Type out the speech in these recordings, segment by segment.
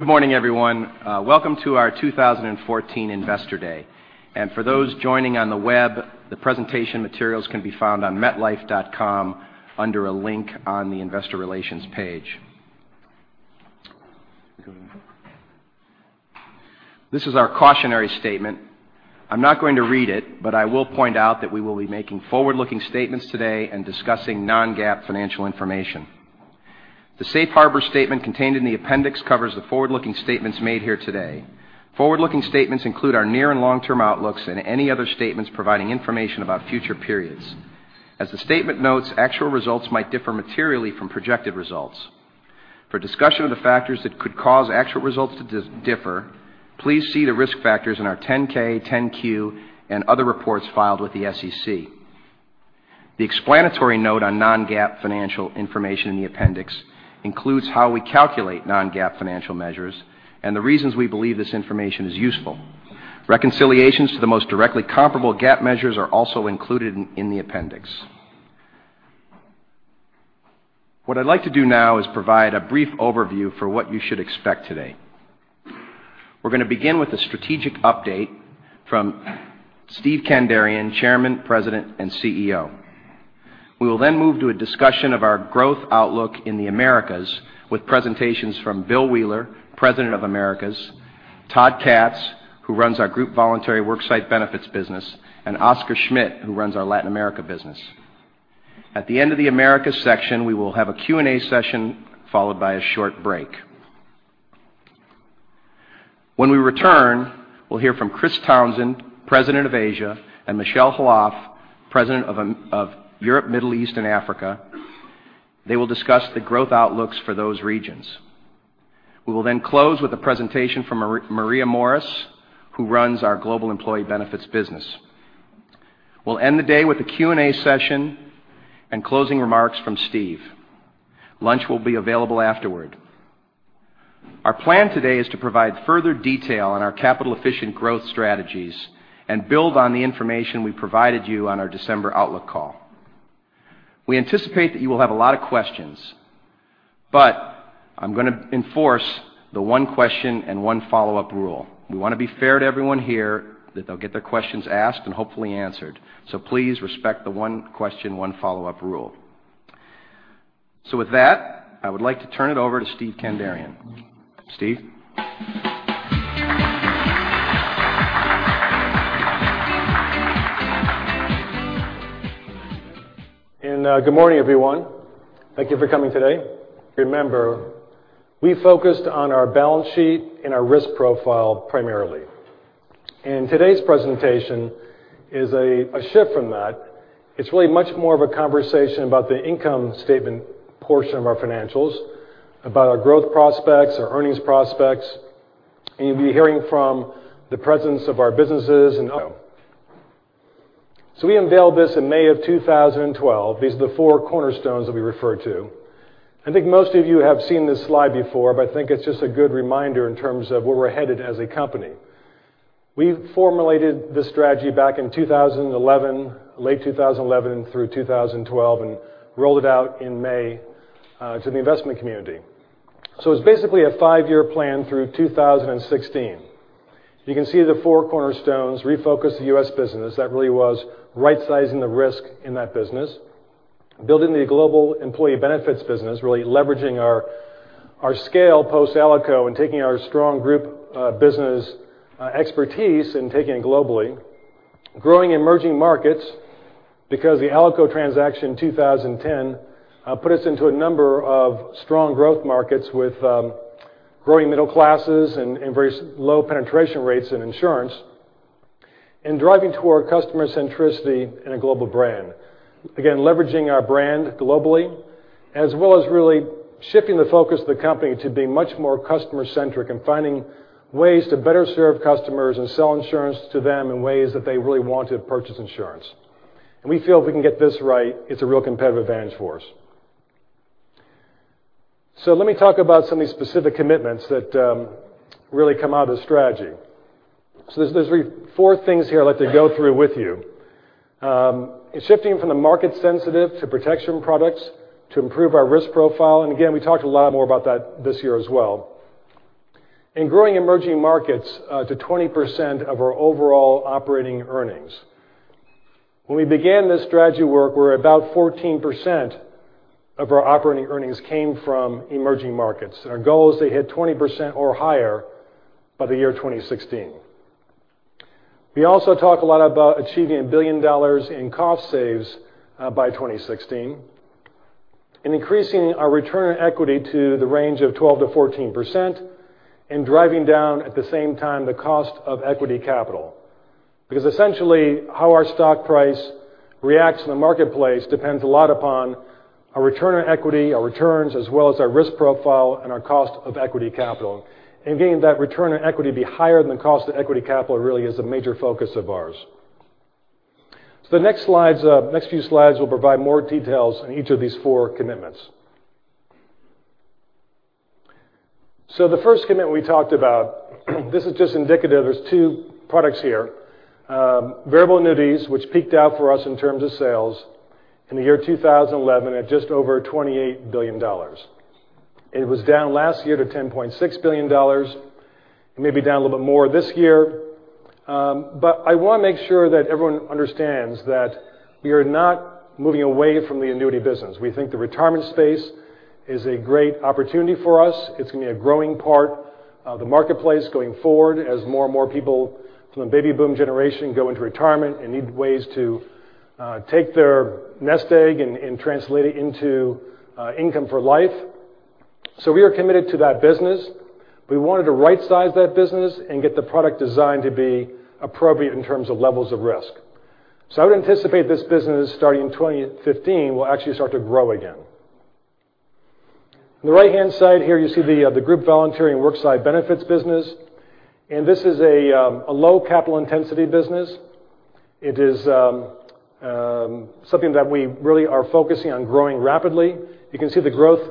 Good morning, everyone. Welcome to our 2014 Investor Day. For those joining on the web, the presentation materials can be found on metlife.com under a link on the investor relations page. This is our cautionary statement. I am not going to read it, but I will point out that we will be making forward-looking statements today and discussing non-GAAP financial information. The safe harbor statement contained in the appendix covers the forward-looking statements made here today. Forward-looking statements include our near and long-term outlooks and any other statements providing information about future periods. As the statement notes, actual results might differ materially from projected results. For discussion of the factors that could cause actual results to differ, please see the risk factors in our 10-K, 10-Q, and other reports filed with the SEC. The explanatory note on non-GAAP financial information in the appendix includes how we calculate non-GAAP financial measures and the reasons we believe this information is useful. Reconciliations to the most directly comparable GAAP measures are also included in the appendix. What I would like to do now is provide a brief overview for what you should expect today. We are going to begin with a strategic update from Steve Kandarian, Chairman, President, and CEO. We will move to a discussion of our growth outlook in the Americas with presentations from Bill Wheeler, President of the Americas, Todd Katz, who runs our Group, Voluntary & Worksite Benefits business, and Oscar Schmidt, who runs our Latin America business. At the end of the Americas section, we will have a Q&A session followed by a short break. When we return, we will hear from Chris Townsend, President of Asia, and Michel Khalaf, President of EMEA. They will discuss the growth outlooks for those regions. We will close with a presentation from Maria Morris, who runs our Global Employee Benefits business. We will end the day with a Q&A session and closing remarks from Steve. Lunch will be available afterward. Our plan today is to provide further detail on our capital-efficient growth strategies and build on the information we provided you on our December outlook call. We anticipate that you will have a lot of questions, but I am going to enforce the one question and one follow-up rule. We want to be fair to everyone here that they will get their questions asked and hopefully answered. Please respect the one question, one follow-up rule. With that, I would like to turn it over to Steve Kandarian. Steve? Good morning, everyone. Thank you for coming today. Remember, we focused on our balance sheet and our risk profile primarily. Today's presentation is a shift from that. It's really much more of a conversation about the income statement portion of our financials, about our growth prospects, our earnings prospects. You'll be hearing from the presence of our businesses in. We unveiled this in May of 2012. These are the four cornerstones that we refer to. I think most of you have seen this slide before, but I think it's just a good reminder in terms of where we're headed as a company. We formulated this strategy back in 2011, late 2011 through 2012, and rolled it out in May to the investment community. It's basically a five-year plan through 2016. You can see the four cornerstones, refocus the U.S. business. That really was right-sizing the risk in that business. Building the Global Employee Benefits business, really leveraging our scale post-Alico and taking our strong group business expertise and taking it globally. Growing emerging markets, because the Alico transaction 2010 put us into a number of strong growth markets with growing middle classes and very low penetration rates in insurance. Driving toward customer centricity in a global brand. Again, leveraging our brand globally, as well as really shifting the focus of the company to be much more customer centric and finding ways to better serve customers and sell insurance to them in ways that they really want to purchase insurance. We feel if we can get this right, it's a real competitive advantage for us. Let me talk about some of these specific commitments that really come out of the strategy. There's four things here I'd like to go through with you. Shifting from the market sensitive to protection products to improve our risk profile. Again, we talked a lot more about that this year as well. Growing emerging markets to 20% of our overall operating earnings. When we began this strategy work, about 14% of our operating earnings came from emerging markets. Our goal is to hit 20% or higher by the year 2016. We also talk a lot about achieving $1 billion in cost saves by 2016, and increasing our return on equity to the range of 12%-14%, and driving down at the same time the cost of equity capital. Because essentially, how our stock price reacts in the marketplace depends a lot upon our return on equity, our returns, as well as our risk profile and our cost of equity capital. Getting that return on equity to be higher than the cost of equity capital really is a major focus of ours. The next few slides will provide more details on each of these four commitments. The first commitment we talked about, this is just indicative. There's two products here. Variable annuities, which peaked out for us in terms of sales. In the year 2011 at just over $28 billion. It was down last year to $10.6 billion, maybe down a little bit more this year. I want to make sure that everyone understands that we are not moving away from the annuity business. We think the retirement space is a great opportunity for us. It's going to be a growing part of the marketplace going forward as more and more people from the baby boom generation go into retirement and need ways to take their nest egg and translate it into income for life. We are committed to that business. We wanted to right-size that business and get the product design to be appropriate in terms of levels of risk. I would anticipate this business starting in 2015 will actually start to grow again. On the right-hand side here, you see the Group, Voluntary & Worksite Benefits business. This is a low capital intensity business. It is something that we really are focusing on growing rapidly. You can see the growth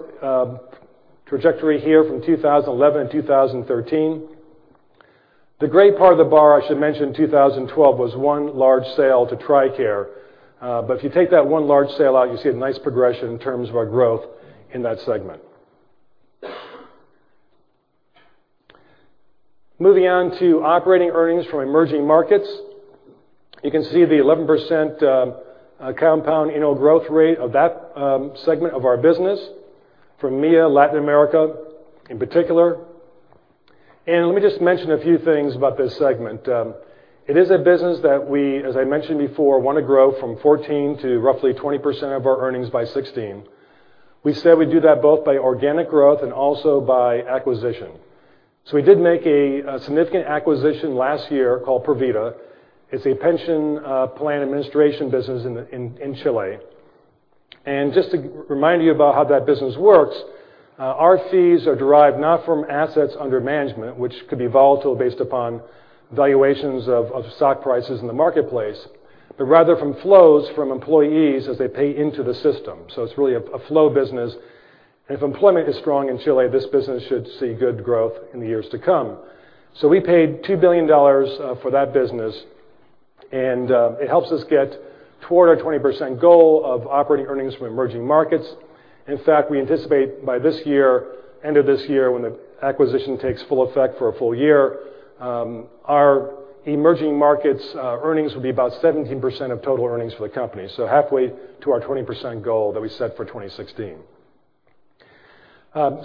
trajectory here from 2011 to 2013. The gray part of the bar, I should mention, in 2012 was one large sale to TRICARE. If you take that one large sale out, you see a nice progression in terms of our growth in that segment. Moving on to operating earnings from emerging markets. You can see the 11% compound annual growth rate of that segment of our business from EMEA, Latin America in particular. Let me just mention a few things about this segment. It is a business that we, as I mentioned before, want to grow from 14% to roughly 20% of our earnings by 2016. We said we'd do that both by organic growth and also by acquisition. We did make a significant acquisition last year called Provida. It's a pension plan administration business in Chile. Just to remind you about how that business works, our fees are derived not from assets under management, which could be volatile based upon valuations of stock prices in the marketplace, but rather from flows from employees as they pay into the system. It's really a flow business. If employment is strong in Chile, this business should see good growth in the years to come. We paid $2 billion for that business, and it helps us get toward our 20% goal of operating earnings from emerging markets. In fact, we anticipate by this year, end of this year, when the acquisition takes full effect for a full year, our emerging markets earnings will be about 17% of total earnings for the company. Halfway to our 20% goal that we set for 2016.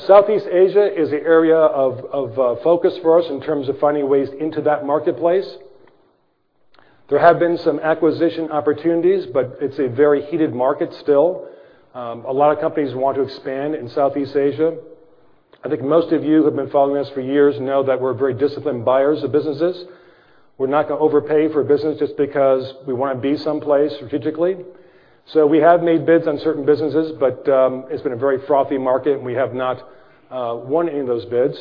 Southeast Asia is the area of focus for us in terms of finding ways into that marketplace. There have been some acquisition opportunities, but it's a very heated market still. A lot of companies want to expand in Southeast Asia. I think most of you who have been following us for years know that we're very disciplined buyers of businesses. We're not going to overpay for a business just because we want to be someplace strategically. We have made bids on certain businesses, but it's been a very frothy market, and we have not won any of those bids.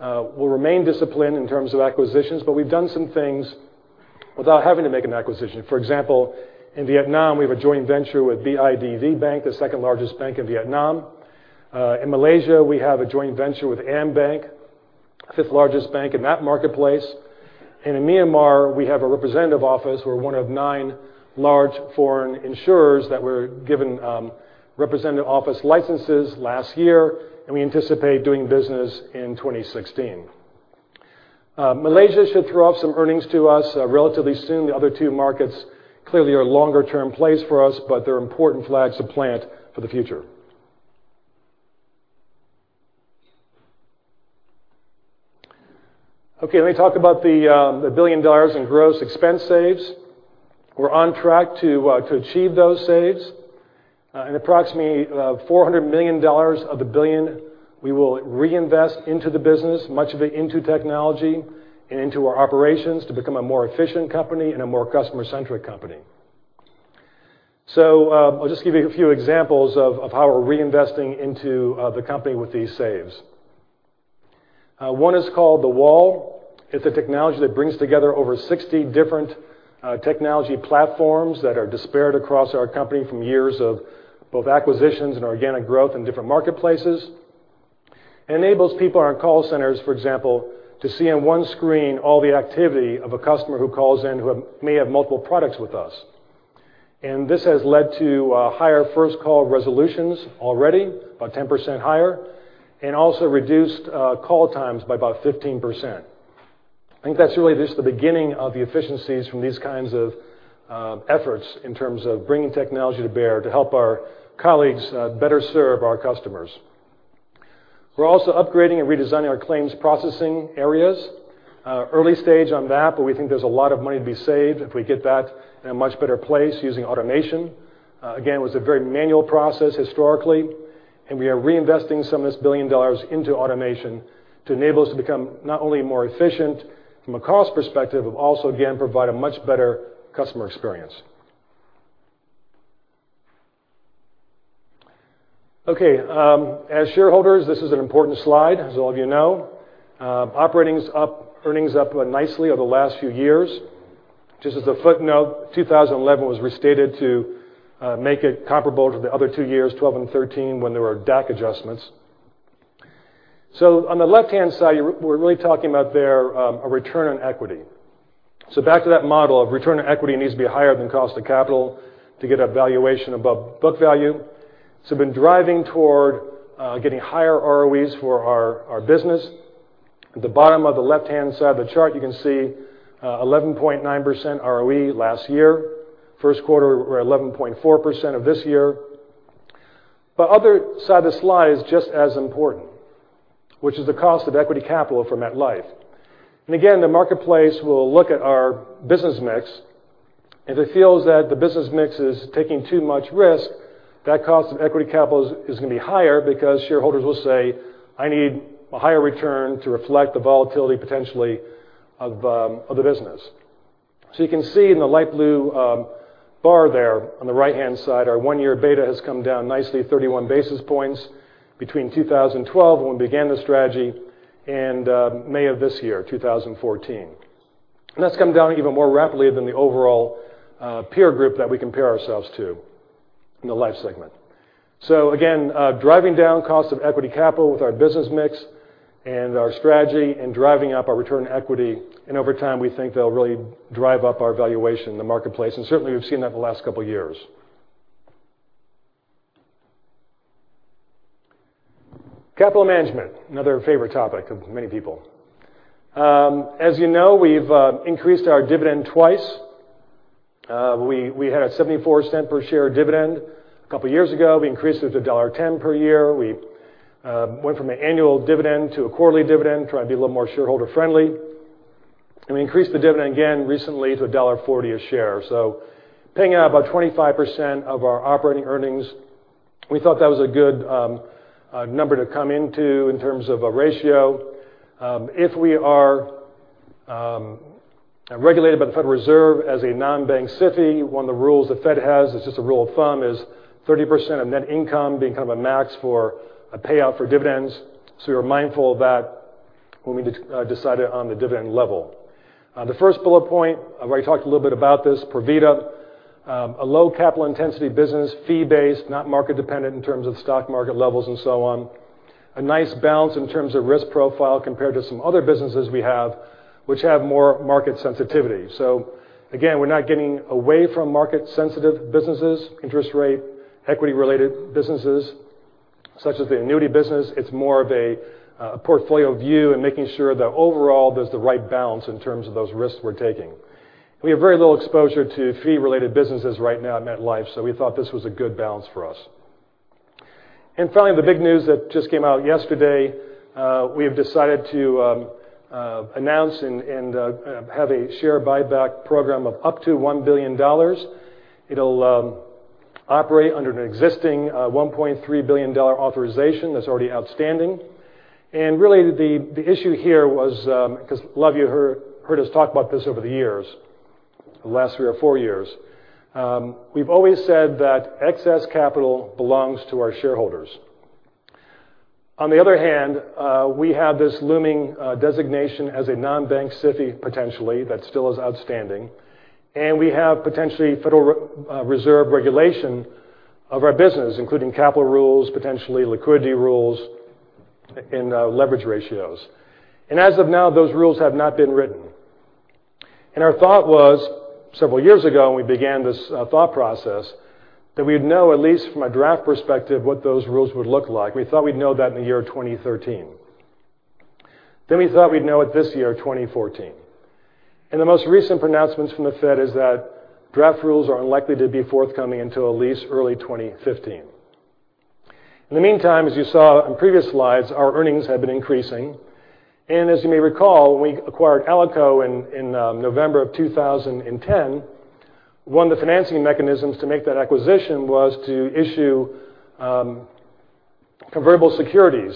We'll remain disciplined in terms of acquisitions, but we've done some things without having to make an acquisition. For example, in Vietnam, we have a joint venture with BIDV Bank, the second largest bank in Vietnam. In Malaysia, we have a joint venture with AmBank, fifth largest bank in that marketplace. In Myanmar, we have a representative office. We're one of nine large foreign insurers that were given representative office licenses last year, and we anticipate doing business in 2016. Malaysia should throw off some earnings to us relatively soon. The other two markets clearly are longer-term plays for us, but they're important flags to plant for the future. Let me talk about the $1 billion in gross expense saves. We're on track to achieve those saves. Approximately $400 million of the billion we will reinvest into the business, much of it into technology and into our operations to become a more efficient company and a more customer-centric company. I'll just give you a few examples of how we're reinvesting into the company with these saves. One is called The Wall. It's a technology that brings together over 60 different technology platforms that are disparate across our company from years of both acquisitions and organic growth in different marketplaces. Enables people in our call centers, for example, to see on one screen all the activity of a customer who calls in who may have multiple products with us. This has led to higher first call resolutions already, about 10% higher, and also reduced call times by about 15%. I think that's really just the beginning of the efficiencies from these kinds of efforts in terms of bringing technology to bear to help our colleagues better serve our customers. We're also upgrading and redesigning our claims processing areas. Early stage on that, but we think there's a lot of money to be saved if we get that in a much better place using automation. Again, it was a very manual process historically. We are reinvesting some of this billion dollars into automation to enable us to become not only more efficient from a cost perspective, but also again, provide a much better customer experience. As shareholders, this is an important slide, as all of you know. Operating earnings up nicely over the last few years. Just as a footnote, 2011 was restated to make it comparable to the other two years, 2012 and 2013, when there were DAC adjustments. On the left-hand side, we're really talking about their return on equity. Back to that model of return on equity needs to be higher than cost of capital to get a valuation above book value. We've been driving toward getting higher ROEs for our business. At the bottom of the left-hand side of the chart, you can see 11.9% ROE last year. First quarter, we're 11.4% of this year. The other side of the slide is just as important, which is the cost of equity capital for MetLife. Again, the marketplace will look at our business mix, and if it feels that the business mix is taking too much risk, that cost of equity capital is going to be higher because shareholders will say, "I need a higher return to reflect the volatility potentially of the business." You can see in the light blue bar there on the right-hand side, our one-year beta has come down nicely 31 basis points between 2012, when we began the strategy, and May of this year, 2014. That's come down even more rapidly than the overall peer group that we compare ourselves to in the life segment. Again, driving down cost of equity capital with our business mix and our strategy and driving up our return on equity. Over time, we think they'll really drive up our valuation in the marketplace. Certainly, we've seen that the last couple of years. Capital management, another favorite topic of many people. As you know, we've increased our dividend twice. We had a $0.74 per share dividend a couple of years ago. We increased it to $1.10 per year. We went from an annual dividend to a quarterly dividend, trying to be a little more shareholder-friendly. We increased the dividend again recently to $1.40 a share. Paying out about 25% of our operating earnings, we thought that was a good number to come into in terms of a ratio. If we are regulated by the Federal Reserve as a non-bank SIFI, one of the rules the Fed has, it's just a rule of thumb, is 30% of net income being kind of a max for a payout for dividends. We were mindful of that when we decided on the dividend level. The first bullet point, I've already talked a little bit about this, Provida. A low capital intensity business, fee-based, not market dependent in terms of stock market levels and so on. A nice balance in terms of risk profile compared to some other businesses we have which have more market sensitivity. Again, we're not getting away from market-sensitive businesses, interest rate, equity-related businesses such as the annuity business. It's more of a portfolio view and making sure that overall there's the right balance in terms of those risks we're taking. We have very little exposure to fee-related businesses right now at MetLife, so we thought this was a good balance for us. Finally, the big news that just came out yesterday, we have decided to announce and have a share buyback program of up to $1 billion. It'll operate under an existing $1.3 billion authorization that's already outstanding. Really, the issue here was, because a lot of you heard us talk about this over the years, the last three or four years, we've always said that excess capital belongs to our shareholders. On the other hand, we have this looming designation as a non-bank SIFI, potentially, that still is outstanding. We have potentially Federal Reserve regulation of our business, including capital rules, potentially liquidity rules and leverage ratios. As of now, those rules have not been written. Our thought was, several years ago when we began this thought process, that we'd know at least from a draft perspective what those rules would look like. We thought we'd know that in the year 2013. Then we thought we'd know it this year, 2014. The most recent pronouncements from the Fed is that draft rules are unlikely to be forthcoming until at least early 2015. In the meantime, as you saw on previous slides, our earnings have been increasing. As you may recall, when we acquired Alico in November of 2010, one of the financing mechanisms to make that acquisition was to issue convertible securities,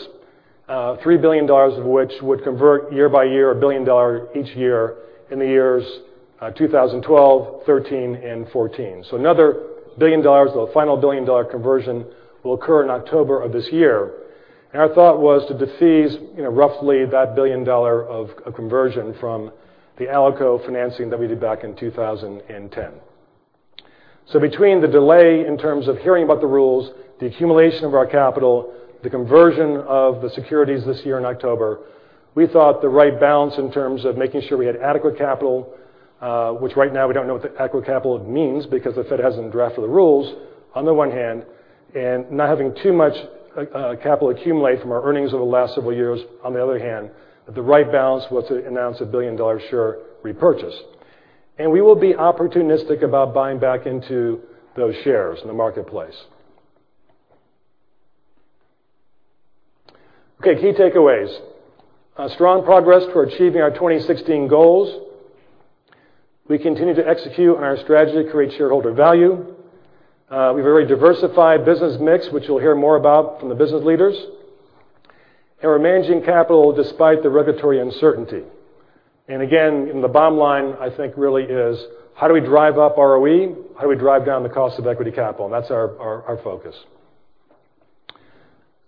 $3 billion of which would convert year by year, $1 billion each year in the years 2012, 2013, and 2014. Another billion dollars, the final billion-dollar conversion, will occur in October of this year. Our thought was to defease roughly that billion-dollar of conversion from the Alico financing that we did back in 2010. Between the delay in terms of hearing about the rules, the accumulation of our capital, the conversion of the securities this year in October, we thought the right balance in terms of making sure we had adequate capital, which right now we don't know what adequate capital means because the Fed hasn't drafted the rules on the one hand, and not having too much capital accumulate from our earnings over the last several years on the other hand, the right balance was to announce a billion-dollar share repurchase. We will be opportunistic about buying back into those shares in the marketplace. Okay, key takeaways. Strong progress toward achieving our 2016 goals. We continue to execute on our strategy to create shareholder value. We have a very diversified business mix, which we'll hear more about from the business leaders, and we're managing capital despite the regulatory uncertainty. Again, the bottom line I think really is how do we drive up ROE? How do we drive down the cost of equity capital? That's our focus.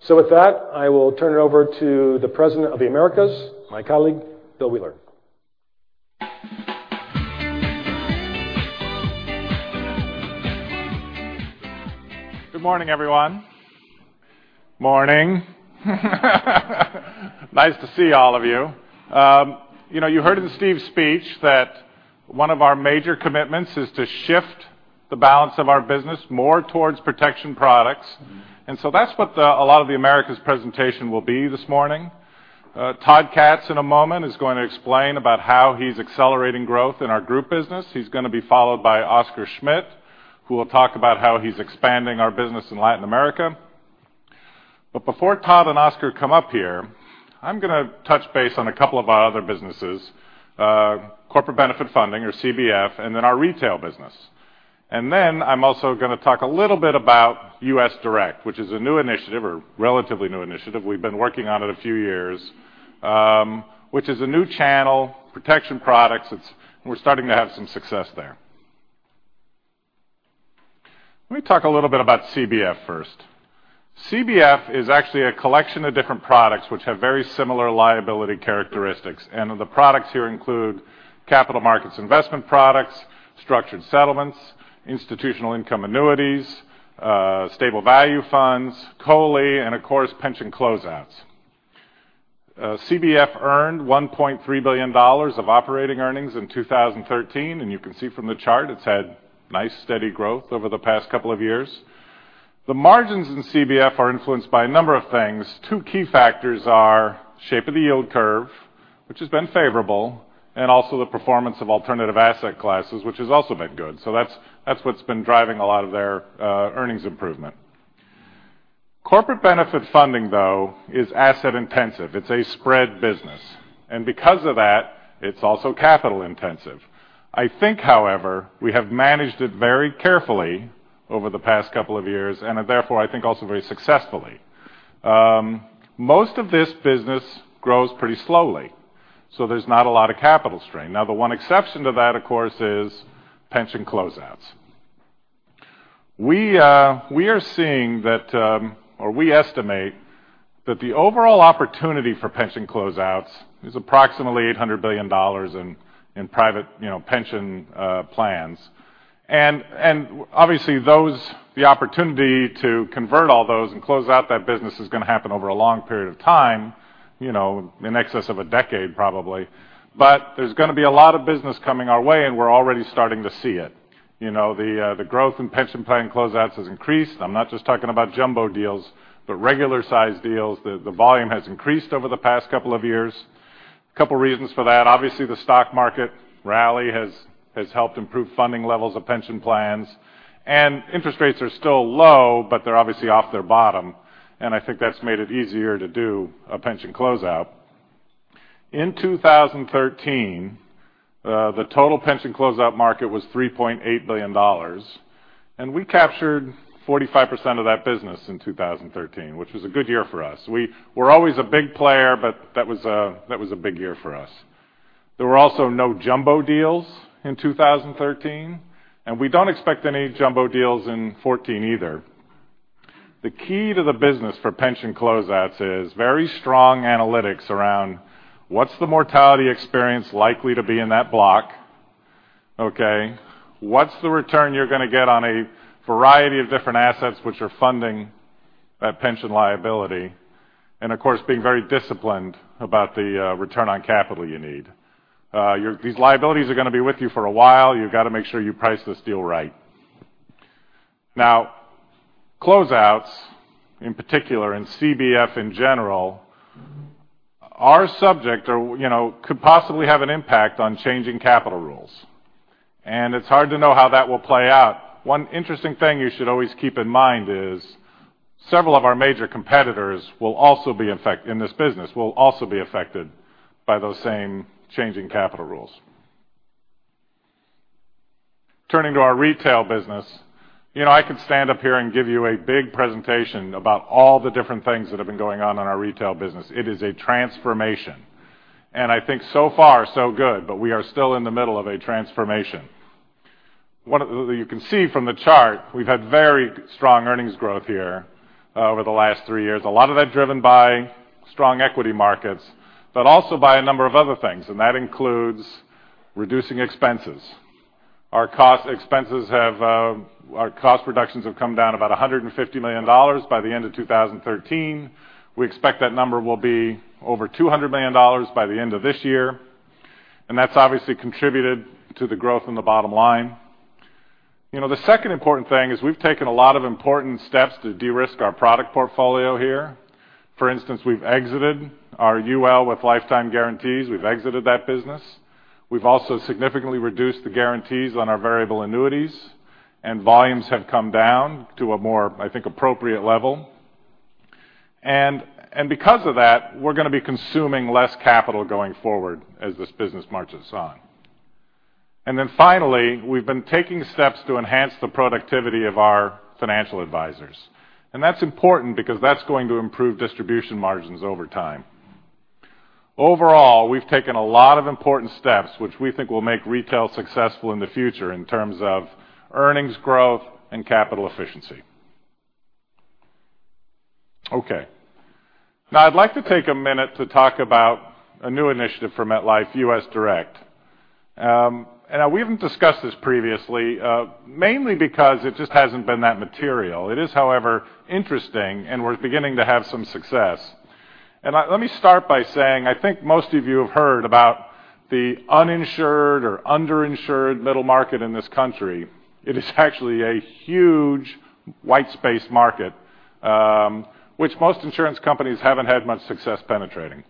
With that, I will turn it over to the President of the Americas, my colleague, Bill Wheeler. Good morning, everyone. Morning. Nice to see all of you. You heard in Steve's speech that one of our major commitments is to shift the balance of our business more towards protection products. That's what a lot of the Americas presentation will be this morning. Todd Katz, in a moment, is going to explain about how he's accelerating growth in our group business. He's going to be followed by Oscar Schmidt, who will talk about how he's expanding our business in Latin America. Before Todd and Oscar come up here, I'm going to touch base on a couple of our other businesses, Corporate Benefit Funding, or CBF, then our retail business. Then I'm also going to talk a little bit about U.S. Direct, which is a new initiative or relatively new initiative, we've been working on it a few years, which is a new channel, protection products. We're starting to have some success there. Let me talk a little bit about CBF first. CBF is actually a collection of different products which have very similar liability characteristics. The products here include capital markets investment products, structured settlements, institutional income annuities, stable value funds, COLI, and of course, pension closeouts. CBF earned $1.3 billion of operating earnings in 2013, and you can see from the chart it's had nice, steady growth over the past couple of years. The margins in CBF are influenced by a number of things. Two key factors are shape of the yield curve, which has been favorable, and also the performance of alternative asset classes, which has also been good. That's what's been driving a lot of their earnings improvement. Corporate Benefit Funding, though, is asset intensive. It's a spread business. Because of that, it's also capital intensive. I think, however, we have managed it very carefully over the past couple of years, and therefore, I think also very successfully. Most of this business grows pretty slowly, so there's not a lot of capital strain. The one exception to that, of course, is pension closeouts. We estimate that the overall opportunity for pension closeouts is approximately $800 billion in private pension plans. Obviously, the opportunity to convert all those and close out that business is going to happen over a long period of time, in excess of a decade probably. There's going to be a lot of business coming our way, and we're already starting to see it. The growth in pension plan closeouts has increased. I'm not just talking about jumbo deals, but regular size deals. The volume has increased over the past couple of years. Couple reasons for that. Obviously, the stock market rally has helped improve funding levels of pension plans, and interest rates are still low, but they're obviously off their bottom, and I think that's made it easier to do a pension closeout. In 2013, the total pension closeout market was $3.8 billion, and we captured 45% of that business in 2013, which was a good year for us. We're always a big player, but that was a big year for us. There were also no jumbo deals in 2013, and we don't expect any jumbo deals in 2014 either. The key to the business for pension closeouts is very strong analytics around what's the mortality experience likely to be in that block, okay? What's the return you're going to get on a variety of different assets which are funding that pension liability, and of course, being very disciplined about the return on capital you need. These liabilities are going to be with you for a while. You've got to make sure you price this deal right. Closeouts, in particular, and CBF in general, could possibly have an impact on changing capital rules. It's hard to know how that will play out. One interesting thing you should always keep in mind is several of our major competitors in this business will also be affected by those same changing capital rules. Turning to our retail business. I could stand up here and give you a big presentation about all the different things that have been going on in our retail business. It is a transformation. I think so far so good, but we are still in the middle of a transformation. You can see from the chart we've had very strong earnings growth here over the last three years. A lot of that driven by strong equity markets, but also by a number of other things, and that includes reducing expenses. Our cost reductions have come down about $150 million by the end of 2013. We expect that number will be over $200 million by the end of this year, and that's obviously contributed to the growth in the bottom line. The second important thing is we've taken a lot of important steps to de-risk our product portfolio here. For instance, we've exited our UL with lifetime guarantees. We've exited that business. We've also significantly reduced the guarantees on our variable annuities, and volumes have come down to a more, I think, appropriate level. Because of that, we're going to be consuming less capital going forward as this business marches on. Finally, we've been taking steps to enhance the productivity of our financial advisors. That's important because that's going to improve distribution margins over time. Overall, we've taken a lot of important steps, which we think will make retail successful in the future in terms of earnings growth and capital efficiency. Okay. Now I'd like to take a minute to talk about a new initiative for MetLife, U.S. Direct. We haven't discussed this previously, mainly because it just hasn't been that material. It is, however, interesting, and we're beginning to have some success. Let me start by saying, I think most of you have heard about the uninsured or underinsured middle market in this country. It is actually a huge white space market, which most insurance companies haven't had much success penetrating.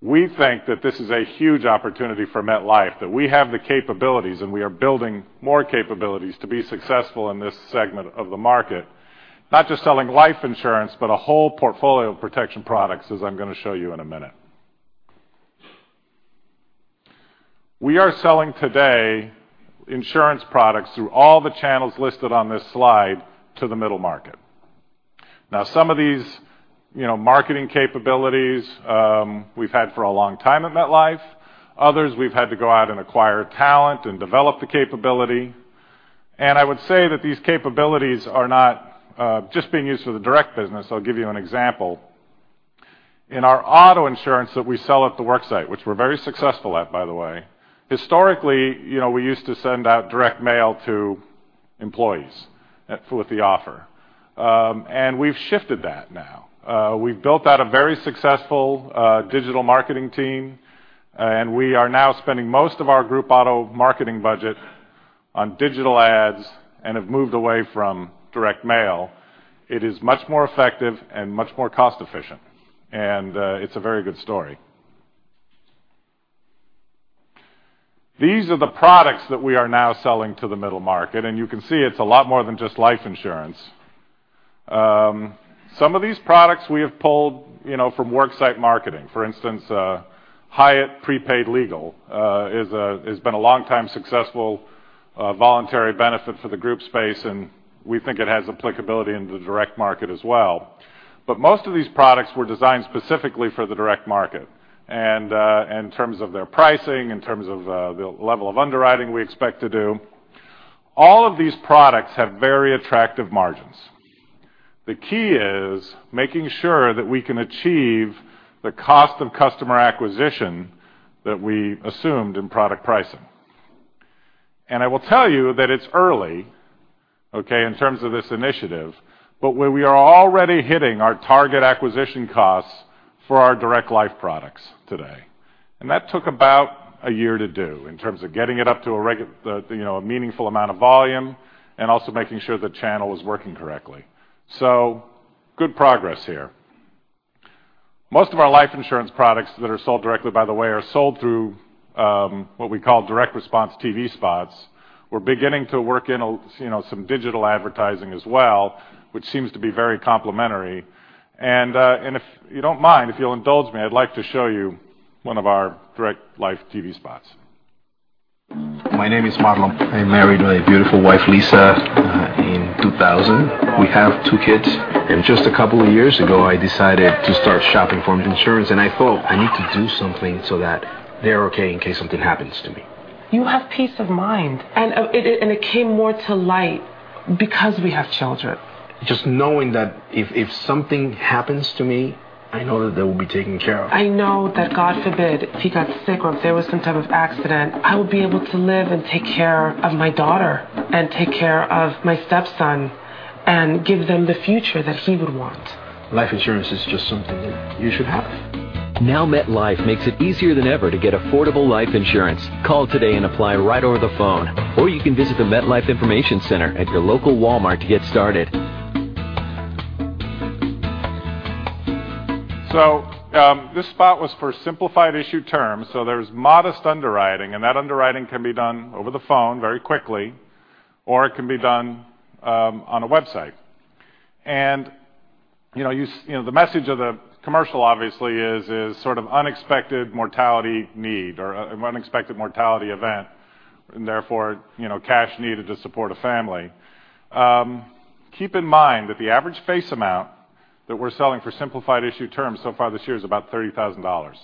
We think that this is a huge opportunity for MetLife, that we have the capabilities, and we are building more capabilities to be successful in this segment of the market. Not just selling life insurance, but a whole portfolio of protection products, as I'm going to show you in a minute. We are selling today insurance products through all the channels listed on this slide to the middle market. Now some of these marketing capabilities we've had for a long time at MetLife, others we've had to go out and acquire talent and develop the capability. I would say that these capabilities are not just being used for the direct business. I'll give you an example. In our auto insurance that we sell at the work site, which we're very successful at, by the way, historically, we used to send out direct mail to employees with the offer. We've shifted that now. We've built out a very successful digital marketing team, and we are now spending most of our group auto marketing budget on digital ads and have moved away from direct mail. It is much more effective and much more cost-efficient. It's a very good story. These are the products that we are now selling to the middle market, and you can see it's a lot more than just life insurance. Some of these products we have pulled from work site marketing. For instance, Hyatt Legal Plans has been a long-time successful voluntary benefit for the group space, we think it has applicability in the direct market as well. Most of these products were designed specifically for the direct market, in terms of their pricing, in terms of the level of underwriting we expect to do. All of these products have very attractive margins. The key is making sure that we can achieve the cost of customer acquisition that we assumed in product pricing. I will tell you that it's early, okay, in terms of this initiative, but we are already hitting our target acquisition costs for our direct life products today. That took about one year to do in terms of getting it up to a meaningful amount of volume and also making sure the channel is working correctly. Good progress here. Most of our life insurance products that are sold directly, by the way, are sold through what we call direct response TV spots. We're beginning to work in some digital advertising as well, which seems to be very complementary. If you don't mind, if you'll indulge me, I'd like to show you one of our direct life TV spots. My name is Marlon. I married my beautiful wife, Lisa, in 2000. We have two kids. Just a couple of years ago, I decided to start shopping for insurance, and I thought, I need to do something so that they're okay in case something happens to me. You have peace of mind. It came more to light because we have children. Just knowing that if something happens to me, I know that they will be taken care of. I know that God forbid, if he got sick or if there was some type of accident, I would be able to live and take care of my daughter and take care of my stepson and give them the future that he would want. Life insurance is just something that you should have. MetLife makes it easier than ever to get affordable life insurance. Call today and apply right over the phone. You can visit the MetLife Information Center at your local Walmart to get started. This spot was for simplified issue terms. There's modest underwriting, and that underwriting can be done over the phone very quickly, or it can be done on a website. The message of the commercial obviously is sort of unexpected mortality need or unexpected mortality event and therefore, cash needed to support a family. Keep in mind that the average face amount that we're selling for simplified issue terms so far this year is about $30,000.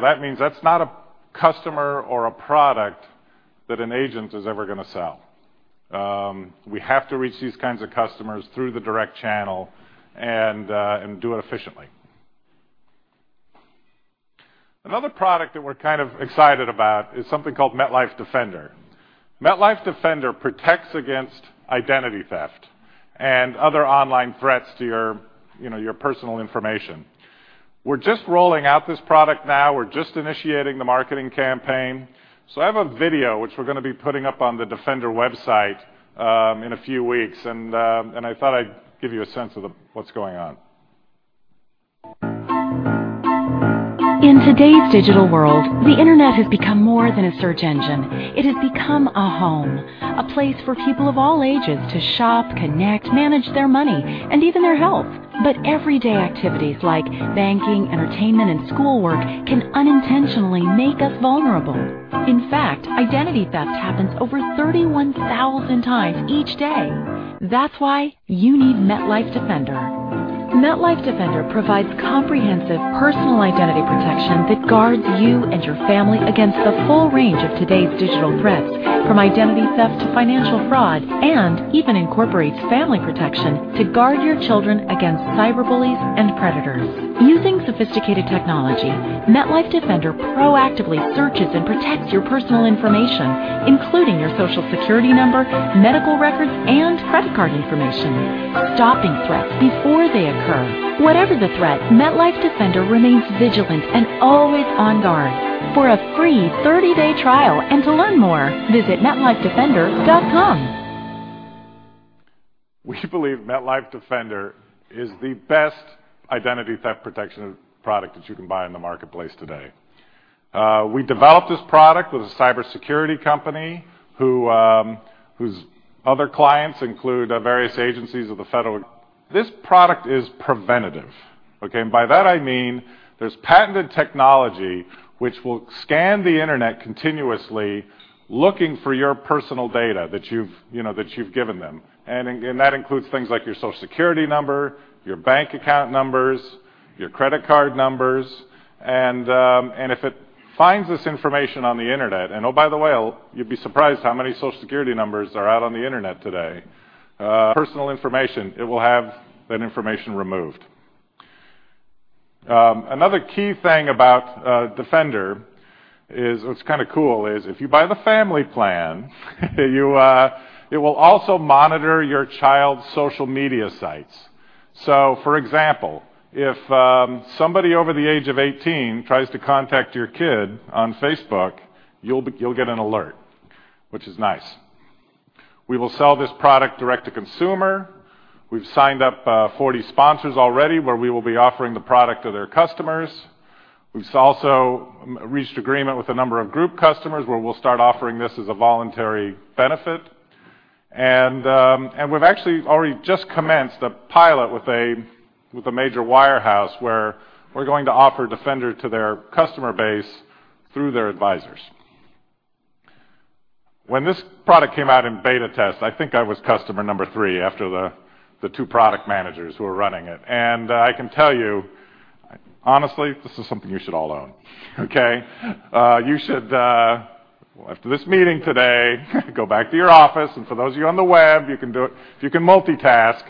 That means that's not a customer or a product that an agent is ever going to sell. We have to reach these kinds of customers through the direct channel and do it efficiently. Another product that we're kind of excited about is something called MetLife Defender. MetLife Defender protects against identity theft and other online threats to your personal information. We're just rolling out this product now. We're just initiating the marketing campaign. I have a video which we're going to be putting up on the Defender website in a few weeks, and I thought I'd give you a sense of what's going on. In today's digital world, the internet has become more than a search engine. It has become a home, a place for people of all ages to shop, connect, manage their money, and even their health. Everyday activities like banking, entertainment, and schoolwork can unintentionally make us vulnerable. In fact, identity theft happens over 31,000 times each day. That's why you need MetLife Defender. MetLife Defender provides comprehensive personal identity protection that guards you and your family against the full range of today's digital threats, from identity theft to financial fraud, and even incorporates family protection to guard your children against cyberbullies and predators. Using sophisticated technology, MetLife Defender proactively searches and protects your personal information, including your Social Security number, medical records, and credit card information, stopping threats before they occur. Whatever the threat, MetLife Defender remains vigilant and always on guard. For a free 30-day trial and to learn more, visit metlifedefender.com. We believe MetLife Defender is the best identity theft protection product that you can buy in the marketplace today. We developed this product with a cybersecurity company whose other clients include various agencies of the federal. This product is preventative, okay? By that I mean there's patented technology which will scan the internet continuously, looking for your personal data that you've given them. Again, that includes things like your Social Security number, your bank account numbers, your credit card numbers. If it finds this information on the internet, and oh, by the way, you'd be surprised how many Social Security numbers are out on the internet today, personal information, it will have that information removed. Another key thing about Defender is what's kind of cool is if you buy the family plan, it will also monitor your child's social media sites. For example, if somebody over the age of 18 tries to contact your kid on Facebook, you'll get an alert, which is nice. We will sell this product direct to consumer. We've signed up 40 sponsors already where we will be offering the product to their customers. We've also reached agreement with a number of group customers where we'll start offering this as a voluntary benefit. We've actually already just commenced a pilot with a major wirehouse where we're going to offer Defender to their customer base through their advisors. When this product came out in beta test, I think I was customer number three after the two product managers who were running it. I can tell you, honestly, this is something you should all own, okay? You should, after this meeting today, go back to your office, and for those of you on the web, you can do it if you can multitask.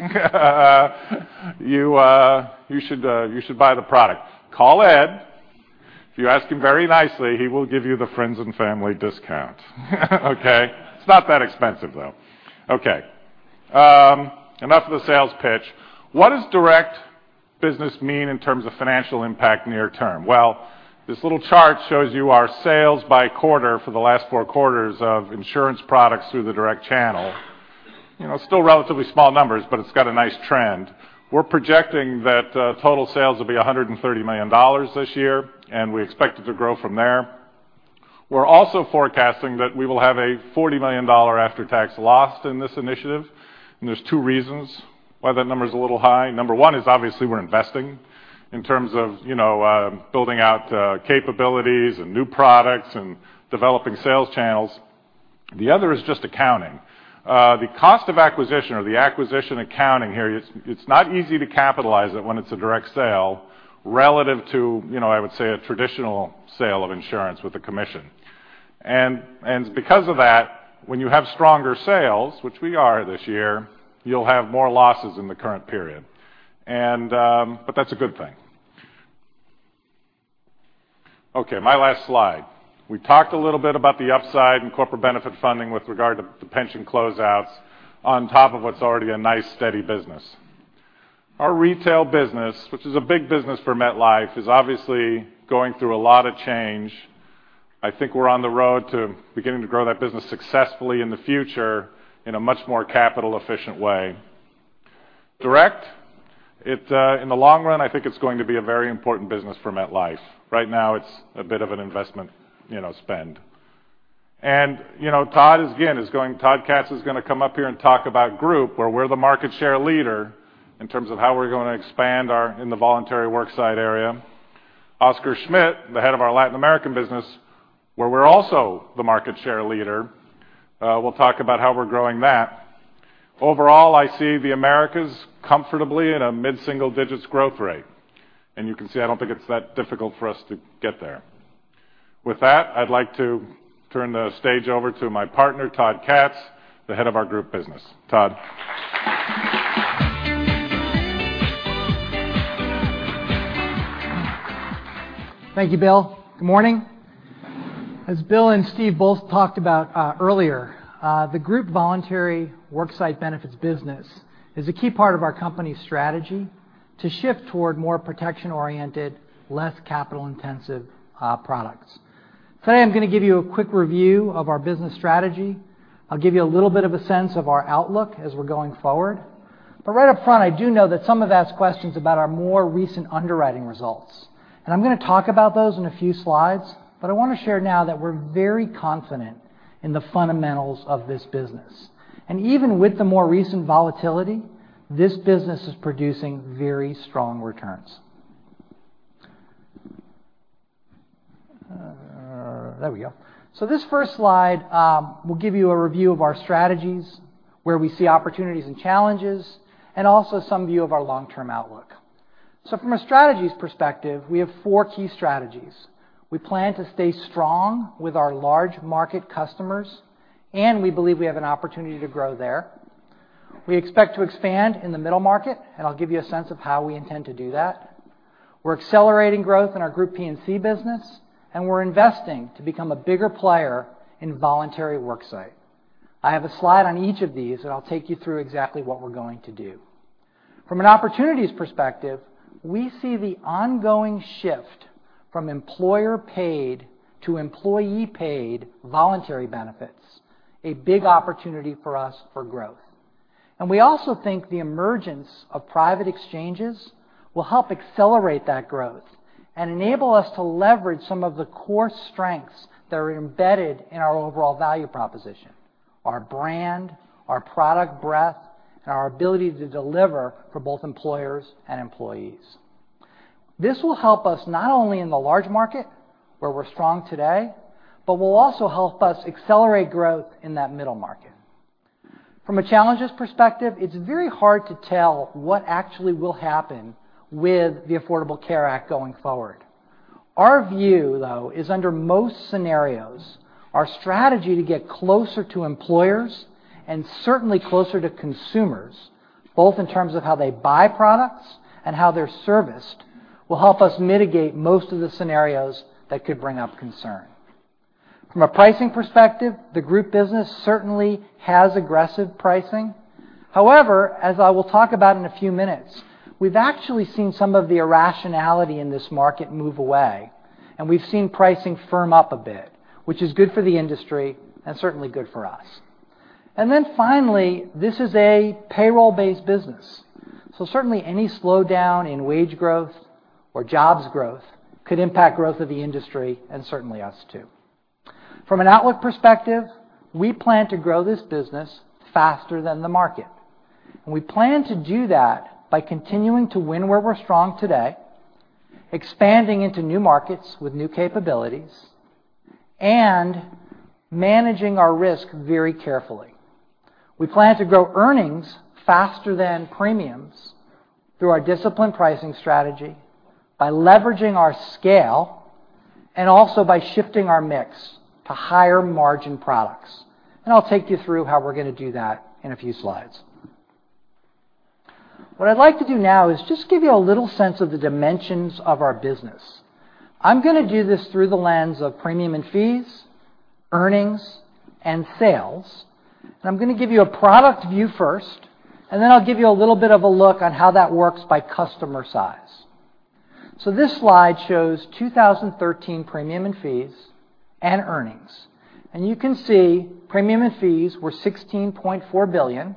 You should buy the product. Call Ed. If you ask him very nicely, he will give you the friends and family discount. Okay? It's not that expensive, though. Okay. Enough of the sales pitch. What does direct business mean in terms of financial impact near term? Well, this little chart shows you our sales by quarter for the last four quarters of insurance products through the direct channel. Still relatively small numbers, but it's got a nice trend. We're projecting that total sales will be $130 million this year, we expect it to grow from there. We're also forecasting that we will have a $40 million after-tax loss in this initiative, there's two reasons why that number is a little high. Number one is obviously we're investing in terms of building out capabilities and new products and developing sales channels. The other is just accounting. The cost of acquisition or the acquisition accounting here, it's not easy to capitalize it when it's a direct sale relative to, I would say, a traditional sale of insurance with a commission. Because of that, when you have stronger sales, which we are this year, you'll have more losses in the current period. That's a good thing. Okay, my last slide. We talked a little bit about the upside in Corporate Benefit Funding with regard to the pension closeouts on top of what's already a nice, steady business. Our retail business, which is a big business for MetLife, is obviously going through a lot of change. I think we're on the road to beginning to grow that business successfully in the future in a much more capital-efficient way. Direct, in the long run, I think it's going to be a very important business for MetLife. Right now, it's a bit of an investment spend. Todd, again, Todd Katz is going to come up here and talk about Group, where we're the market share leader in terms of how we're going to expand in the voluntary worksite area. Oscar Schmidt, the head of our Latin American business, where we're also the market share leader, will talk about how we're growing that. Overall, I see the Americas comfortably in a mid-single-digits growth rate, and you can see I don't think it's that difficult for us to get there. With that, I'd like to turn the stage over to my partner, Todd Katz, the head of our Group business. Todd. Thank you, Bill. Good morning. As Bill and Steve both talked about earlier the Group, Voluntary & Worksite Benefits business is a key part of our company's strategy to shift toward more protection-oriented, less capital-intensive products. Today, I'm going to give you a quick review of our business strategy. I'll give you a little bit of a sense of our outlook as we're going forward. Right up front, I do know that some have asked questions about our more recent underwriting results, and I'm going to talk about those in a few slides. I want to share now that we're very confident in the fundamentals of this business. Even with the more recent volatility, this business is producing very strong returns. There we go. This first slide will give you a review of our strategies, where we see opportunities and challenges, and also some view of our long-term outlook. From a strategies perspective, we have four key strategies. We plan to stay strong with our large market customers, and we believe we have an opportunity to grow there. We expect to expand in the middle market, and I'll give you a sense of how we intend to do that. We're accelerating growth in our Group P&C business, and we're investing to become a bigger player in Voluntary Worksite. I have a slide on each of these, and I'll take you through exactly what we're going to do. From an opportunities perspective, we see the ongoing shift from employer paid to employee paid voluntary benefits, a big opportunity for us for growth. We also think the emergence of private exchanges will help accelerate that growth and enable us to leverage some of the core strengths that are embedded in our overall value proposition, our brand, our product breadth, and our ability to deliver for both employers and employees. This will help us not only in the large market, where we're strong today, but will also help us accelerate growth in that middle market. From a challenges perspective, it's very hard to tell what actually will happen with the Affordable Care Act going forward. Our view, though, is under most scenarios, our strategy to get closer to employers and certainly closer to consumers, both in terms of how they buy products and how they're serviced, will help us mitigate most of the scenarios that could bring up concern. From a pricing perspective, the group business certainly has aggressive pricing. However, as I will talk about in a few minutes, we've actually seen some of the irrationality in this market move away, and we've seen pricing firm up a bit, which is good for the industry and certainly good for us. Finally, this is a payroll-based business. Certainly any slowdown in wage growth or jobs growth could impact growth of the industry and certainly us too. From an outlook perspective, we plan to grow this business faster than the market. We plan to do that by continuing to win where we're strong today, expanding into new markets with new capabilities, and managing our risk very carefully. We plan to grow earnings faster than premiums through our disciplined pricing strategy by leveraging our scale and also by shifting our mix to higher margin products. I'll take you through how we're going to do that in a few slides. What I'd like to do now is just give you a little sense of the dimensions of our business. I'm going to do this through the lens of premium and fees, earnings, and sales. I'm going to give you a product view first, then I'll give you a little bit of a look on how that works by customer size. This slide shows 2013 premium and fees and earnings. You can see premium and fees were $16.4 billion.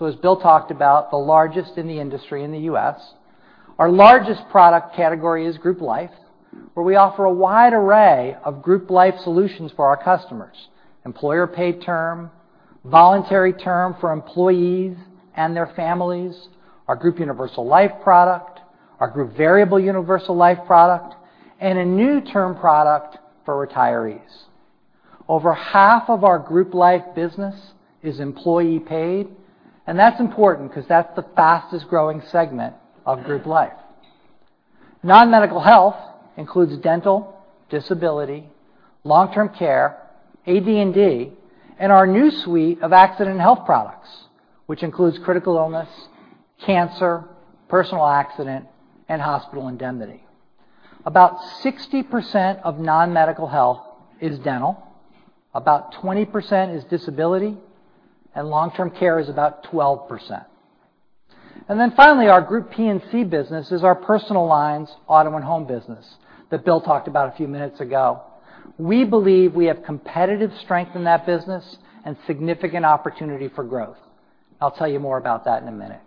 As Bill talked about, the largest in the industry in the U.S. Our largest product category is Group Life, where we offer a wide array of Group Life solutions for our customers, employer paid term, voluntary term for employees and their families, our Group Universal Life product, our Group Variable Universal Life product, and a new term product for retirees. Over half of our Group Life business is employee paid, and that's important because that's the fastest growing segment of Group Life. Non-medical health includes dental, disability, long-term care, AD&D, and our new suite of Accident and Health products, which includes critical illness, cancer, personal accident, and hospital indemnity. About 60% of non-medical health is dental, about 20% is disability, and long-term care is about 12%. Finally, our Group P&C business is our personal lines auto and home business that Bill talked about a few minutes ago. We believe we have competitive strength in that business and significant opportunity for growth. I'll tell you more about that in a minute.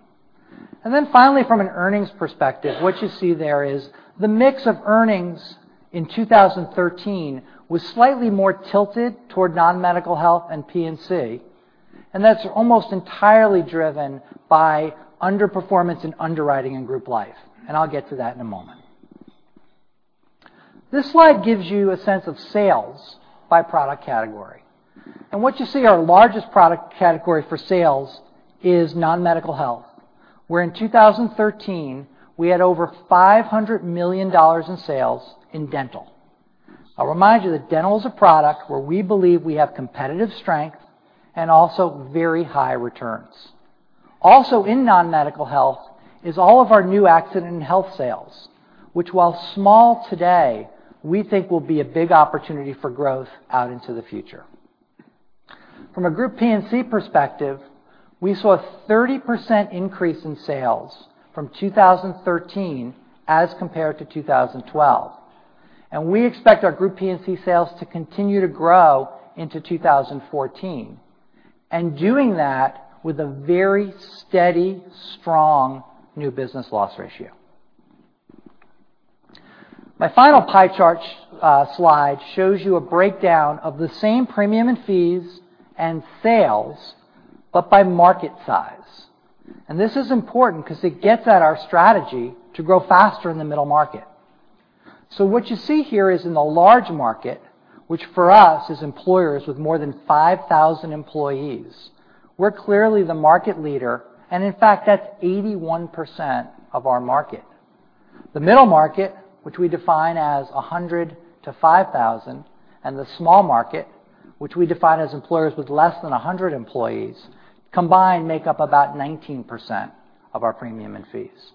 Finally, from an earnings perspective, what you see there is the mix of earnings in 2013 was slightly more tilted toward non-medical health and P&C, that's almost entirely driven by underperformance in underwriting in group life. I'll get to that in a moment. This slide gives you a sense of sales by product category. What you see our largest product category for sales is non-medical health, where in 2013, we had over $500 million in sales in dental. I'll remind you that dental is a product where we believe we have competitive strength and also very high returns. Also in non-medical health is all of our new Accident & Health sales, which while small today, we think will be a big opportunity for growth out into the future. From a group P&C perspective, we saw a 30% increase in sales from 2013 as compared to 2012. We expect our group P&C sales to continue to grow into 2014, doing that with a very steady, strong new business loss ratio. My final pie chart slide shows you a breakdown of the same premium and fees and sales, but by market size. This is important because it gets at our strategy to grow faster in the middle market. What you see here is in the large market, which for us is employers with more than 5,000 employees, we're clearly the market leader, in fact, that's 81% of our market. The middle market, which we define as 100 to 5,000, and the small market, which we define as employers with less than 100 employees, combined make up about 19% of our premium in fees.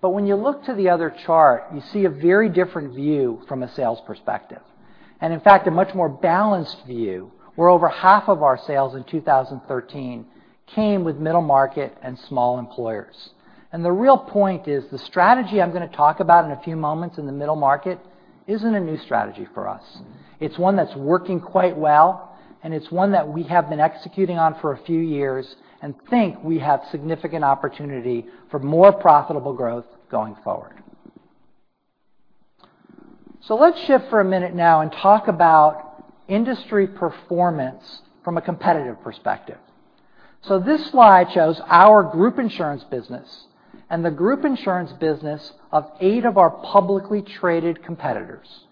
When you look to the other chart, you see a very different view from a sales perspective, in fact, a much more balanced view where over half of our sales in 2013 came with middle market and small employers. The real point is the strategy I'm going to talk about in a few moments in the middle market isn't a new strategy for us. It's one that's working quite well, and it's one that we have been executing on for a few years and think we have significant opportunity for more profitable growth going forward. Let's shift for a minute now and talk about industry performance from a competitive perspective. This slide shows our group insurance business and the group insurance business of eight of our publicly traded competitors.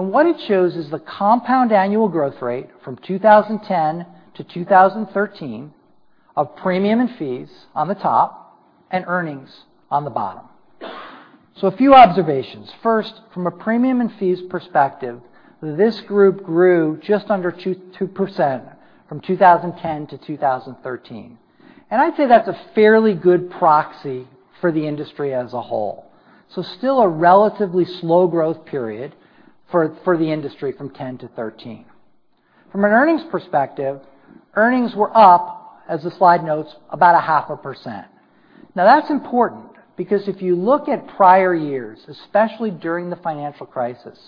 What it shows is the compound annual growth rate from 2010 to 2013 of premium and fees on the top and earnings on the bottom. A few observations. First, from a premium and fees perspective, this group grew just under 2% from 2010 to 2013. I'd say that's a fairly good proxy for the industry as a whole. Still a relatively slow growth period for the industry from 2010 to 2013. From an earnings perspective, earnings were up, as the slide notes, about a half a percent. That's important because if you look at prior years, especially during the financial crisis,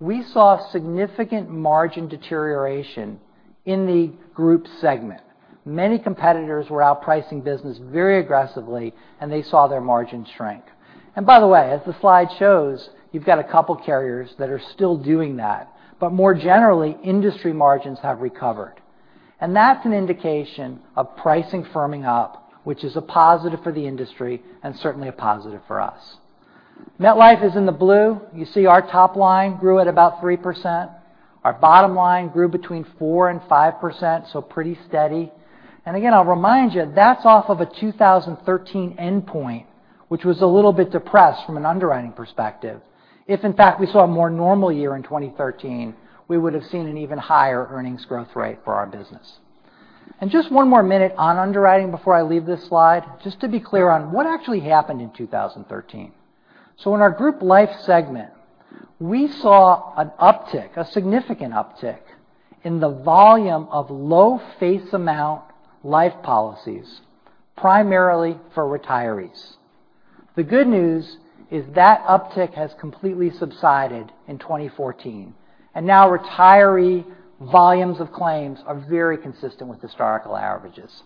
we saw significant margin deterioration in the group segment. Many competitors were out pricing business very aggressively, they saw their margins shrink. By the way, as the slide shows, you've got a couple carriers that are still doing that. More generally, industry margins have recovered. That's an indication of pricing firming up, which is a positive for the industry and certainly a positive for us. MetLife is in the blue. You see our top line grew at about 3%. Our bottom line grew between 4% and 5%, so pretty steady. Again, I'll remind you, that's off of a 2013 endpoint, which was a little bit depressed from an underwriting perspective. If in fact we saw a more normal year in 2013, we would have seen an even higher earnings growth rate for our business. Just one more minute on underwriting before I leave this slide, just to be clear on what actually happened in 2013. In our group life segment, we saw an uptick, a significant uptick in the volume of low face amount life policies, primarily for retirees. The good news is that uptick has completely subsided in 2014, and now retiree volumes of claims are very consistent with historical averages.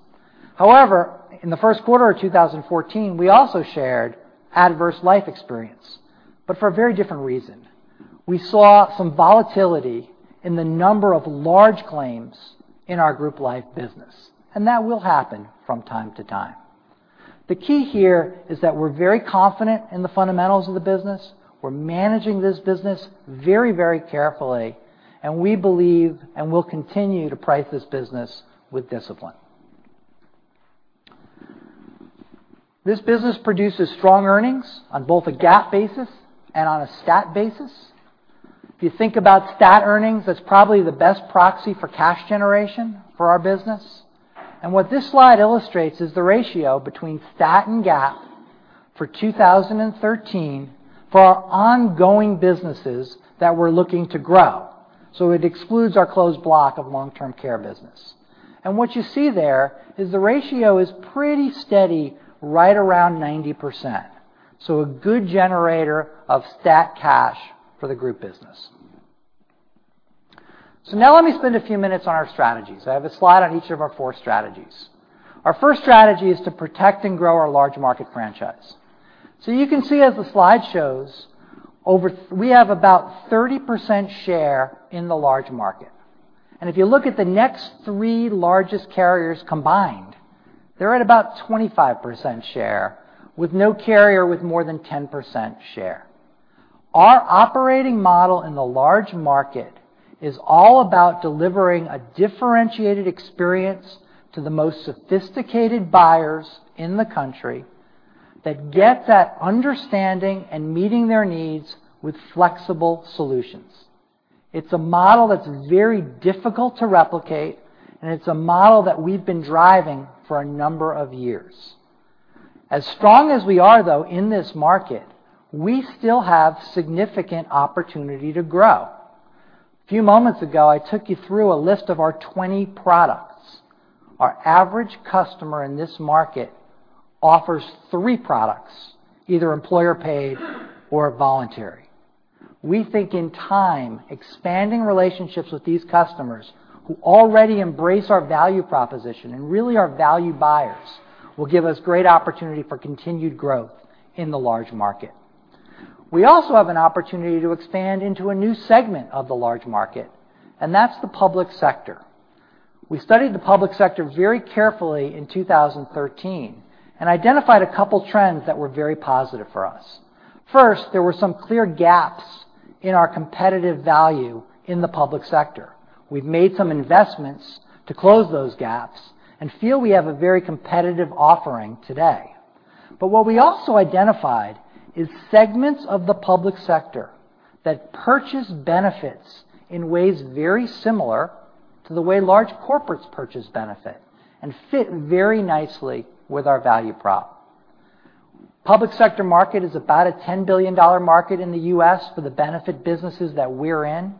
However, in the first quarter of 2014, we also shared adverse life experience, for a very different reason. We saw some volatility in the number of large claims in our group life business, that will happen from time to time. The key here is that we're very confident in the fundamentals of the business. We're managing this business very carefully, and we'll continue to price this business with discipline. This business produces strong earnings on both a GAAP basis and on a stat basis. If you think about stat earnings, that's probably the best proxy for cash generation for our business. What this slide illustrates is the ratio between stat and GAAP for 2013 for our ongoing businesses that we're looking to grow. It excludes our closed block of long-term care business. What you see there is the ratio is pretty steady, right around 90%. A good generator of stat cash for the group business. Now let me spend a few minutes on our strategies. I have a slide on each of our four strategies. Our first strategy is to protect and grow our large market franchise. You can see as the slide shows, we have about 30% share in the large market. If you look at the next three largest carriers combined, they're at about 25% share with no carrier with more than 10% share. Our operating model in the large market is all about delivering a differentiated experience to the most sophisticated buyers in the country that get that understanding and meeting their needs with flexible solutions. It's a model that's very difficult to replicate, it's a model that we've been driving for a number of years. As strong as we are, though, in this market, we still have significant opportunity to grow. A few moments ago, I took you through a list of our 20 products. Our average customer in this market offers three products, either employer-paid or voluntary. We think in time, expanding relationships with these customers who already embrace our value proposition really are value buyers will give us great opportunity for continued growth in the large market. We also have an opportunity to expand into a new segment of the large market, that's the public sector. We studied the public sector very carefully in 2013 and identified a couple trends that were very positive for us. First, there were some clear gaps in our competitive value in the public sector. We've made some investments to close those gaps and feel we have a very competitive offering today. What we also identified is segments of the public sector that purchase benefits in ways very similar to the way large corporates purchase benefit and fit very nicely with our value prop. Public sector market is about a $10 billion market in the U.S. for the benefit businesses that we're in.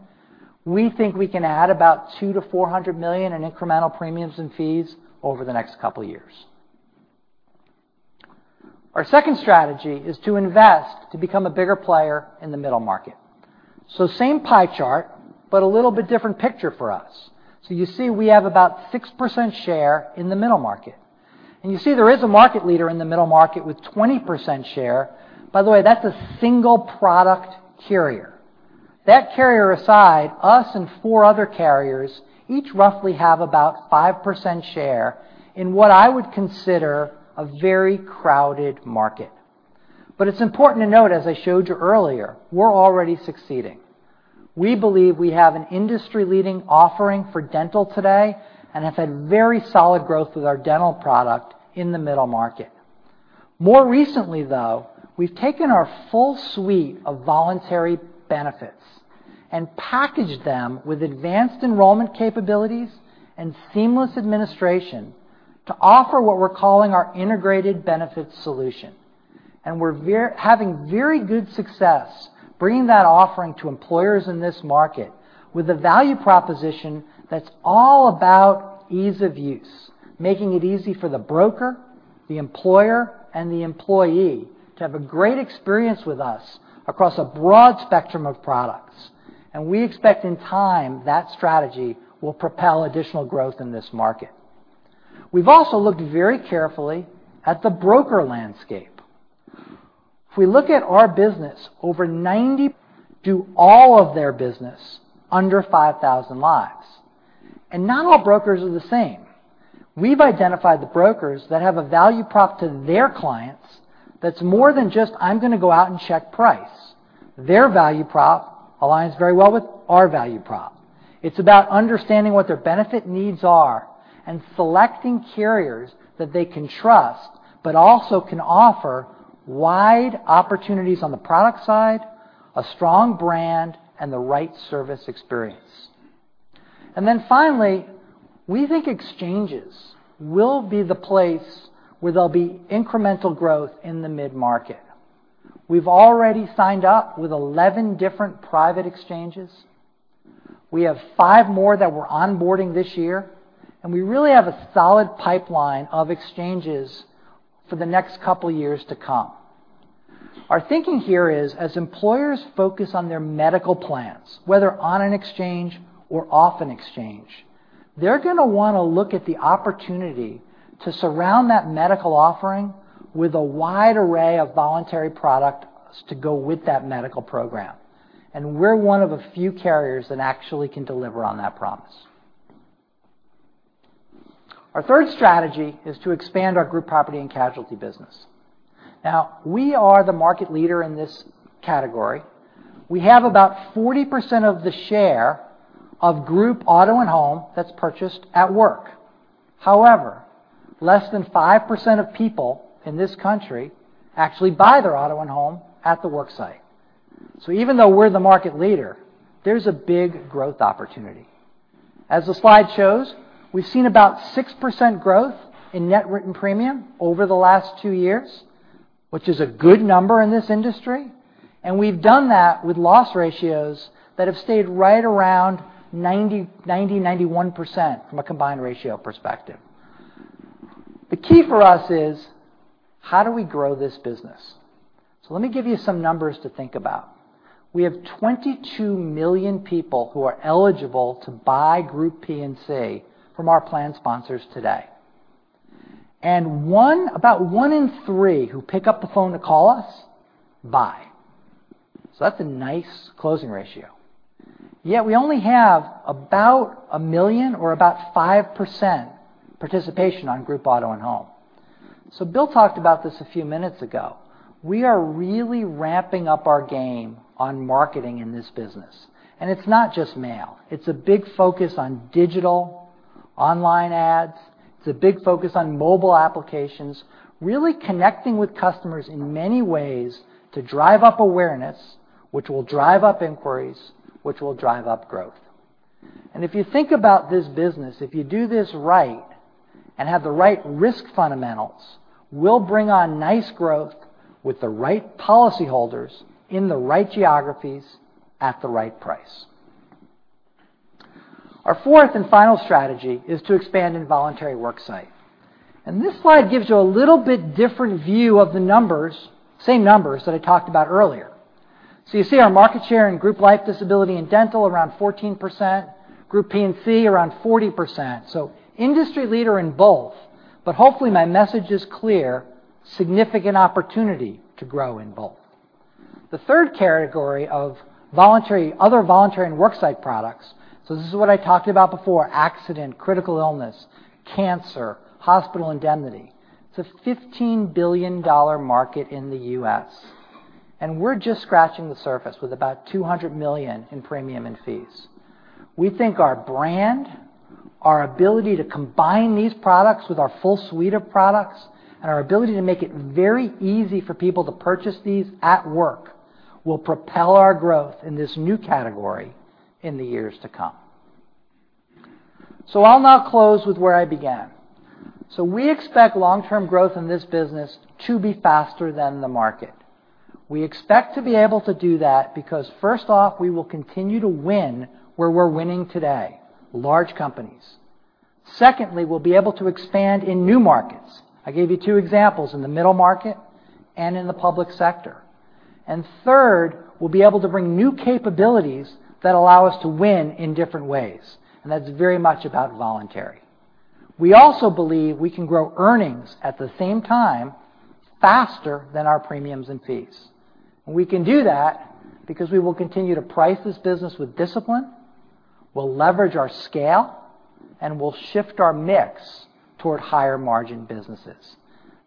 We think we can add about $2 million-$400 million in incremental premiums and fees over the next couple of years. Our second strategy is to invest to become a bigger player in the middle market. Same pie chart, but a little bit different picture for us. You see we have about 6% share in the middle market. You see there is a market leader in the middle market with 20% share. By the way, that's a single product carrier. That carrier aside, us and four other carriers each roughly have about 5% share in what I would consider a very crowded market. It's important to note, as I showed you earlier, we're already succeeding. We believe we have an industry-leading offering for dental today and have had very solid growth with our dental product in the middle market. More recently, though, we've taken our full suite of voluntary benefits and packaged them with advanced enrollment capabilities and seamless administration to offer what we're calling our integrated benefits solution. We're having very good success bringing that offering to employers in this market with a value proposition that's all about ease of use, making it easy for the broker, the employer, and the employee to have a great experience with us across a broad spectrum of products. We expect in time that strategy will propel additional growth in this market. We've also looked very carefully at the broker landscape. If we look at our business, over 90 do all of their business under 5,000 lives, and not all brokers are the same. We've identified the brokers that have a value prop to their clients that's more than just, I'm going to go out and check price. Their value prop aligns very well with our value prop. It's about understanding what their benefit needs are and selecting carriers that they can trust, but also can offer wide opportunities on the product side, a strong brand, and the right service experience. Finally, we think exchanges will be the place where there'll be incremental growth in the mid-market. We've already signed up with 11 different private exchanges. We have five more that we're onboarding this year, and we really have a solid pipeline of exchanges for the next couple of years to come. Our thinking here is as employers focus on their medical plans, whether on an exchange or off an exchange, they're going to want to look at the opportunity to surround that medical offering with a wide array of voluntary products to go with that medical program. We're one of a few carriers that actually can deliver on that promise. Our third strategy is to expand our group property and casualty business. We are the market leader in this category. We have about 40% of the share of group auto and home that is purchased at work. However, less than 5% of people in this country actually buy their auto and home at the worksite. Even though we are the market leader, there is a big growth opportunity. As the slide shows, we have seen about 6% growth in net written premium over the last two years, which is a good number in this industry, and we have done that with loss ratios that have stayed right around 90%-91% from a combined ratio perspective. The key for us is, how do we grow this business? Let me give you some numbers to think about. We have 22 million people who are eligible to buy Group P&C from our plan sponsors today. About one in three who pick up the phone to call us, buy. That is a nice closing ratio. Yet we only have about 1 million or about 5% participation on group auto and home. Bill talked about this a few minutes ago. We are really ramping up our game on marketing in this business. It is not just mail. It is a big focus on digital, online ads. It is a big focus on mobile applications, really connecting with customers in many ways to drive up awareness, which will drive up inquiries, which will drive up growth. If you think about this business, if you do this right and have the right risk fundamentals, we will bring on nice growth with the right policyholders in the right geographies at the right price. Our fourth and final strategy is to expand involuntary worksite. This slide gives you a little bit different view of the numbers, same numbers that I talked about earlier. You see our market share in group life disability and dental, around 14%, group P&C, around 40%. Industry leader in both, but hopefully my message is clear, significant opportunity to grow in both. The 3rd category of other voluntary and worksite products. This is what I talked about before, accident, critical illness, cancer, hospital indemnity. It is a $15 billion market in the U.S., and we are just scratching the surface with about $200 million in premium and fees. We think our brand, our ability to combine these products with our full suite of products, and our ability to make it very easy for people to purchase these at work, will propel our growth in this new category in the years to come. I will now close with where I began. We expect long-term growth in this business to be faster than the market. We expect to be able to do that because first off, we will continue to win where we are winning today, large companies. Secondly, we will be able to expand in new markets. I gave you two examples, in the middle market and in the public sector. Third, we will be able to bring new capabilities that allow us to win in different ways, and that is very much about voluntary. We also believe we can grow earnings at the same time faster than our premiums and fees. We can do that because we will continue to price this business with discipline, we'll leverage our scale, and we'll shift our mix toward higher margin businesses.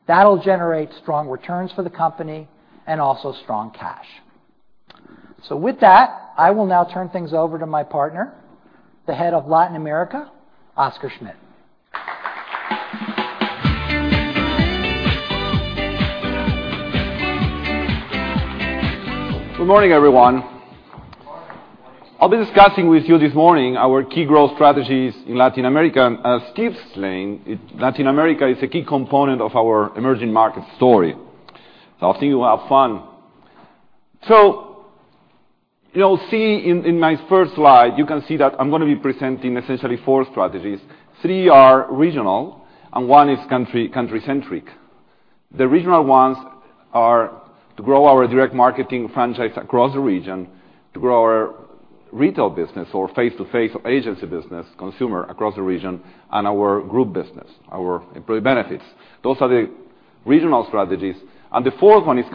That'll generate strong returns for the company and also strong cash. With that, I will now turn things over to my partner, the Head of Latin America, Oscar Schmidt. Good morning, everyone. Morning. I'll be discussing with you this morning our key growth strategies in Latin America. As Steve's saying, Latin America is a key component of our emerging markets story. I think you will have fun. You'll see in my first slide, you can see that I'm going to be presenting essentially four strategies. Three are regional and one is country-centric. The regional ones are to grow our direct marketing franchise across the region, to grow our retail business or face-to-face agency business consumer across the region, and our group business, our employee benefits. Those are the regional strategies. The fourth one is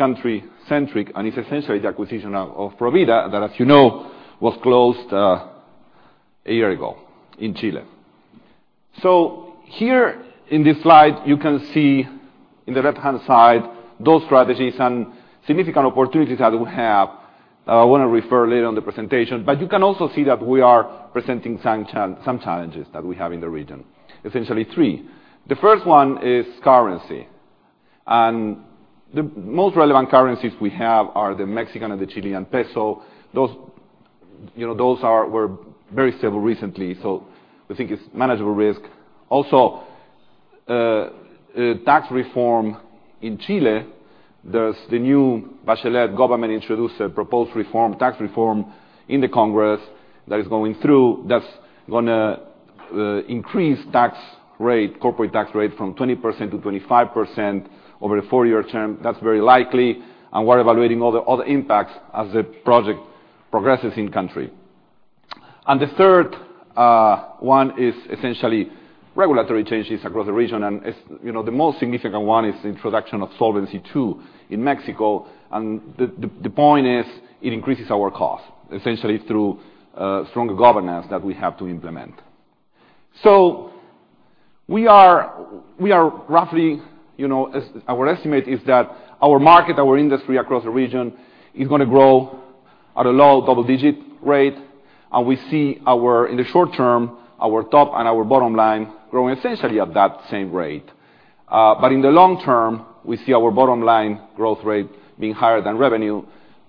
country-centric, and it's essentially the acquisition of Provida, that as you know, was closed a year ago in Chile. Here in this slide, you can see in the right-hand side, those strategies and significant opportunities that we have. I want to refer later on in the presentation, you can also see that we are presenting some challenges that we have in the region, essentially three. The first one is currency. The most relevant currencies we have are the Mexican and the Chilean peso. Those were very stable recently, we think it's manageable risk. Also, tax reform in Chile. There's the new Bachelet government introduced a proposed tax reform in the Congress that is going through, that's going to increase corporate tax rate from 20% to 25% over a four-year term. That's very likely, and we're evaluating all the impacts as the project progresses in country. The third one is essentially regulatory changes across the region, and the most significant one is the introduction of Solvency II in Mexico. The point is, it increases our cost essentially through stronger governance that we have to implement. We are roughly, our estimate is that our market, our industry across the region is going to grow at a low double-digit rate. We see in the short term, our top and our bottom line growing essentially at that same rate. In the long term, we see our bottom line growth rate being higher than revenue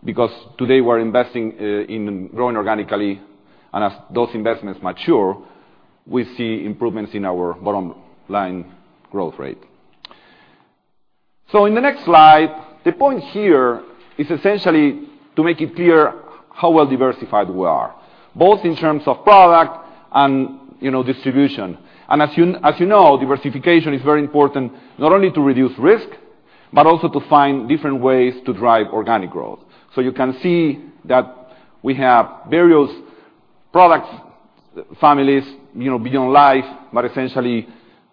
because today we're investing in growing organically. As those investments mature, we see improvements in our bottom line growth rate. In the next slide, the point here is essentially to make it clear how well diversified we are, both in terms of product and distribution. As you know, diversification is very important, not only to reduce risk, but also to find different ways to drive organic growth. You can see that we have various product families beyond life,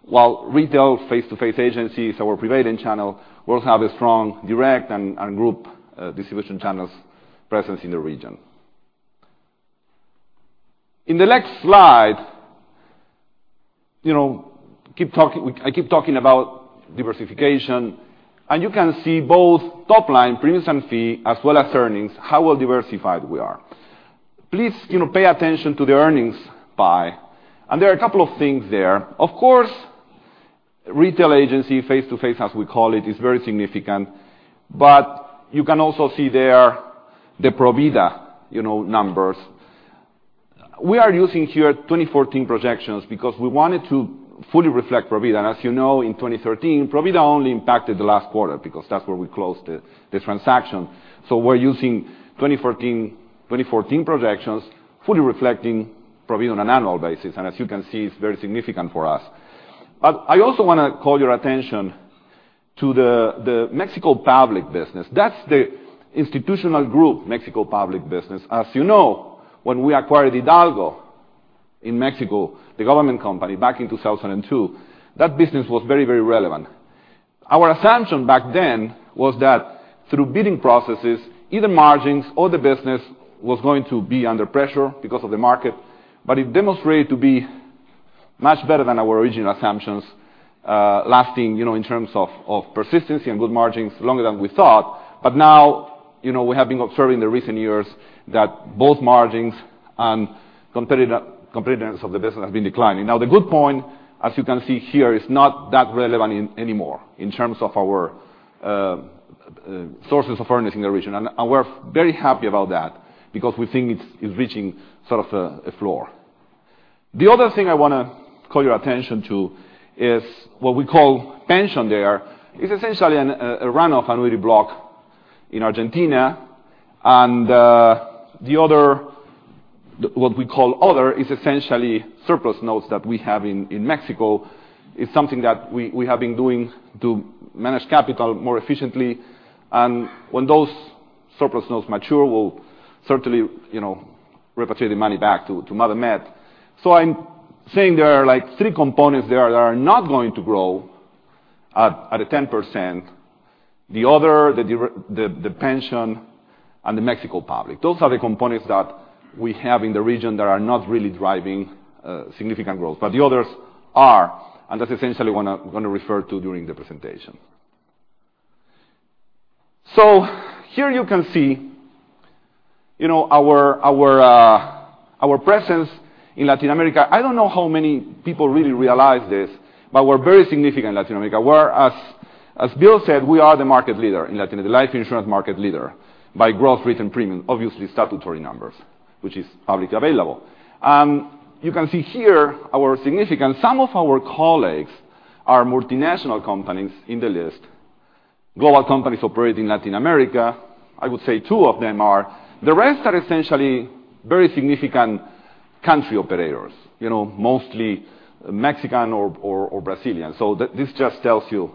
while retail face-to-face agencies, our prevailing channel, we also have a strong direct and group distribution channels presence in the region. In the next slide, I keep talking about diversification, you can see both top line, premiums and fee, as well as earnings, how well diversified we are. Please pay attention to the earnings pie. There are a couple of things there. Of course, retail agency, face-to-face as we call it, is very significant. You can also see there the Provida numbers. We are using here 2014 projections because we wanted to fully reflect Provida. As you know, in 2013, Provida only impacted the last quarter because that's where we closed the transaction. We're using 2014 projections fully reflecting Provida on an annual basis. As you can see, it's very significant for us. I also want to call your attention to the Mexico public business. That's the institutional group, Mexico public business. As you know, when we acquired Hidalgo in Mexico, the government company back in 2002, that business was very relevant. Our assumption back then was that through bidding processes, either margins or the business was going to be under pressure because of the market. It demonstrated to be much better than our original assumptions, lasting, in terms of persistency and good margins, longer than we thought. Now, we have been observing in the recent years that both margins and competitiveness of the business have been declining. The good point, as you can see here, it's not that relevant anymore in terms of our sources of earnings in the region. We are very happy about that because we think it's reaching sort of a floor. The other thing I want to call your attention to is what we call pension there. It's essentially a run-off annuity block in Argentina. The other, what we call other, is essentially surplus notes that we have in Mexico. It's something that we have been doing to manage capital more efficiently. When those surplus notes mature, we'll certainly repatriate the money back to Mother Met. I'm saying there are three components there that are not going to grow at a 10%. The other, the pension, and the Mexico public. Those are the components that we have in the region that are not really driving significant growth, but the others are. That's essentially what I'm going to refer to during the presentation. Here you can see our presence in Latin America. I don't know how many people really realize this, but we're very significant in Latin America, where, as Bill said, we are the market leader in Latin, the life insurance market leader by growth, rate, and premium, obviously statutory numbers, which is publicly available. You can see here our significance. Some of our colleagues are multinational companies in the list. Global companies operate in Latin America. I would say two of them are. The rest are essentially very significant country operators, mostly Mexican or Brazilian. This just tells you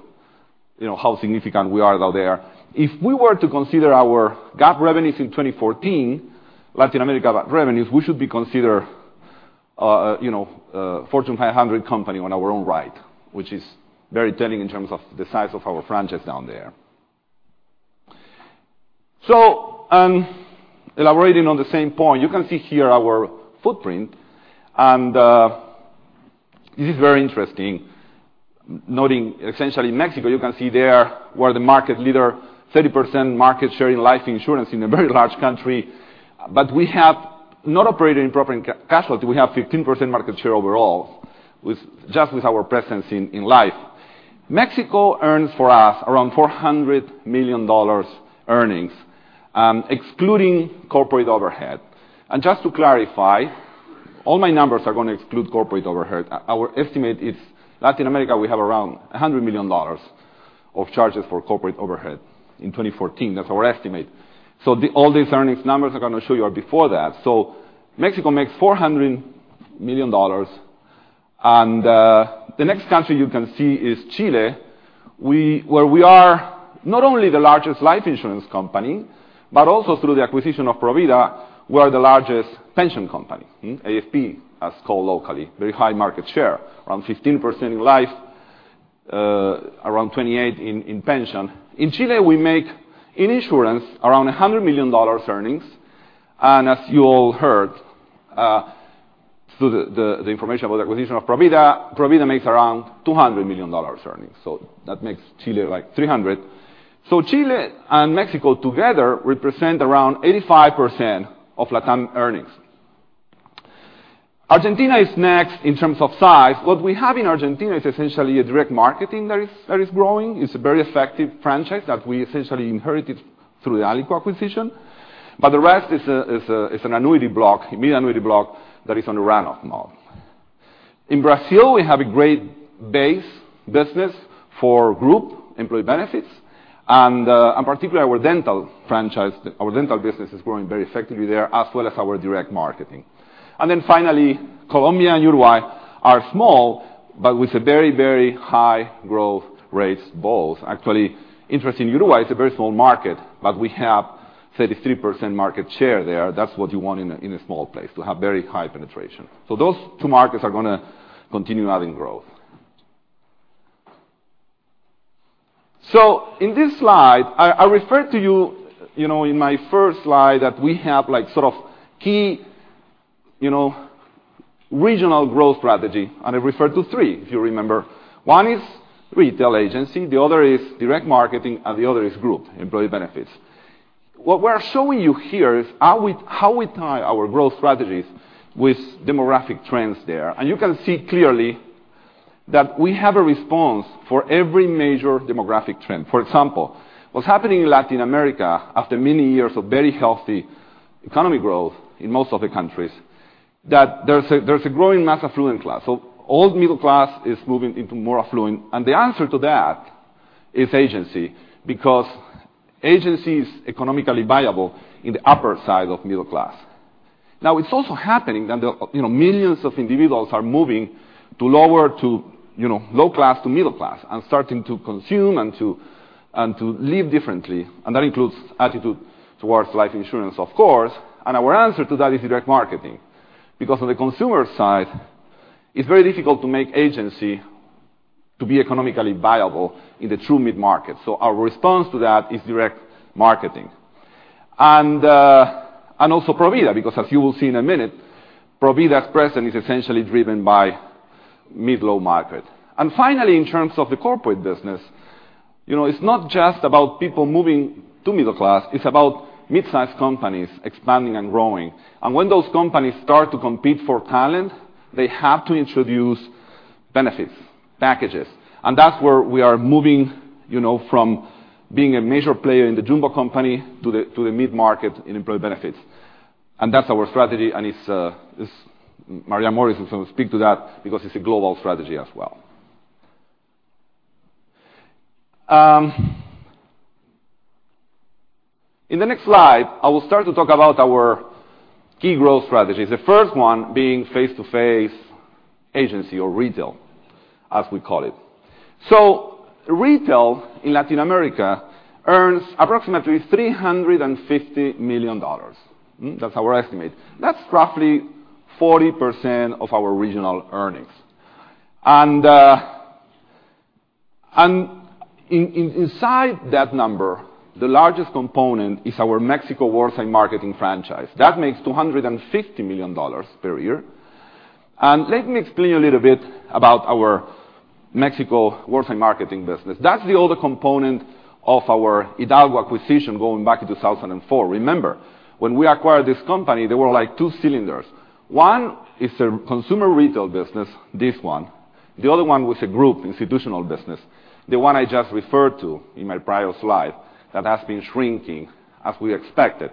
how significant we are down there. If we were to consider our GAAP revenues in 2014, Latin America revenues, we should be considered a Fortune 500 company on our own right, which is very telling in terms of the size of our franchise down there. Elaborating on the same point, you can see here our footprint, and this is very interesting. Noting essentially Mexico, you can see there we're the market leader, 30% market share in life insurance in a very large country. We have not operated in property and casualty. We have 15% market share overall just with our presence in life. Mexico earns for us around $400 million earnings, excluding corporate overhead. Just to clarify, all my numbers are going to exclude corporate overhead. Our estimate is Latin America, we have around $100 million of charges for corporate overhead in 2014. That's our estimate. All these earnings numbers I'm going to show you are before that. Mexico makes $400 million. The next country you can see is Chile, where we are not only the largest life insurance company, but also through the acquisition of Provida, we are the largest pension company. AFP, as called locally. Very high market share. Around 15% in life, around 28 in pension. In Chile, we make, in insurance, around $100 million earnings. As you all heard, through the information about the acquisition of Provida makes around $200 million earnings. That makes Chile like $300 million. Chile and Mexico together represent around 85% of Latam earnings. Argentina is next in terms of size. What we have in Argentina is essentially a direct marketing that is growing. It's a very effective franchise that we essentially inherited through the Alico acquisition. The rest is an annuity block, immediate annuity block, that is on a run-off model. In Brazil, we have a great base business for Group Employee Benefits, particularly our dental business is growing very effectively there, as well as our direct marketing. Then finally, Colombia and Uruguay are small, but with a very high growth rates, both. Actually, interesting, Uruguay is a very small market, but we have 33% market share there. That's what you want in a small place, to have very high penetration. Those two markets are going to continue adding growth. In this slide, I referred to you in my first slide that we have sort of key regional growth strategy, and I referred to three, if you remember. One is retail agency, the other is direct marketing, and the other is Group Employee Benefits. What we are showing you here is how we tie our growth strategies with demographic trends there. You can see clearly that we have a response for every major demographic trend. For example, what's happening in Latin America, after many years of very healthy economic growth in most of the countries, there's a growing mass affluent class. Old middle class is moving into more affluent. The answer to that is agency, because agency is economically viable in the upper side of middle class. Now it's also happening that millions of individuals are moving to low class to middle class and starting to consume and to live differently, and that includes attitude towards life insurance, of course. Our answer to that is direct marketing. Because on the consumer side, it's very difficult to make agency to be economically viable in the true mid-market. Our response to that is direct marketing. Also Provida, because as you will see in a minute, Provida's presence is essentially driven by mid, low market. Finally, in terms of the corporate business, it's not just about people moving to middle class, it's about mid-size companies expanding and growing. When those companies start to compete for talent, they have to introduce benefits packages. That's where we are moving from being a major player in the jumbo company to the mid-market in employee benefits. That's our strategy, and Maria Morris will speak to that because it's a global strategy as well. In the next slide, I will start to talk about our key growth strategies, the first one being face-to-face agency or retail, as we call it. Retail in Latin America earns approximately $350 million. That's our estimate. That's roughly 40% of our regional earnings. Inside that number, the largest component is our Mexico worksite marketing franchise. That makes $250 million per year. Let me explain a little bit about our Mexico worksite marketing business. That's the older component of our Hidalgo acquisition going back in 2004. Remember, when we acquired this company, there were two cylinders. One is a consumer retail business, this one. The other one was a group institutional business, the one I just referred to in my prior slide that has been shrinking as we expected.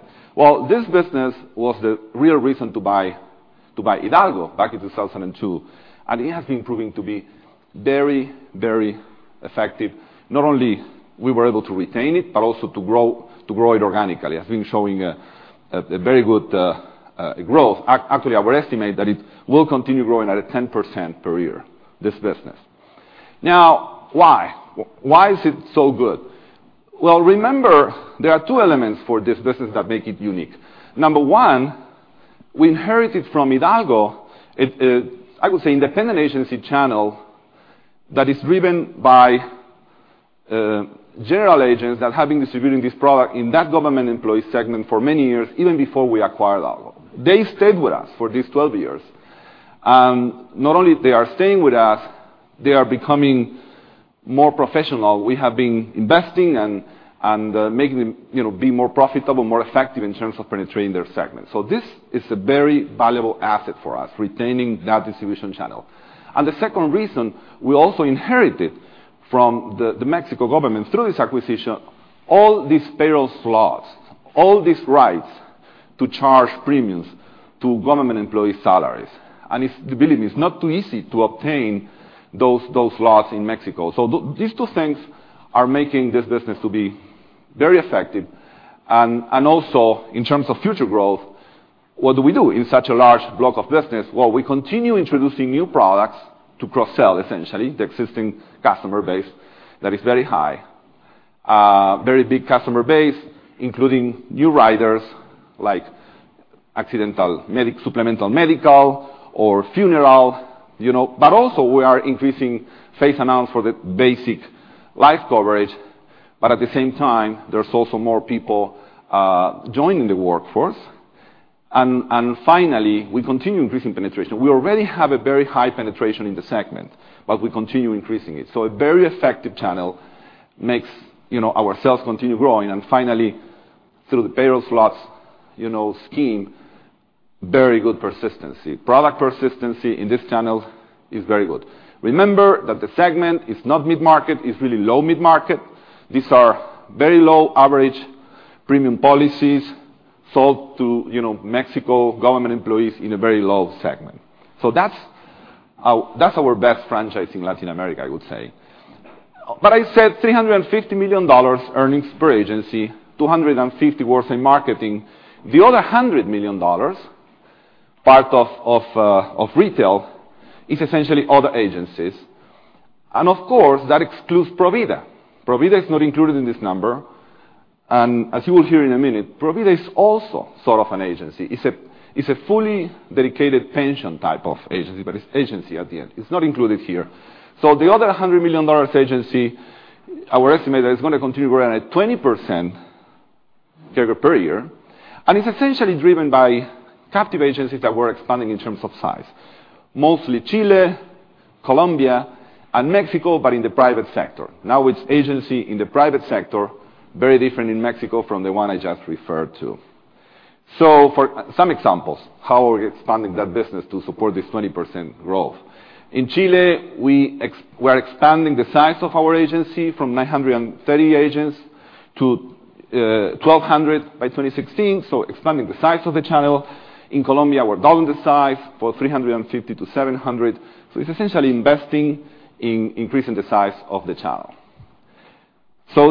This business was the real reason to buy Hidalgo back in 2002, and it has been proving to be very effective. Not only we were able to retain it, but also to grow it organically. It has been showing a very good growth. Actually, our estimate that it will continue growing at a 10% per year, this business. Why? Why is it so good? Remember, there are two elements for this business that make it unique. Number one, we inherited from Hidalgo, I would say independent agency channel that is driven by general agents that have been distributing this product in that government employee segment for many years, even before we acquired Hidalgo. They stayed with us for these 12 years. Not only they are staying with us, they are becoming more professional. We have been investing and making them be more profitable, more effective in terms of penetrating their segment. This is a very valuable asset for us, retaining that distribution channel. The second reason, we also inherited from the Mexico government through this acquisition, all these payroll slots, all these rights to charge premiums to government employee salaries. Believe me, it's not too easy to obtain those slots in Mexico. These two things are making this business to be very effective. Also in terms of future growth, what do we do in such a large block of business? We continue introducing new products to cross-sell, essentially, the existing customer base that is very high. Very big customer base, including new riders like accidental supplemental medical or funeral. Also we are increasing face amounts for the basic life coverage. At the same time, there's also more people joining the workforce. Finally, we continue increasing penetration. We already have a very high penetration in the segment, but we continue increasing it. A very effective channel makes our sales continue growing. Finally, through the payroll slots scheme, very good persistency. Product persistency in this channel is very good. Remember that the segment is not mid-market, it's really low mid-market. These are very low average premium policies sold to Mexico government employees in a very low segment. That's our best franchise in Latin America, I would say. I said $350 million earnings per agency, $250 million worksite marketing. The other $100 million, part of retail, is essentially other agencies. Of course, that excludes Provida. Provida is not included in this number. As you will hear in a minute, Provida is also sort of an agency. It's a fully dedicated pension type of agency, but it's agency at the end. It's not included here. The other $100 million agency, our estimate is going to continue growing at 20% per year. It's essentially driven by captive agencies that we're expanding in terms of size. Mostly Chile, Colombia, and Mexico, but in the private sector. Now it's agency in the private sector, very different in Mexico from the one I just referred to. For some examples, how are we expanding that business to support this 20% growth? In Chile, we are expanding the size of our agency from 930 agents to 1,200 by 2016, expanding the size of the channel. In Colombia, we're doubling the size for 350 to 700. It's essentially investing in increasing the size of the channel.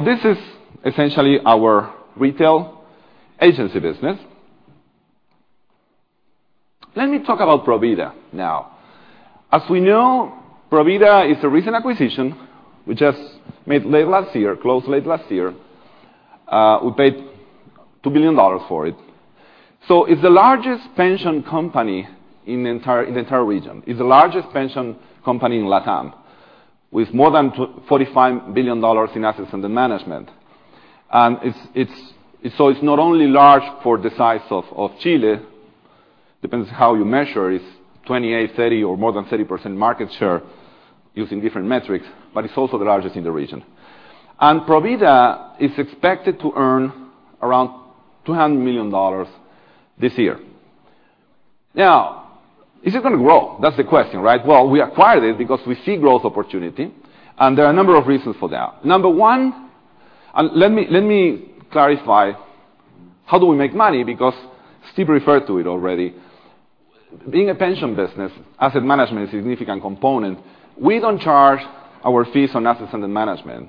This is essentially our retail agency business. Let me talk about Provida now. As we know, Provida is a recent acquisition we just made late last year, closed late last year. We paid $2 billion for it. It's the largest pension company in the entire region. It's the largest pension company in LatAm with more than $45 billion in assets under management. It's not only large for the size of Chile, depends how you measure, it's 28, 30 or more than 30% market share using different metrics, but it's also the largest in the region. Provida is expected to earn around $200 million this year. Now, is it going to grow? That's the question, right? We acquired it because we see growth opportunity, and there are a number of reasons for that. Number one, let me clarify, how do we make money? Because Steve referred to it already. Being a pension business, asset management is a significant component. We don't charge our fees on assets under management.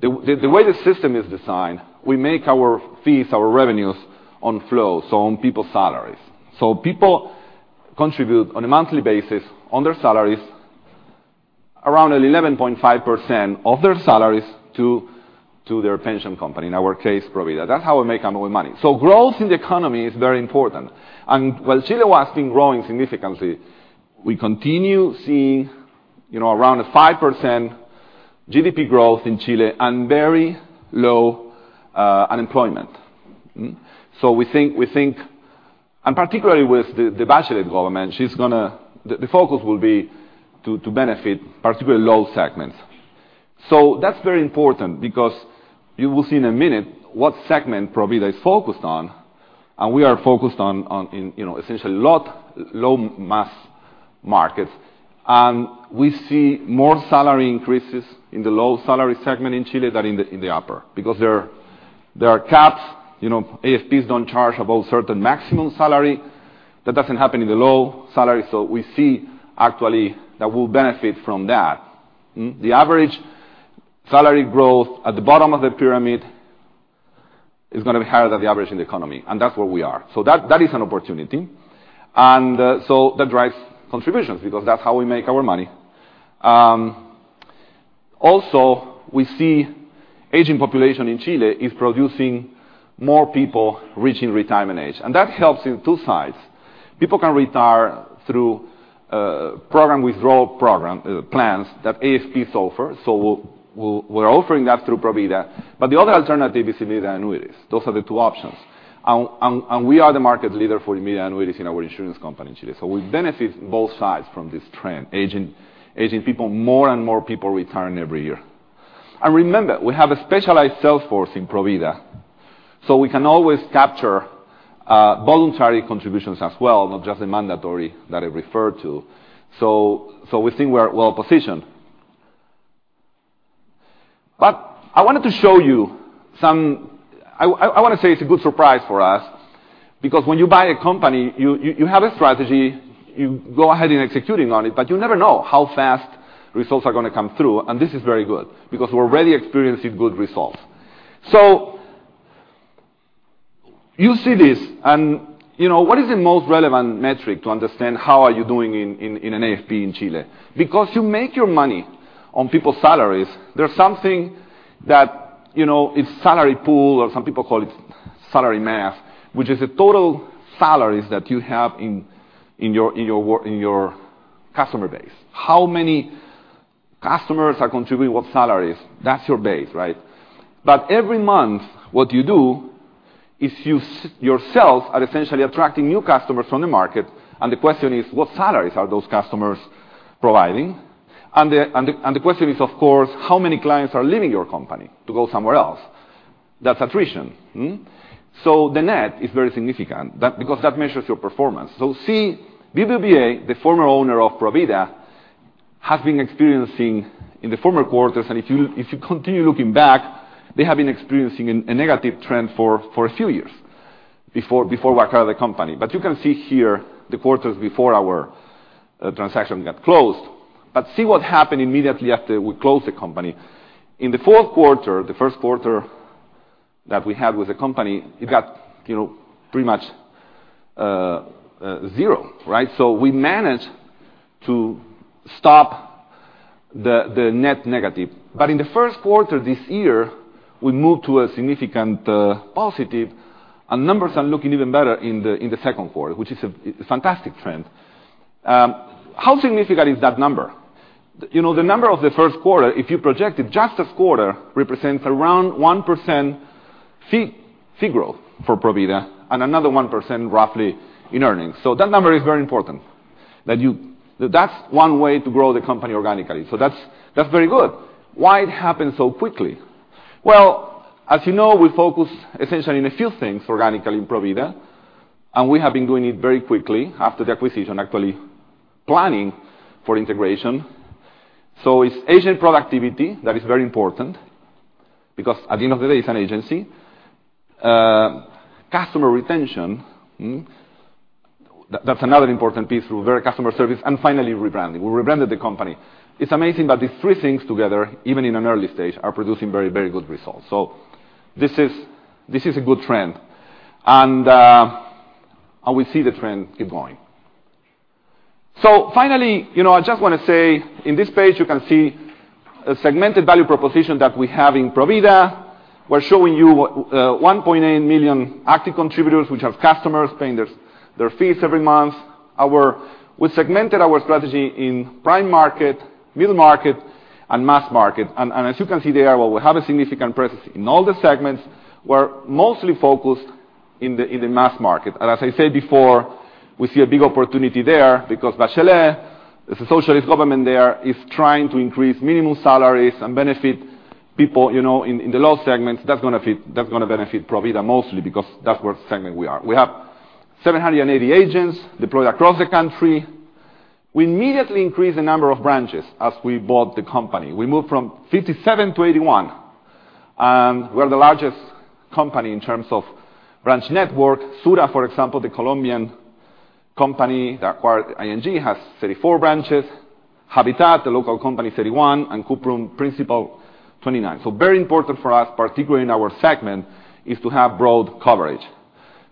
The way the system is designed, we make our fees, our revenues on flow, on people's salaries. People contribute on a monthly basis on their salaries, around 11.5% of their salaries to their pension company, in our case, Provida. That's how we make our money. Growth in the economy is very important. While Chile has been growing significantly, we continue seeing around a 5% GDP growth in Chile and very low unemployment. We think, particularly with the Bachelet government, the focus will be to benefit particularly low segments. That's very important because you will see in a minute what segment Provida is focused on, and we are focused on essentially low mass markets. We see more salary increases in the low salary segment in Chile than in the upper, because there are caps. AFPs don't charge above a certain maximum salary. That doesn't happen in the low salary. We see actually that we'll benefit from that. The average salary growth at the bottom of the pyramid is going to be higher than the average in the economy, and that's where we are. That is an opportunity. That drives contributions because that's how we make our money. We see aging population in Chile is producing more people reaching retirement age, and that helps in two sides. People can retire through program withdrawal plans that AFPs offer. We're offering that through Provida. The other alternative is immediate annuities. Those are the two options. We are the market leader for immediate annuities in our insurance company in Chile. We benefit both sides from this trend. Aging people, more and more people retiring every year. Remember, we have a specialized sales force in Provida. We can always capture voluntary contributions as well, not just the mandatory that I referred to. We think we're well positioned. I wanted to show you some, I want to say it's a good surprise for us because when you buy a company, you have a strategy, you go ahead in executing on it, but you never know how fast results are going to come through. This is very good because we're already experiencing good results. You see this, what is the most relevant metric to understand how are you doing in an AFP in Chile? Because you make your money on people's salaries, there's something that is salary pool, or some people call it salary mass, which is the total salaries that you have in your customer base. How many customers are contributing what salaries? That's your base, right? Every month, what you do is yourself are essentially attracting new customers from the market, and the question is, what salaries are those customers providing? The question is, of course, how many clients are leaving your company to go somewhere else? That's attrition. The net is very significant because that measures your performance. See, BBVA, the former owner of Provida, has been experiencing in the former quarters, and if you continue looking back, they have been experiencing a negative trend for a few years before we acquired the company. You can see here the quarters before our transaction got closed. See what happened immediately after we closed the company. In the fourth quarter, the first quarter that we had with the company, it got pretty much zero, right? We managed to stop the net negative. In the first quarter this year, we moved to a significant positive, and numbers are looking even better in the second quarter, which is a fantastic trend. How significant is that number? The number of the first quarter, if you project it, just a quarter represents around 1% Fee growth for Provida and another 1%, roughly, in earnings. That number is very important. That's one way to grow the company organically. That's very good. Why it happened so quickly? Well, as you know, we focus essentially on a few things organically in Provida, and we have been doing it very quickly after the acquisition, actually planning for integration. It's agent productivity that is very important because at the end of the day, it's an agency. Customer retention, that's another important piece through better customer service. Finally, rebranding. We rebranded the company. It's amazing that these three things together, even in an early stage, are producing very good results. This is a good trend, and we see the trend keep going. Finally, I just want to say, in this page, you can see a segmented value proposition that we have in Provida. We're showing you 1.8 million active contributors, which are customers paying their fees every month. We segmented our strategy in prime market, middle market, and mass market. As you can see there, while we have a significant presence in all the segments, we're mostly focused in the mass market. As I said before, we see a big opportunity there because Bachelet, it's a socialist government there, is trying to increase minimum salaries and benefit people in the low segments. That's going to benefit Provida mostly because that's what segment we are. We have 780 agents deployed across the country. We immediately increased the number of branches as we bought the company. We moved from 57 to 81. We're the largest company in terms of branch network. Sura, for example, the Colombian company that acquired ING, has 34 branches. Habitat, the local company, 31. Cuprum Principal, 29. Very important for us, particularly in our segment, is to have broad coverage.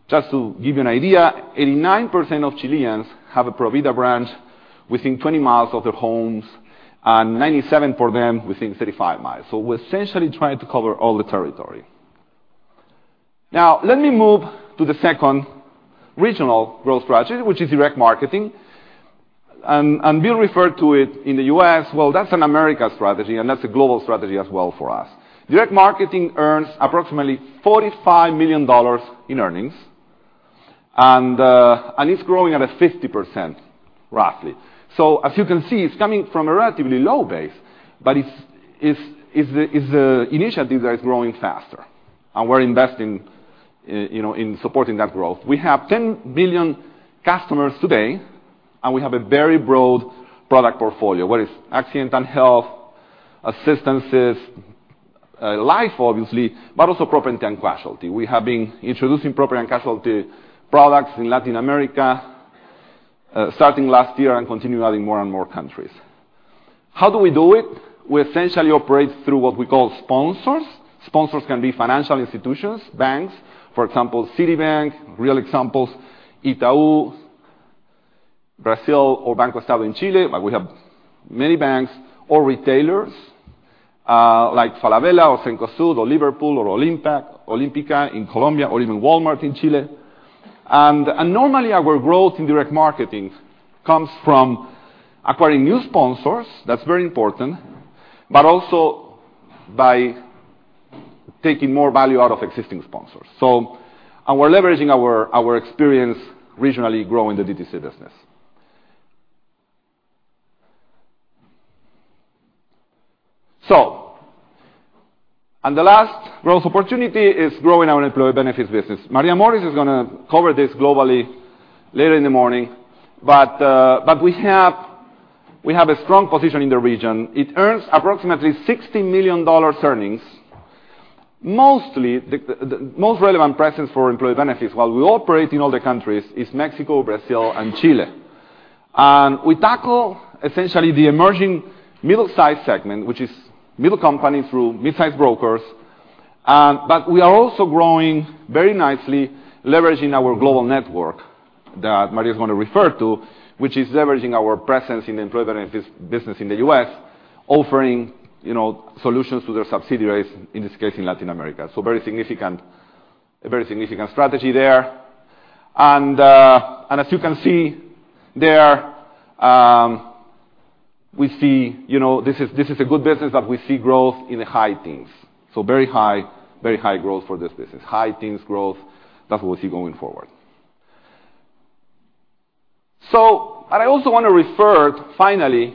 Just to give you an idea, 89% of Chileans have a Provida branch within 20 miles of their homes. 97% for them within 35 miles. We're essentially trying to cover all the territory. Now, let me move to the second regional growth strategy, which is direct marketing. Bill referred to it in the U.S. Well, that's an America strategy, and that's a global strategy as well for us. Direct marketing earns approximately $45 million in earnings. It's growing at a 50%, roughly. As you can see, it's coming from a relatively low base, but it's the initiative that is growing faster, and we're investing in supporting that growth. We have 10 million customers today. We have a very broad product portfolio, whether it's accident and health, assistances, life, obviously, but also property and casualty. We have been introducing property and casualty products in Latin America starting last year. We continue adding more and more countries. How do we do it? We essentially operate through what we call sponsors. Sponsors can be financial institutions, banks. For example, Citibank, real examples, Itaú, Brazil, or BancoEstado in Chile. We have many banks or retailers, like Falabella or Cencosud or Liverpool or Olímpica in Colombia or even Walmart in Chile. Normally, our growth in direct marketing comes from acquiring new sponsors, that's very important, but also by taking more value out of existing sponsors. We're leveraging our experience regionally growing the D2C business. The last growth opportunity is growing our employee benefits business. Maria Morris is going to cover this globally later in the morning, but we have a strong position in the region. It earns approximately $60 million earnings. Most relevant presence for employee benefits, while we operate in all the countries, is Mexico, Brazil, and Chile. We tackle essentially the emerging middle size segment, which is middle company through midsize brokers. We are also growing very nicely leveraging our global network that Maria is going to refer to, which is leveraging our presence in the employee benefits business in the U.S., offering solutions to their subsidiaries, in this case, in Latin America. Very significant strategy there. As you can see there, this is a good business that we see growth in the high teens. Very high growth for this business. High teens growth, that's what we see going forward. I also want to refer, finally,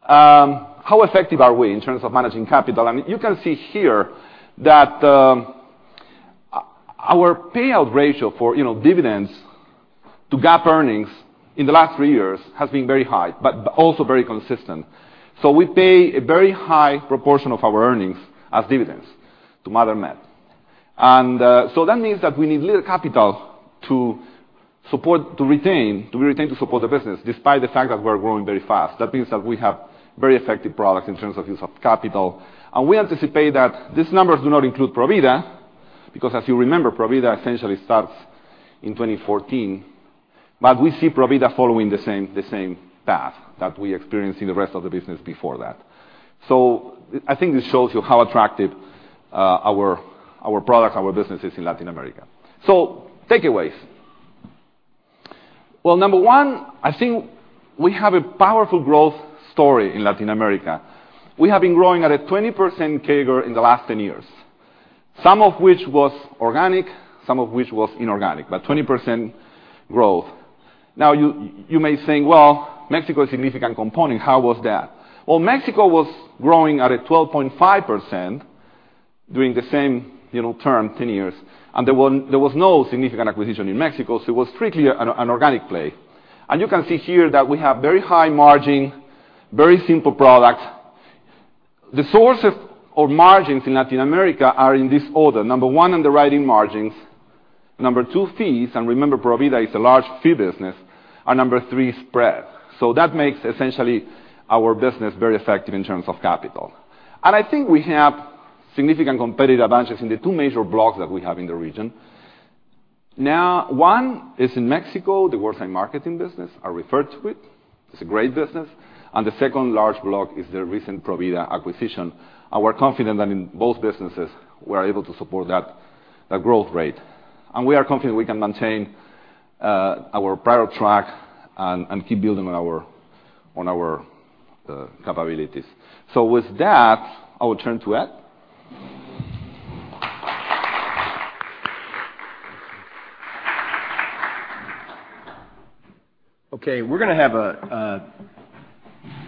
how effective are we in terms of managing capital. You can see here that our payout ratio for dividends to GAAP earnings in the last three years has been very high, but also very consistent. We pay a very high proportion of our earnings as dividends to Mother Met. That means that we need little capital to retain to support the business, despite the fact that we're growing very fast. That means that we have very effective products in terms of use of capital. We anticipate that these numbers do not include Provida because as you remember, Provida essentially starts in 2014. We see Provida following the same path that we experienced in the rest of the business before that. I think this shows you how attractive our products, our business is in Latin America. Takeaways. Number one, I think we have a powerful growth story in Latin America. We have been growing at a 20% CAGR in the last 10 years, some of which was organic, some of which was inorganic. 20% growth. You may think, Mexico is a significant component. How was that? Mexico was growing at a 12.5% during the same term, 10 years. There was no significant acquisition in Mexico, so it was strictly an organic play. You can see here that we have very high margin, very simple product. The source of margins in Latin America are in this order. Number one, underwriting margins. Number two, fees, and remember Provida is a large fee business. Number three, spread. That makes essentially our business very effective in terms of capital. I think we have significant competitive advantages in the two major blocks that we have in the region. One is in Mexico, the Wealth Management business, I referred to it. It's a great business. The second large block is the recent Provida acquisition, and we're confident that in both businesses, we're able to support that growth rate. We are confident we can maintain our prior track and keep building on our capabilities. With that, I will turn to Ed. Okay, we're going to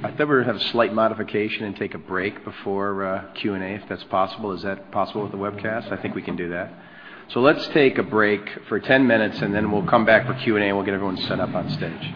have a slight modification and take a break before Q&A, if that's possible. Is that possible with the webcast? I think we can do that. Let's take a break for 10 minutes, and then we'll come back for Q&A, and we'll get everyone set up on stage.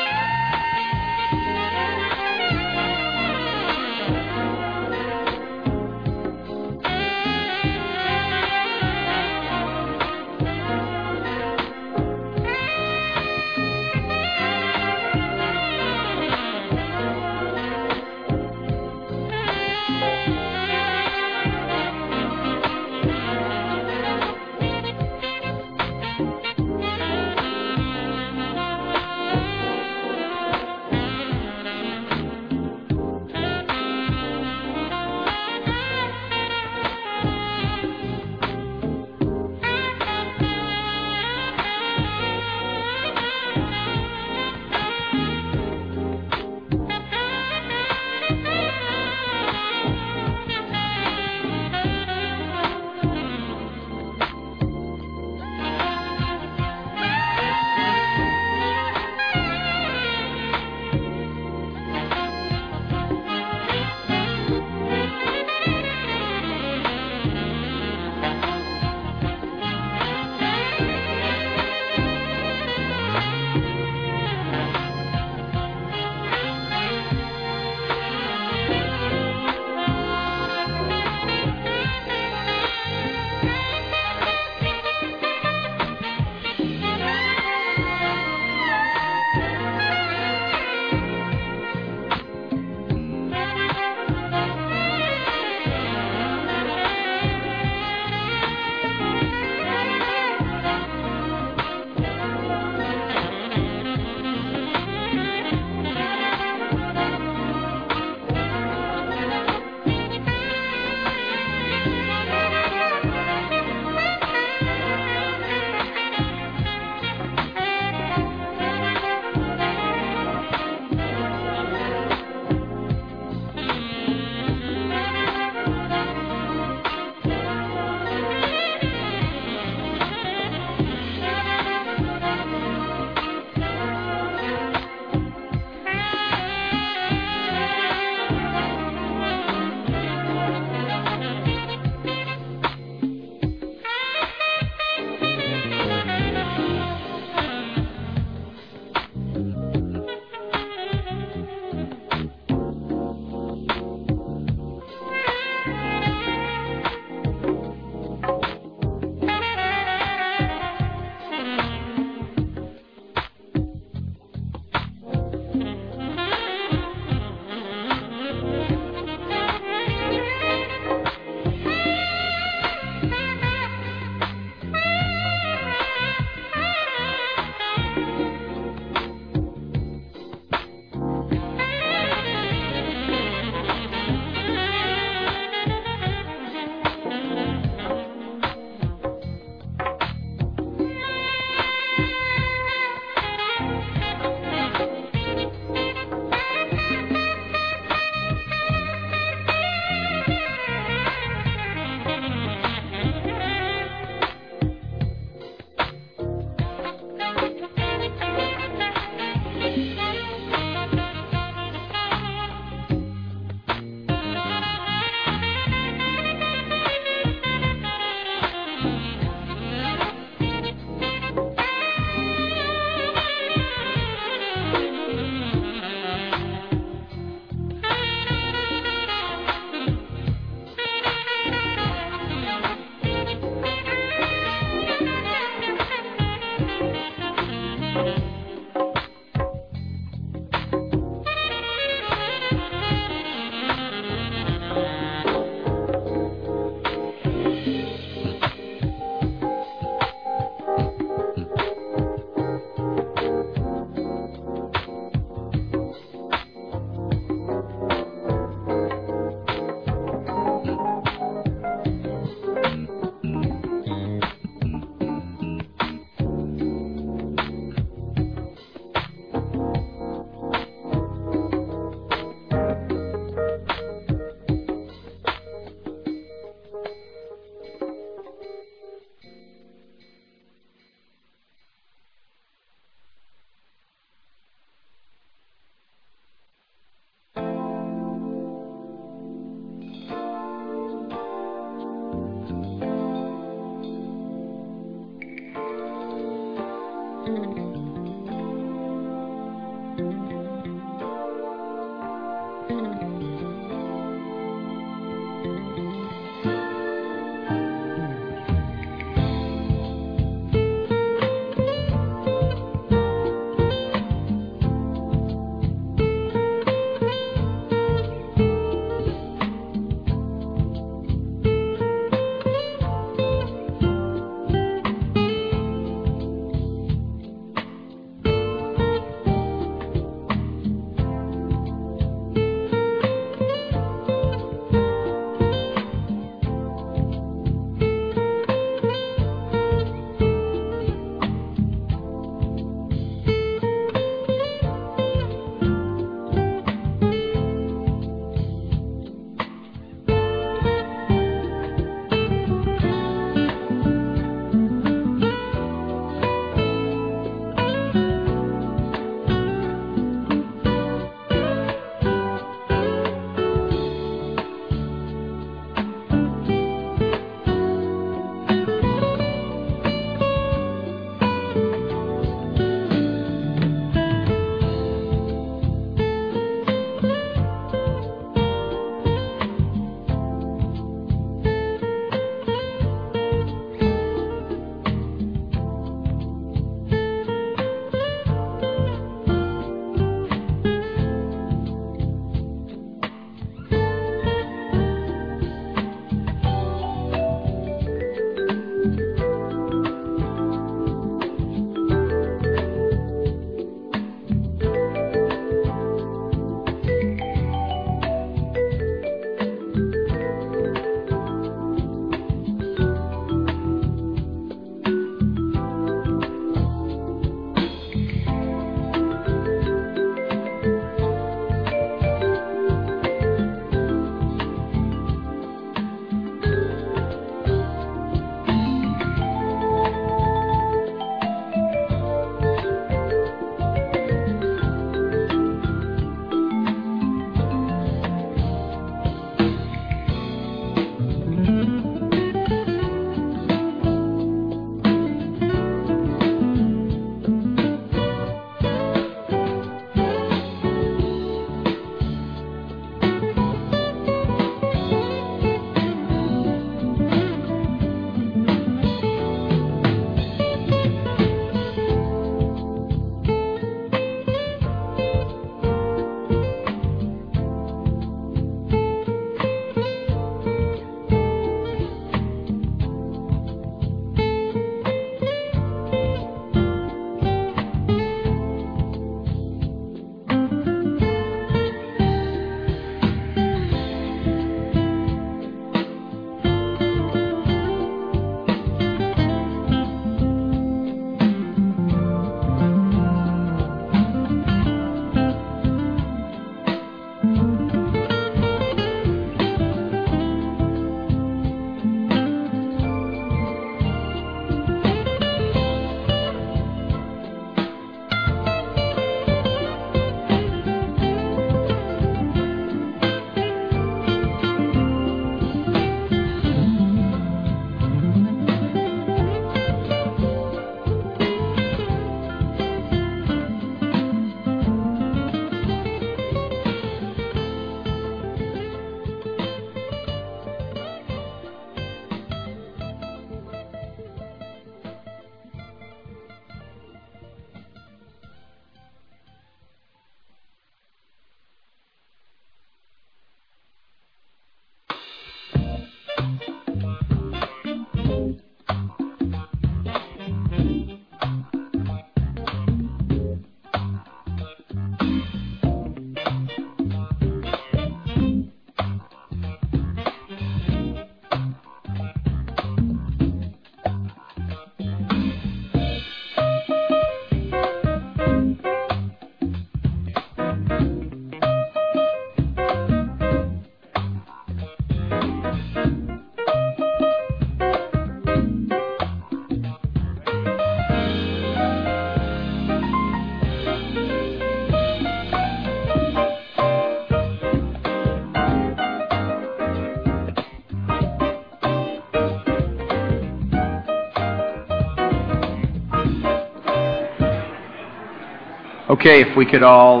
Okay, if we could all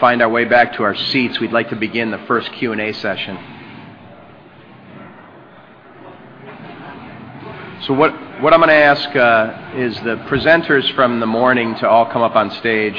find our way back to our seats, we'd like to begin the first Q&A session. What I'm going to ask is the presenters from the morning to all come up on stage.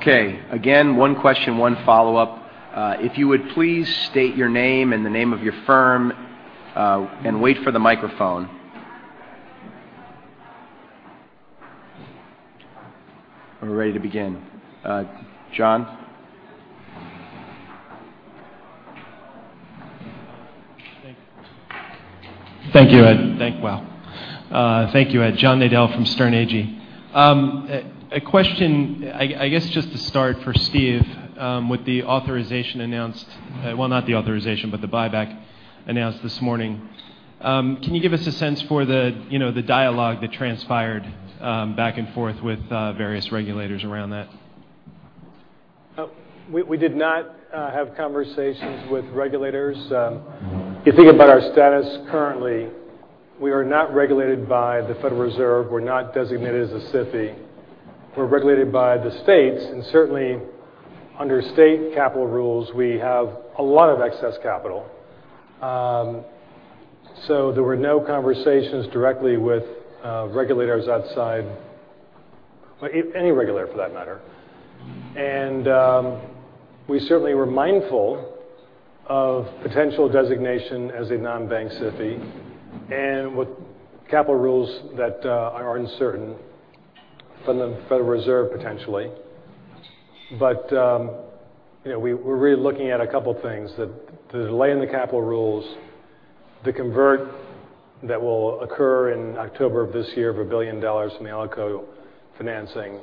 Again, one question, one follow-up. If you would please state your name and the name of your firm, and wait for the microphone. We're ready to begin. John? Thank you, Ed. Wow. Thank you, Ed. John Nadel from Sterne Agee. A question, I guess, just to start for Steve, with the authorization, not the authorization, but the buyback announced this morning. Can you give us a sense for the dialogue that transpired back and forth with various regulators around that? We did not have conversations with regulators. If you think about our status currently, we are not regulated by the Federal Reserve. We're not designated as a SIFI. We're regulated by the states, and certainly under state capital rules, we have a lot of excess capital. There were no conversations directly with regulators outside, any regulator for that matter. We certainly were mindful of potential designation as a non-bank SIFI and with capital rules that are uncertain from the Federal Reserve, potentially. We're really looking at a couple things, the delay in the capital rules, the convert that will occur in October of this year of $1 billion from the Alico financing,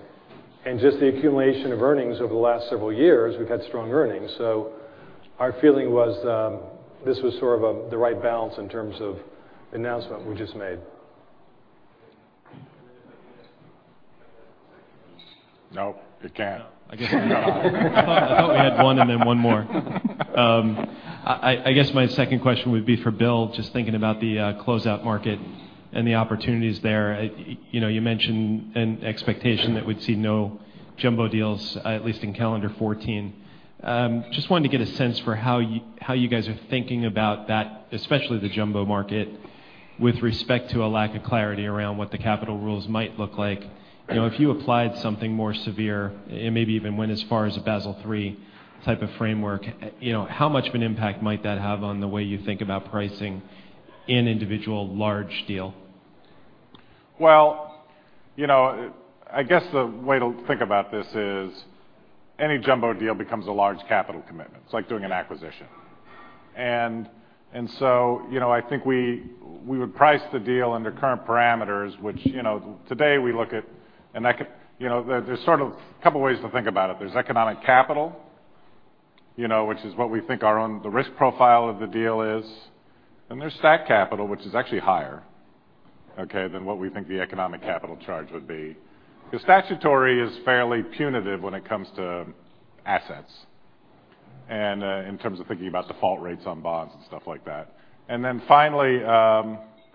and just the accumulation of earnings over the last several years, we've had strong earnings. Our feeling was this was sort of the right balance in terms of the announcement we just made. No, it can't. No. No. I thought we had one and then one more. I guess my second question would be for Bill, just thinking about the closeout market and the opportunities there. You mentioned an expectation that we'd see no jumbo deals, at least in calendar 2014. Just wanted to get a sense for how you guys are thinking about that, especially the jumbo market, with respect to a lack of clarity around what the capital rules might look like. If you applied something more severe, it maybe even went as far as a Basel III type of framework, how much of an impact might that have on the way you think about pricing an individual large deal? Well, I guess the way to think about this is any jumbo deal becomes a large capital commitment. It's like doing an acquisition. I think we would price the deal under current parameters, which today we look at. There's sort of a couple ways to think about it. There's economic capital, which is what we think the risk profile of the deal is, and there's stat capital, which is actually higher, okay, than what we think the economic capital charge would be. Because statutory is fairly punitive when it comes to assets and in terms of thinking about default rates on bonds and stuff like that. Finally,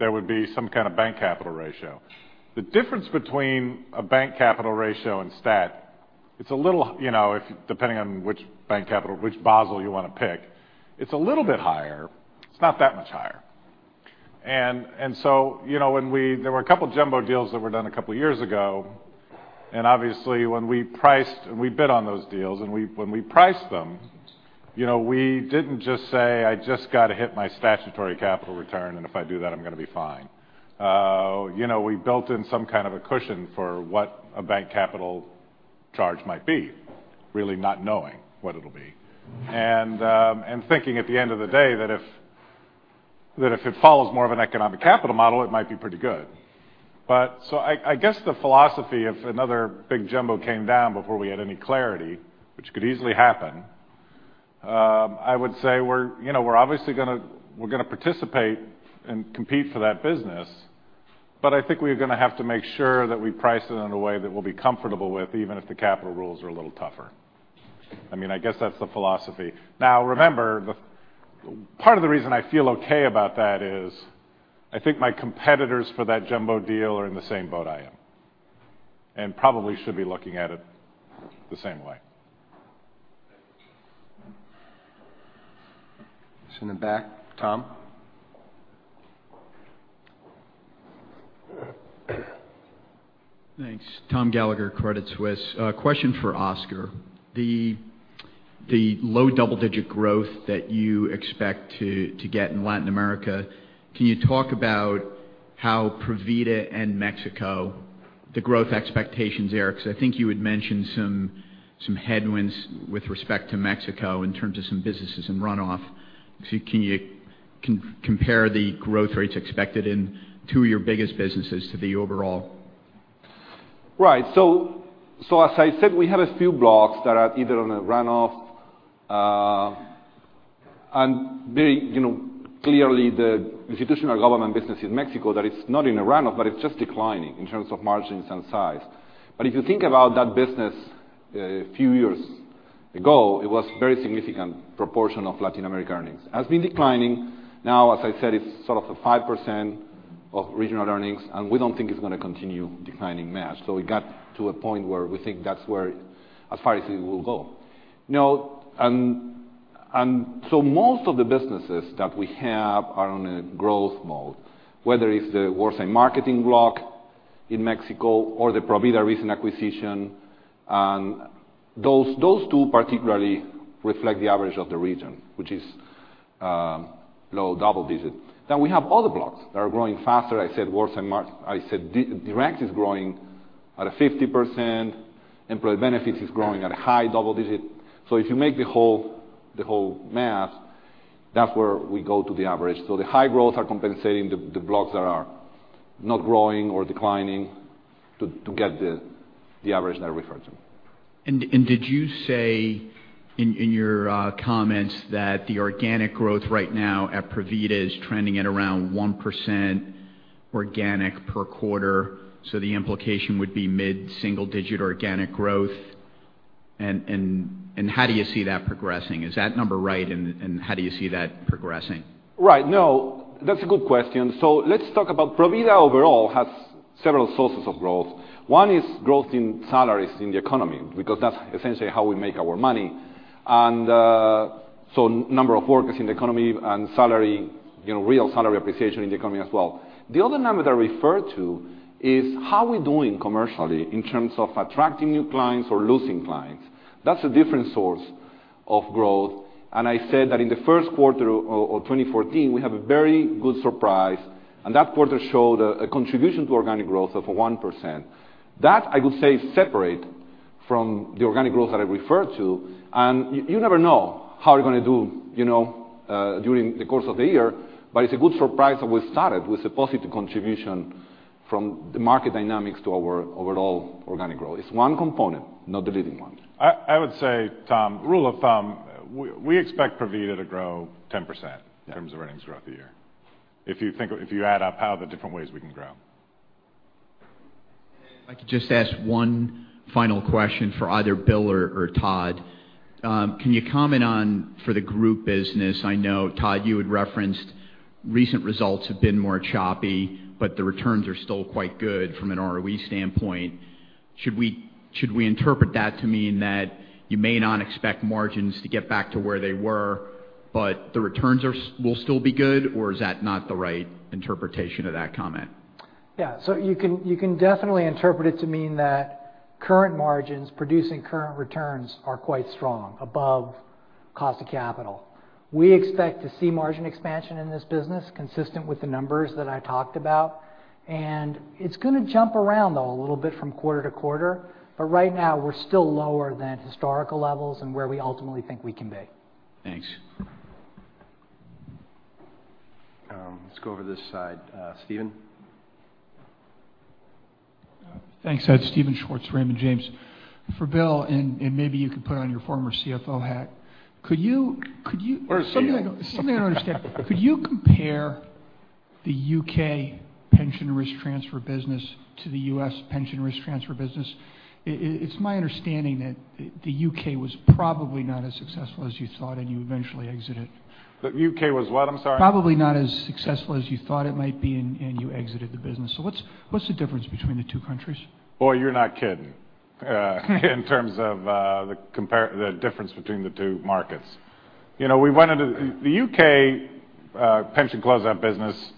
there would be some kind of bank capital ratio. The difference between a bank capital ratio and stat, depending on which bank capital, which Basel you want to pick, it's a little bit higher. It's not that much higher. There were a couple jumbo deals that were done a couple years ago, obviously, when we bid on those deals and when we priced them, we didn't just say, "I just got to hit my statutory capital return, and if I do that, I'm going to be fine." We built in some kind of a cushion for what a bank capital charge might be, really not knowing what it'll be. Thinking at the end of the day that if it follows more of an economic capital model, it might be pretty good. I guess the philosophy if another big jumbo came down before we had any clarity, which could easily happen, I would say we're obviously going to participate and compete for that business. I think we're going to have to make sure that we price it in a way that we'll be comfortable with, even if the capital rules are a little tougher. I guess that's the philosophy. Now, remember, part of the reason I feel okay about that is I think my competitors for that jumbo deal are in the same boat I am and probably should be looking at it the same way. It's in the back. Tom? Thanks. Thomas Gallagher, Credit Suisse. A question for Oscar. The low double-digit growth that you expect to get in Latin America, can you talk about how Provida and Mexico, the growth expectations there? Because I think you had mentioned some headwinds with respect to Mexico in terms of some businesses and runoff. Can you compare the growth rates expected in two of your biggest businesses to the overall? Right. As I said, we have a few blocks that are either on a runoff. Very clearly, the institutional government business in Mexico, that it's not in a runoff, but it's just declining in terms of margins and size. If you think about that business a few years ago, it was very significant proportion of Latin America earnings. It has been declining. As I said, it's sort of a 5% of regional earnings, and we don't think it's going to continue declining mass. We got to a point where we think that's where as far as it will go. Most of the businesses that we have are on a growth mode, whether it's the Worksite Marketing block in Mexico or the Provida recent acquisition. Those two particularly reflect the average of the region, which is low double-digit. We have other blocks that are growing faster. I said direct is growing at a 50%, employee benefits is growing at a high double-digit. If you make the whole math, that's where we go to the average. The high growths are compensating the blocks that are not growing or declining to get the average that I referred to. Did you say in your comments that the organic growth right now at Provida is trending at around 1% organic per quarter, so the implication would be mid-single-digit organic growth? How do you see that progressing? Is that number right, and how do you see that progressing? Right. No, that's a good question. Let's talk about Provida overall has several sources of growth. One is growth in salaries in the economy, because that's essentially how we make our money. Number of workers in the economy and real salary appreciation in the economy as well. The other number that I referred to is how we're doing commercially in terms of attracting new clients or losing clients. That's a different source of growth. I said that in the first quarter of 2014, we have a very good surprise, and that quarter showed a contribution to organic growth of 1%. That, I would say, is separate from the organic growth that I referred to. You never know how you're going to do during the course of the year. It's a good surprise that we started with a positive contribution from the market dynamics to our overall organic growth. It's one component, not the leading one. I would say, Tom, rule of thumb, we expect Provida to grow 10% in terms of earnings growth a year. If you add up how the different ways we can grow. If I could just ask one final question for either Bill or Todd. Can you comment on for the group business, I know, Todd, you had referenced recent results have been more choppy, but the returns are still quite good from an ROE standpoint. Should we interpret that to mean that you may not expect margins to get back to where they were, but the returns will still be good? Or is that not the right interpretation of that comment? Yeah. You can definitely interpret it to mean that current margins producing current returns are quite strong, above cost of capital. We expect to see margin expansion in this business consistent with the numbers that I talked about, and it's going to jump around, though, a little bit from quarter to quarter. Right now, we're still lower than historical levels and where we ultimately think we can be. Thanks. Let's go over this side. Steven? Thanks. It's Steven Schwartz, Raymond James. For Bill, maybe you can put on your former CFO hat. Where is he? Something I don't understand. Could you compare the U.K. pension risk transfer business to the U.S. pension risk transfer business? It's my understanding that the U.K. was probably not as successful as you thought, you eventually exited. The U.K. was what, I'm sorry? Probably not as successful as you thought it might be, and you exited the business. What's the difference between the two countries? Boy, you're not kidding in terms of the difference between the two markets. We went into the U.K. pension close-out business,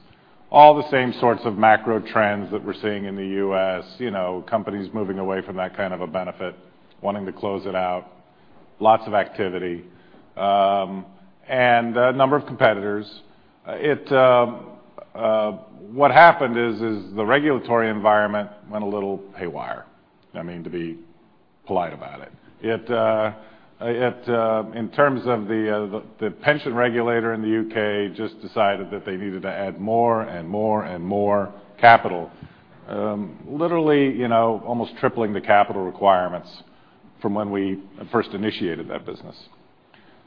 all the same sorts of macro trends that we're seeing in the U.S. Companies moving away from that kind of a benefit, wanting to close it out, lots of activity, and a number of competitors. What happened is the regulatory environment went a little haywire. I mean, to be polite about it. In terms of the pension regulator in the U.K. just decided that they needed to add more and more and more capital. Literally almost tripling the capital requirements from when we first initiated that business.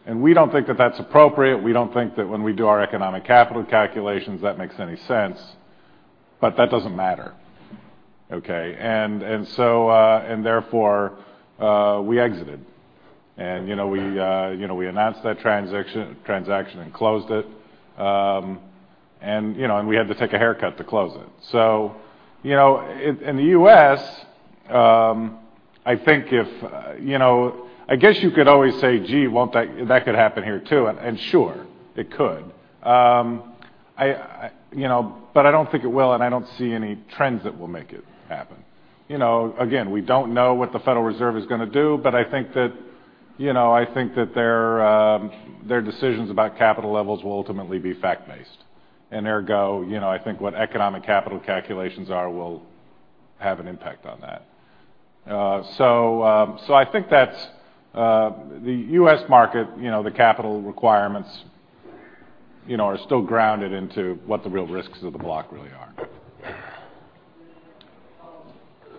We don't think that that's appropriate. We don't think that when we do our economic capital calculations that makes any sense. That doesn't matter. Okay? Therefore, we exited. We announced that transaction and closed it. We had to take a haircut to close it. In the U.S., I guess you could always say, "Gee, that could happen here, too." Sure, it could. I don't think it will, and I don't see any trends that will make it happen. Again, we don't know what the Federal Reserve is going to do, but I think that their decisions about capital levels will ultimately be fact-based. Ergo, I think what economic capital calculations are will have an impact on that. I think that the U.S. market, the capital requirements are still grounded into what the real risks of the block really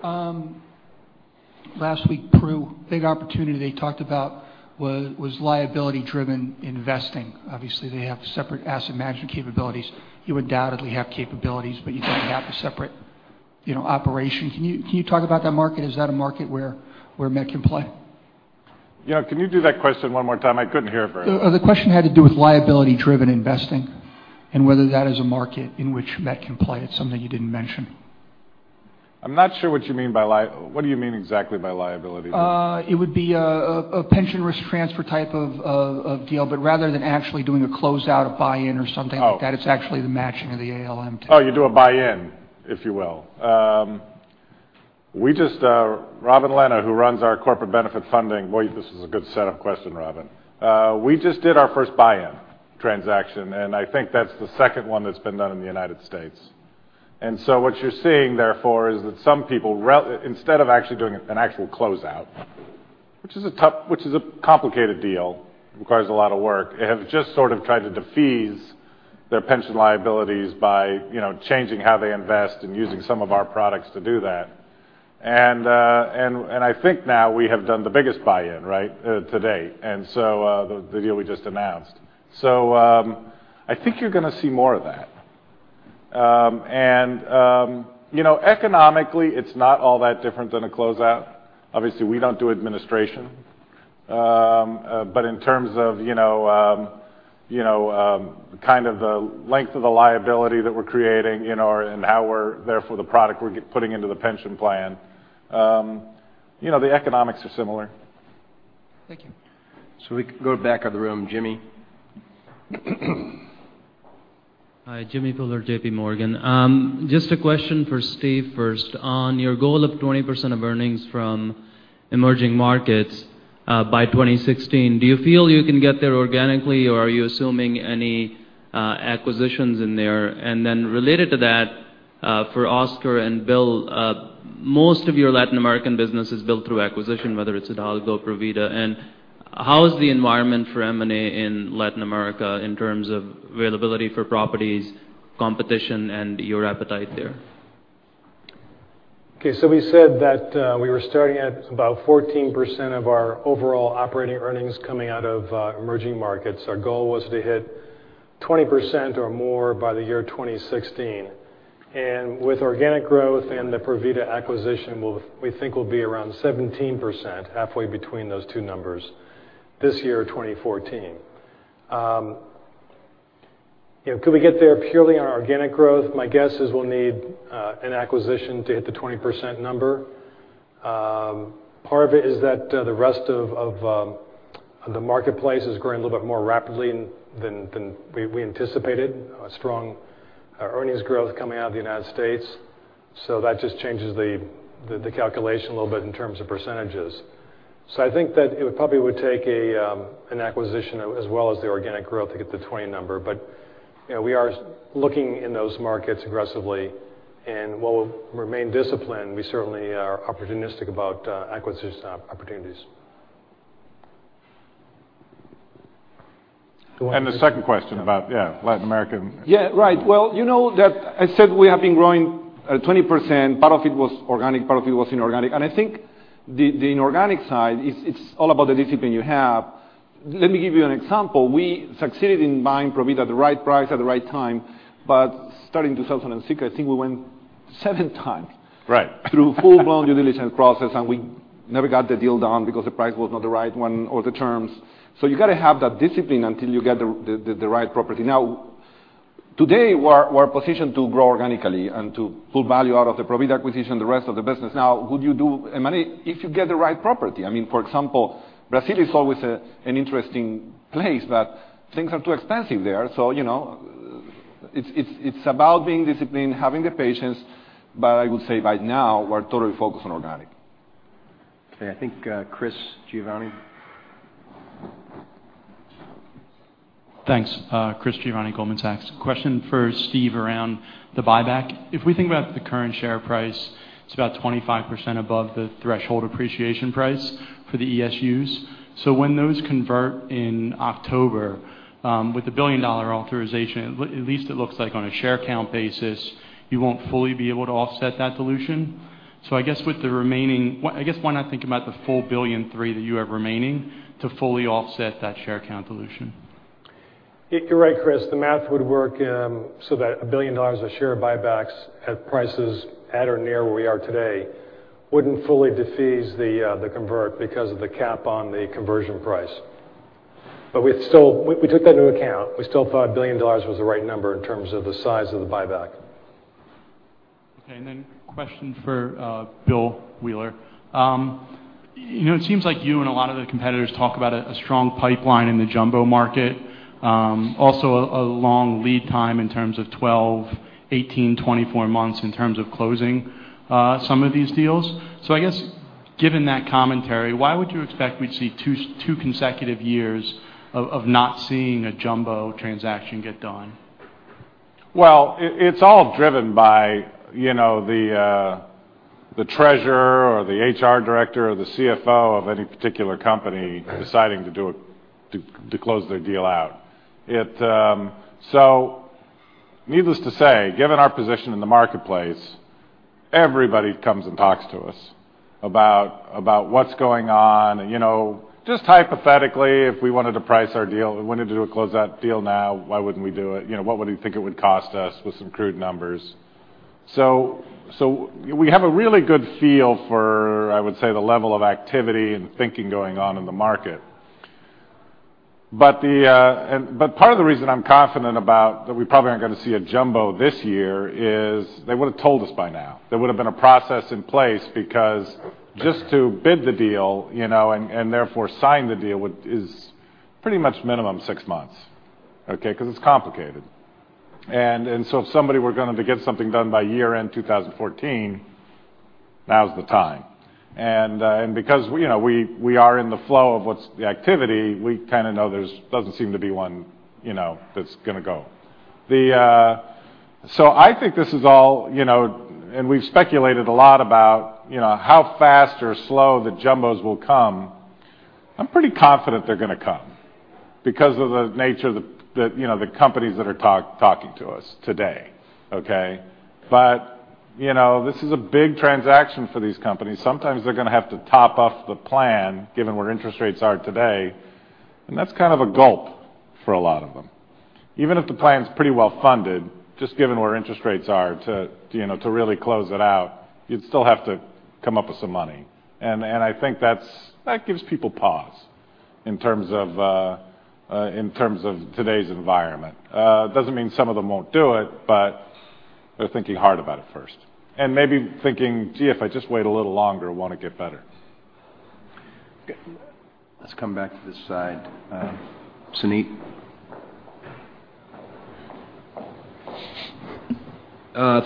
are. Last week, Pru, big opportunity they talked about was liability-driven investing. Obviously, they have separate asset management capabilities. You undoubtedly have capabilities, but you don't have a separate operation. Can you talk about that market? Is that a market where Met can play? Yeah. Can you do that question one more time? I couldn't hear it very well. The question had to do with liability-driven investing and whether that is a market in which Met can play. It's something you didn't mention. I'm not sure what you mean by what do you mean exactly by liability-driven? It would be a pension risk transfer type of deal, but rather than actually doing a closeout, a buy-in or something like that. Oh It's actually the matching of the ALM tech. Oh, you do a buy-in, if you will. Robin Leonard, who runs our Corporate Benefit Funding, boy, this is a good setup question, Robin. We just did our first buy-in transaction, I think that's the second one that's been done in the U.S. What you're seeing, therefore, is that some people, instead of actually doing an actual close-out, which is a complicated deal, requires a lot of work, have just sort of tried to defease their pension liabilities by changing how they invest and using some of our products to do that. I think now we have done the biggest buy-in, right, to date. The deal we just announced. I think you're going to see more of that. Economically, it's not all that different than a close-out. Obviously, we don't do administration. In terms of the length of the liability that we're creating and therefore, the product we're putting into the pension plan, the economics are similar. Thank you. We can go to the back of the room. Jimmy? Hi. Jimmy Bhullar, JPMorgan. Just a question for Steve first. On your goal of 20% of earnings from emerging markets by 2016, do you feel you can get there organically, or are you assuming any acquisitions in there? Then related to that, for Oscar and Bill, most of your Latin American business is built through acquisition, whether it's Hidalgo, Provida, and how is the environment for M&A in Latin America in terms of availability for properties, competition, and your appetite there? We said that we were starting at about 14% of our overall operating earnings coming out of emerging markets. Our goal was to hit 20% or more by the year 2016. With organic growth and the Provida acquisition, we think we'll be around 17%, halfway between those two numbers this year, 2014. Could we get there purely on organic growth? My guess is we'll need an acquisition to hit the 20% number. Part of it is that the rest of the marketplace has grown a little bit more rapidly than we anticipated. A strong earnings growth coming out of the United States. I think that it probably would take an acquisition as well as the organic growth to get the 20 number. We are looking in those markets aggressively, and while we'll remain disciplined, we certainly are opportunistic about acquisition opportunities. The second question about Latin American. You know that I said we have been growing at 20%. Part of it was organic, part of it was inorganic. I think the inorganic side, it's all about the discipline you have. Let me give you an example. We succeeded in buying Provida at the right price at the right time. Starting 2006, I think we went seven times. Right We went through full-blown due diligence process, we never got the deal done because the price was not the right one or the terms. You got to have that discipline until you get the right property. Now, today, we're positioned to grow organically and to pull value out of the Provida acquisition, the rest of the business. Now, would you do M&A if you get the right property. For example, Brazil is always an interesting place, but things are too expensive there. It's about being disciplined, having the patience, but I would say right now, we're totally focused on organic. Okay. I think Christopher Giovanni. Thanks. Christopher Giovanni, Goldman Sachs. Question for Steve around the buyback. If we think about the current share price, it's about 25% above the threshold appreciation price for the ESUs. When those convert in October with a billion-dollar authorization, at least it looks like on a share count basis, you won't fully be able to offset that dilution. I guess when I think about the full $1.3 billion that you have remaining to fully offset that share count dilution. You're right, Chris. The math would work so that $1 billion of share buybacks at prices at or near where we are today wouldn't fully defease the convert because of the cap on the conversion price. We took that into account. We still thought $1 billion was the right number in terms of the size of the buyback. Okay. Question for Bill Wheeler. It seems like you and a lot of the competitors talk about a strong pipeline in the jumbo market. Also, a long lead time in terms of 12, 18, 24 months in terms of closing some of these deals. I guess given that commentary, why would you expect we'd see two consecutive years of not seeing a jumbo transaction get done? Well, it's all driven by the treasurer or the HR director or the CFO of any particular company deciding to close their deal out. Needless to say, given our position in the marketplace, everybody comes and talks to us about what's going on. Just hypothetically, if we wanted to price our deal and wanted to close that deal now, why wouldn't we do it? What would you think it would cost us with some crude numbers? We have a really good feel for, I would say, the level of activity and thinking going on in the market. Part of the reason I'm confident about that we probably aren't going to see a jumbo this year is they would've told us by now. There would've been a process in place because just to bid the deal and therefore sign the deal is pretty much minimum 6 months, okay? It's complicated. If somebody were going to get something done by year-end 2014, now's the time. Because we are in the flow of what's the activity, we kind of know there doesn't seem to be one that's going to go. I think this is all, and we've speculated a lot about how fast or slow the jumbos will come. I'm pretty confident they're going to come because of the nature of the companies that are talking to us today, okay? This is a big transaction for these companies. Sometimes they're going to have to top off the plan given where interest rates are today, and that's kind of a gulp for a lot of them. Even if the plan's pretty well funded, just given where interest rates are to really close it out, you'd still have to come up with some money. I think that gives people pause in terms of today's environment. Doesn't mean some of them won't do it, but they're thinking hard about it first. Maybe thinking, "Gee, if I just wait a little longer, it'll only get better. Let's come back to this side. Suneet?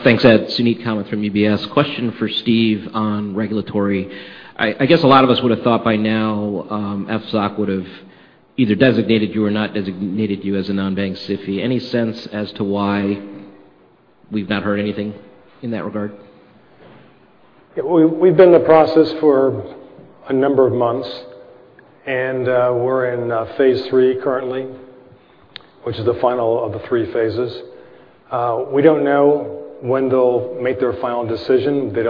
Thanks, Ed. Suneet Kamath from UBS. Question for Steve on regulatory. I guess a lot of us would've thought by now FSOC would've either designated you or not designated you as a non-bank SIFI. Any sense as to why we've not heard anything in that regard? We've been in the process for a number of months, we're in phase 3 currently, which is the final of the 3 phases. We don't know when they'll make their final decision. They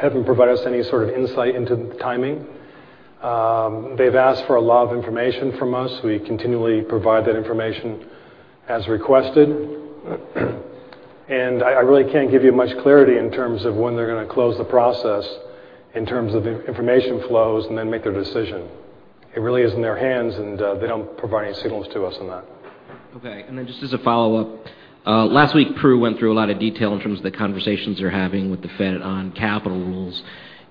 haven't provided us any sort of insight into the timing. They've asked for a lot of information from us. We continually provide that information as requested. I really can't give you much clarity in terms of when they're going to close the process in terms of information flows and then make their decision. It really is in their hands, they don't provide any signals to us on that. Okay. Just as a follow-up, last week Pru went through a lot of detail in terms of the conversations you're having with the Fed on capital rules.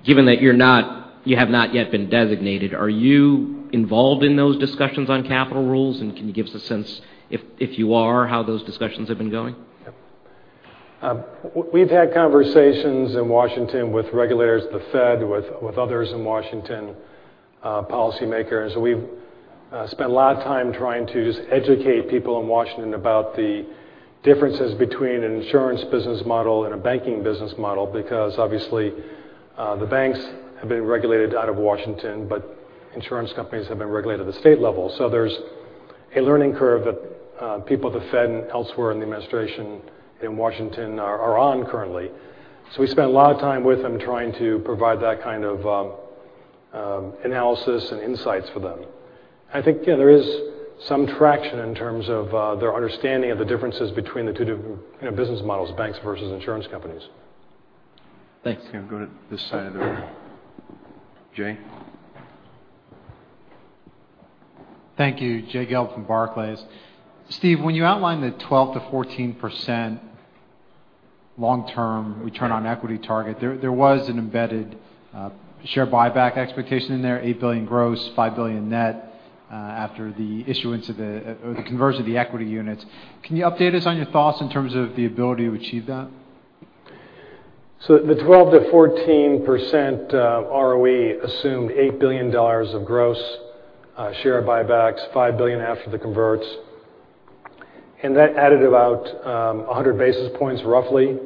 Given that you have not yet been designated, are you involved in those discussions on capital rules? Can you give us a sense, if you are, how those discussions have been going? We've had conversations in Washington with regulators at the Fed, with others in Washington, policymakers. We've spent a lot of time trying to just educate people in Washington about the differences between an insurance business model and a banking business model because obviously the banks have been regulated out of Washington, but insurance companies have been regulated at the state level. There's a learning curve that people at the Fed and elsewhere in the administration in Washington are on currently. We spent a lot of time with them trying to provide that kind of analysis and insights for them. I think there is some traction in terms of their understanding of the differences between the two different business models, banks versus insurance companies. Thanks. Okay, I'm going to this side of the room. Jay? Thank you. Jay Gelb from Barclays. Steve, when you outlined the 12%-14% long-term return on equity target, there was an embedded share buyback expectation in there, $8 billion gross, $5 billion net after the issuance or the conversion of the equity units. Can you update us on your thoughts in terms of the ability to achieve that? The 12%-14% ROE assumed $8 billion of gross share buybacks, $5 billion after the converts. That added about 100 basis points roughly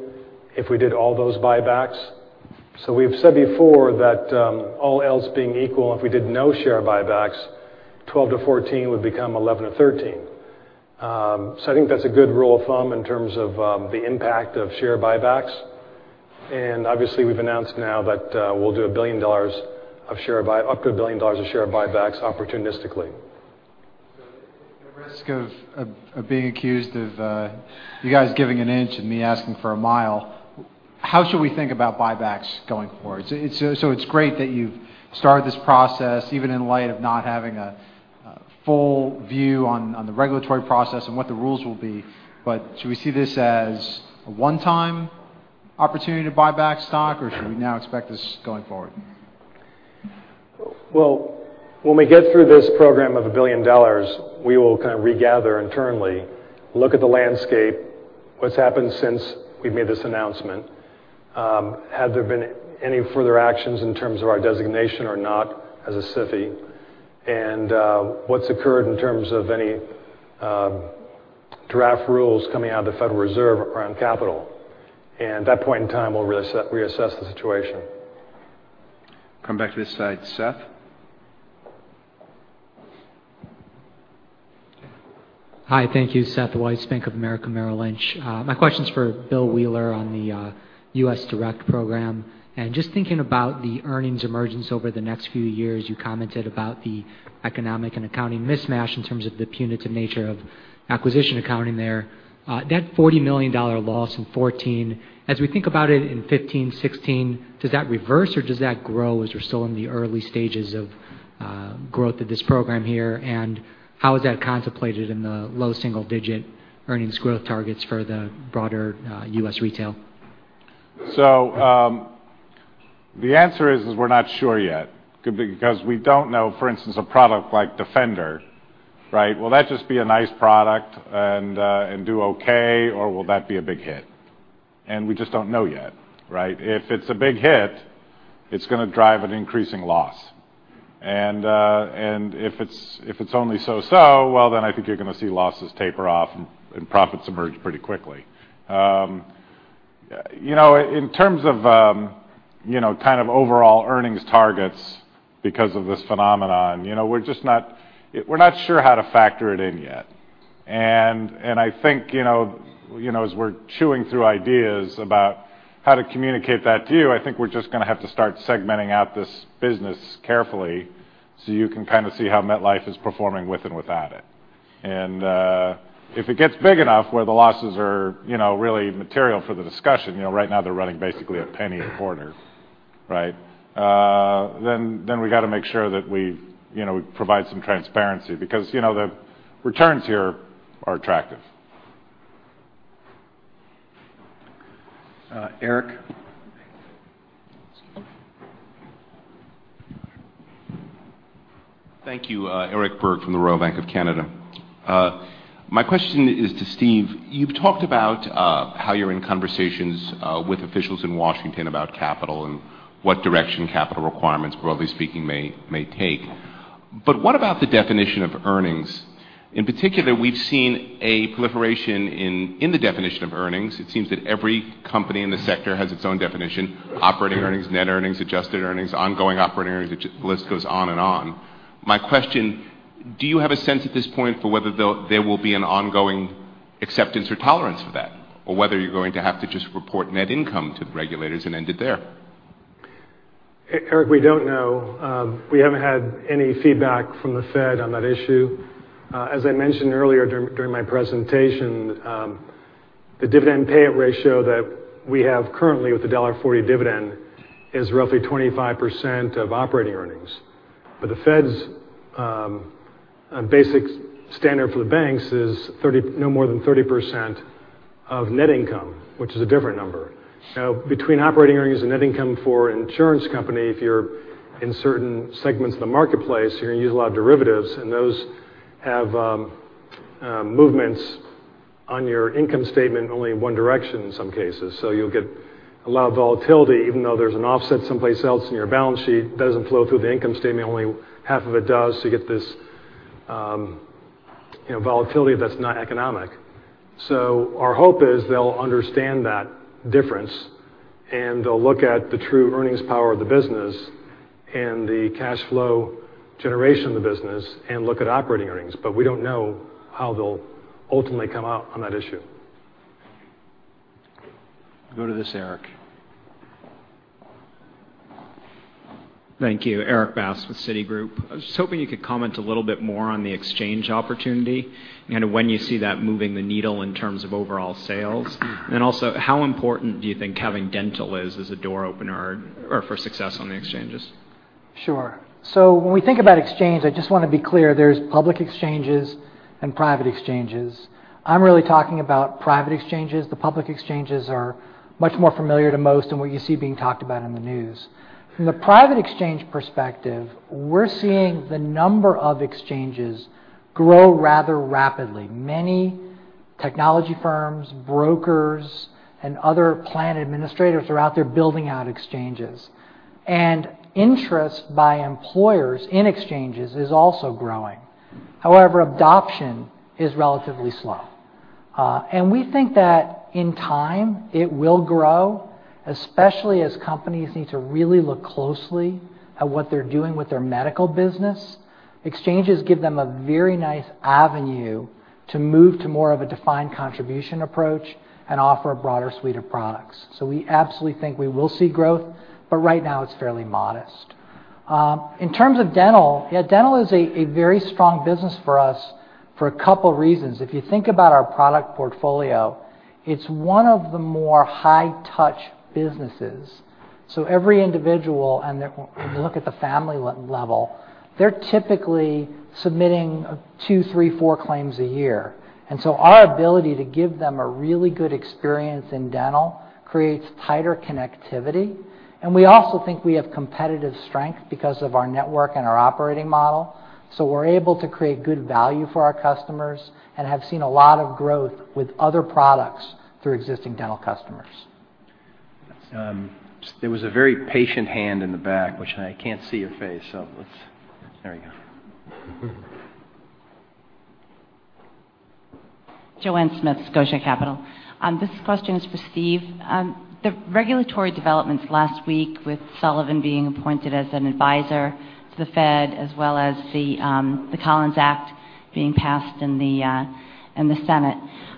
if we did all those buybacks. We've said before that all else being equal and if we did no share buybacks, 12-14 would become 11-13. I think that's a good rule of thumb in terms of the impact of share buybacks. Obviously we've announced now that we'll do up to $1 billion of share buybacks opportunistically. At the risk of being accused of you guys giving an inch and me asking for a mile, how should we think about buybacks going forward? It's great that you've started this process even in light of not having a full view on the regulatory process and what the rules will be. Should we see this as a one-time opportunity to buy back stock or should we now expect this going forward? When we get through this program of $1 billion, we will kind of regather internally, look at the landscape, what's happened since we've made this announcement. Have there been any further actions in terms of our designation or not as a SIFI? What's occurred in terms of any draft rules coming out of the Federal Reserve around capital? At that point in time, we'll reassess the situation. Come back to this side. Seth? Hi. Thank you. Seth Weiss, Bank of America Merrill Lynch. My question is for Bill Wheeler on the U.S. Direct program. Just thinking about the earnings emergence over the next few years, you commented about the economic and accounting mismatch in terms of the punitive nature of acquisition accounting there. That $40 million loss in 2014, as we think about it in 2015, 2016, does that reverse, or does that grow as we're still in the early stages of growth of this program here? How is that contemplated in the low single-digit earnings growth targets for the broader U.S. retail? The answer is we're not sure yet because we don't know, for instance, a product like Defender, right? Will that just be a nice product and do okay, or will that be a big hit? We just don't know yet, right? If it's a big hit, it's going to drive an increasing loss. If it's only so-so, well, I think you're going to see losses taper off and profits emerge pretty quickly. In terms of overall earnings targets because of this phenomenon, we're not sure how to factor it in yet. I think, as we're chewing through ideas about how to communicate that to you, I think we're just going to have to start segmenting out this business carefully so you can kind of see how MetLife is performing with and without it. If it gets big enough where the losses are really material for the discussion, right now they're running basically $0.01 a quarter. We got to make sure that we provide some transparency because the returns here are attractive. Eric? Thank you. Eric Berg from the Royal Bank of Canada. My question is to Steve. You've talked about how you're in conversations with officials in Washington about capital and what direction capital requirements, broadly speaking, may take. What about the definition of earnings? In particular, we've seen a proliferation in the definition of earnings. It seems that every company in the sector has its own definition. Operating earnings, net earnings, adjusted earnings, ongoing operating earnings. The list goes on and on. My question, do you have a sense at this point for whether there will be an ongoing acceptance or tolerance for that? Or whether you're going to have to just report net income to the regulators and end it there? Eric, we don't know. We haven't had any feedback from the Fed on that issue. As I mentioned earlier during my presentation, the dividend payout ratio that we have currently with the $1.40 dividend is roughly 25% of operating earnings. The Fed's basic standard for the banks is no more than 30% of net income, which is a different number. Between operating earnings and net income for an insurance company, if you're in certain segments of the marketplace, you're going to use a lot of derivatives, and those have movements on your income statement only in one direction in some cases. You'll get a lot of volatility even though there's an offset someplace else in your balance sheet. It doesn't flow through the income statement. Only half of it does. You get this volatility that's not economic. Our hope is they'll understand that difference, and they'll look at the true earnings power of the business and the cash flow generation of the business and look at operating earnings. We don't know how they'll ultimately come out on that issue. Go to this Erik. Thank you. Erik Bass with Citigroup. I was just hoping you could comment a little bit more on the exchange opportunity and when you see that moving the needle in terms of overall sales. How important do you think having dental is as a door opener or for success on the exchanges? Sure. When we think about exchange, I just want to be clear, there's public exchanges and private exchanges. I'm really talking about private exchanges. The public exchanges are much more familiar to most and what you see being talked about in the news. From the private exchange perspective, we're seeing the number of exchanges grow rather rapidly. Many technology firms, brokers, and other plan administrators are out there building out exchanges. Interest by employers in exchanges is also growing. However, adoption is relatively slow. We think that in time, it will grow, especially as companies need to really look closely at what they're doing with their medical business. Exchanges give them a very nice avenue to move to more of a defined contribution approach and offer a broader suite of products. We absolutely think we will see growth, but right now it's fairly modest. In terms of dental, yeah, dental is a very strong business for us for a couple of reasons. If you think about our product portfolio, it's one of the more high-touch businesses. Every individual, and if you look at the family level, they're typically submitting two, three, four claims a year. Our ability to give them a really good experience in dental creates tighter connectivity. We also think we have competitive strength because of our network and our operating model. We're able to create good value for our customers and have seen a lot of growth with other products through existing dental customers. There was a very patient hand in the back, which I can't see your face. Let's There we go. Joanne Smith, Scotia Capital. This question is for Steve. The regulatory developments last week with Sullivan being appointed as an advisor to the Fed, as well as the Collins Act being passed in the Senate.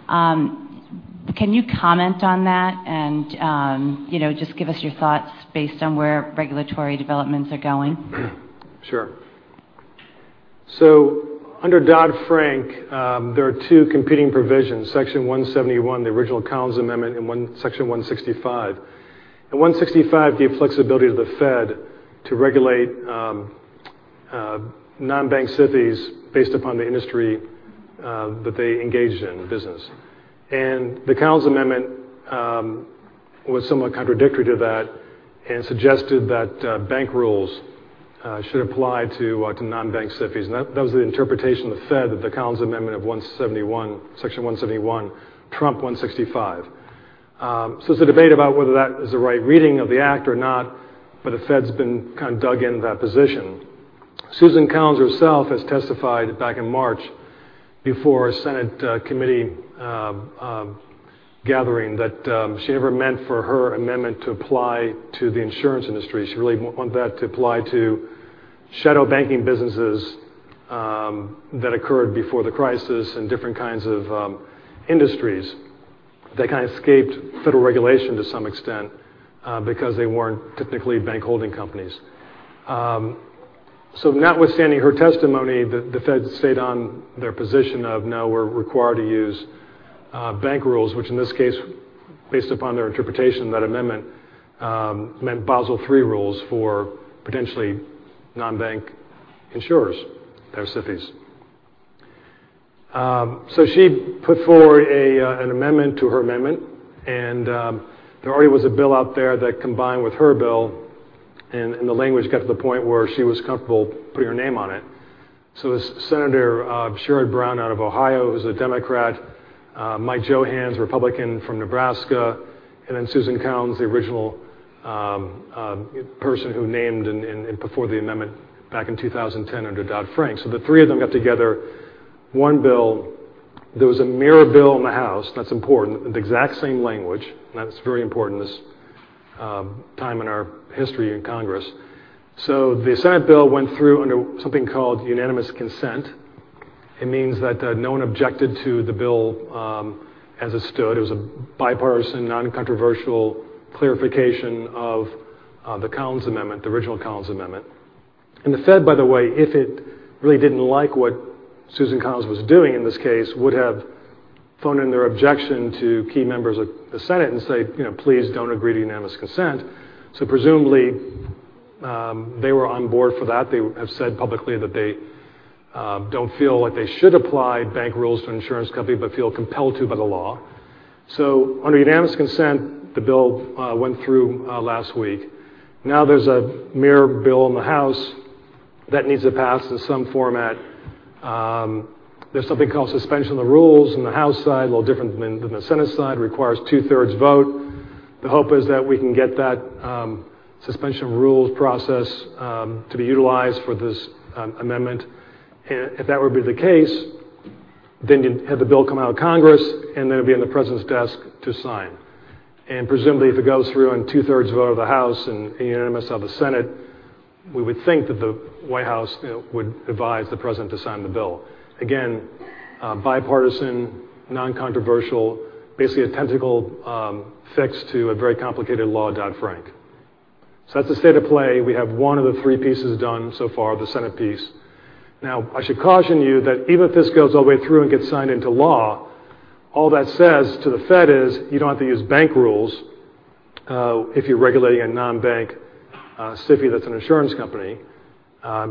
Can you comment on that and just give us your thoughts based on where regulatory developments are going? Sure. Under Dodd-Frank, there are two competing provisions, Section 171, the original Collins amendment, and Section 165. 165 gave flexibility to the Fed to regulate non-bank SIFIs based upon the industry that they engaged in business. The Collins amendment was somewhat contradictory to that and suggested that bank rules should apply to non-bank SIFIs. That was the interpretation of the Fed that the Collins amendment of Section 171 trumped 165. It's a debate about whether that is the right reading of the act or not, but the Fed's been kind of dug into that position. Susan Collins herself has testified back in March before a Senate committee gathering that she never meant for her amendment to apply to the insurance industry. She really wanted that to apply to shadow banking businesses that occurred before the crisis and different kinds of industries that kind of escaped federal regulation to some extent because they weren't technically bank holding companies. Notwithstanding her testimony, the Fed stayed on their position of, "No, we're required to use bank rules," which in this case, based upon their interpretation, that amendment meant Basel III rules for potentially non-bank insurers that are SIFIs. She put forward an amendment to her amendment, There already was a bill out there that combined with her bill, The language got to the point where she was comfortable putting her name on it. Senator Sherrod Brown out of Ohio, who's a Democrat, Mike Johanns, Republican from Nebraska, and then Susan Collins, the original person who named and put forward the amendment back in 2010 under Dodd-Frank. The three of them got together one bill. There was a mirror bill in the House, that is important, the exact same language. That is very important this time in our history in Congress. The Senate bill went through under something called unanimous consent. It means that no one objected to the bill as it stood. It was a bipartisan, non-controversial clarification of the Collins Amendment, the original Collins Amendment. The Fed, by the way, if it really did not like what Susan Collins was doing in this case, would have phoned in their objection to key members of the Senate and say, 'Please do not agree to unanimous consent.' Presumably, they were on board for that. They have said publicly that they do not feel like they should apply bank rules to insurance company, but feel compelled to by the law. Under unanimous consent, the bill went through last week. There is a mirror bill in the House that needs to pass in some format. There is something called suspension of the rules in the House side, a little different than the Senate side, requires two-thirds vote. The hope is that we can get that suspension of rules process to be utilized for this amendment. If that were to be the case, you would have the bill come out of Congress, and it would be on the president's desk to sign. Presumably, if it goes through on two-thirds vote of the House and a unanimous of the Senate, we would think that the White House would advise the president to sign the bill. Again, bipartisan, non-controversial, basically a technical fix to a very complicated law, Dodd-Frank. That is the state of play. We have one of the three pieces done so far, the Senate piece. I should caution you that even if this goes all the way through and gets signed into law, all that says to the Fed is, you do not have to use bank rules if you are regulating a non-bank SIFI that is an insurance company.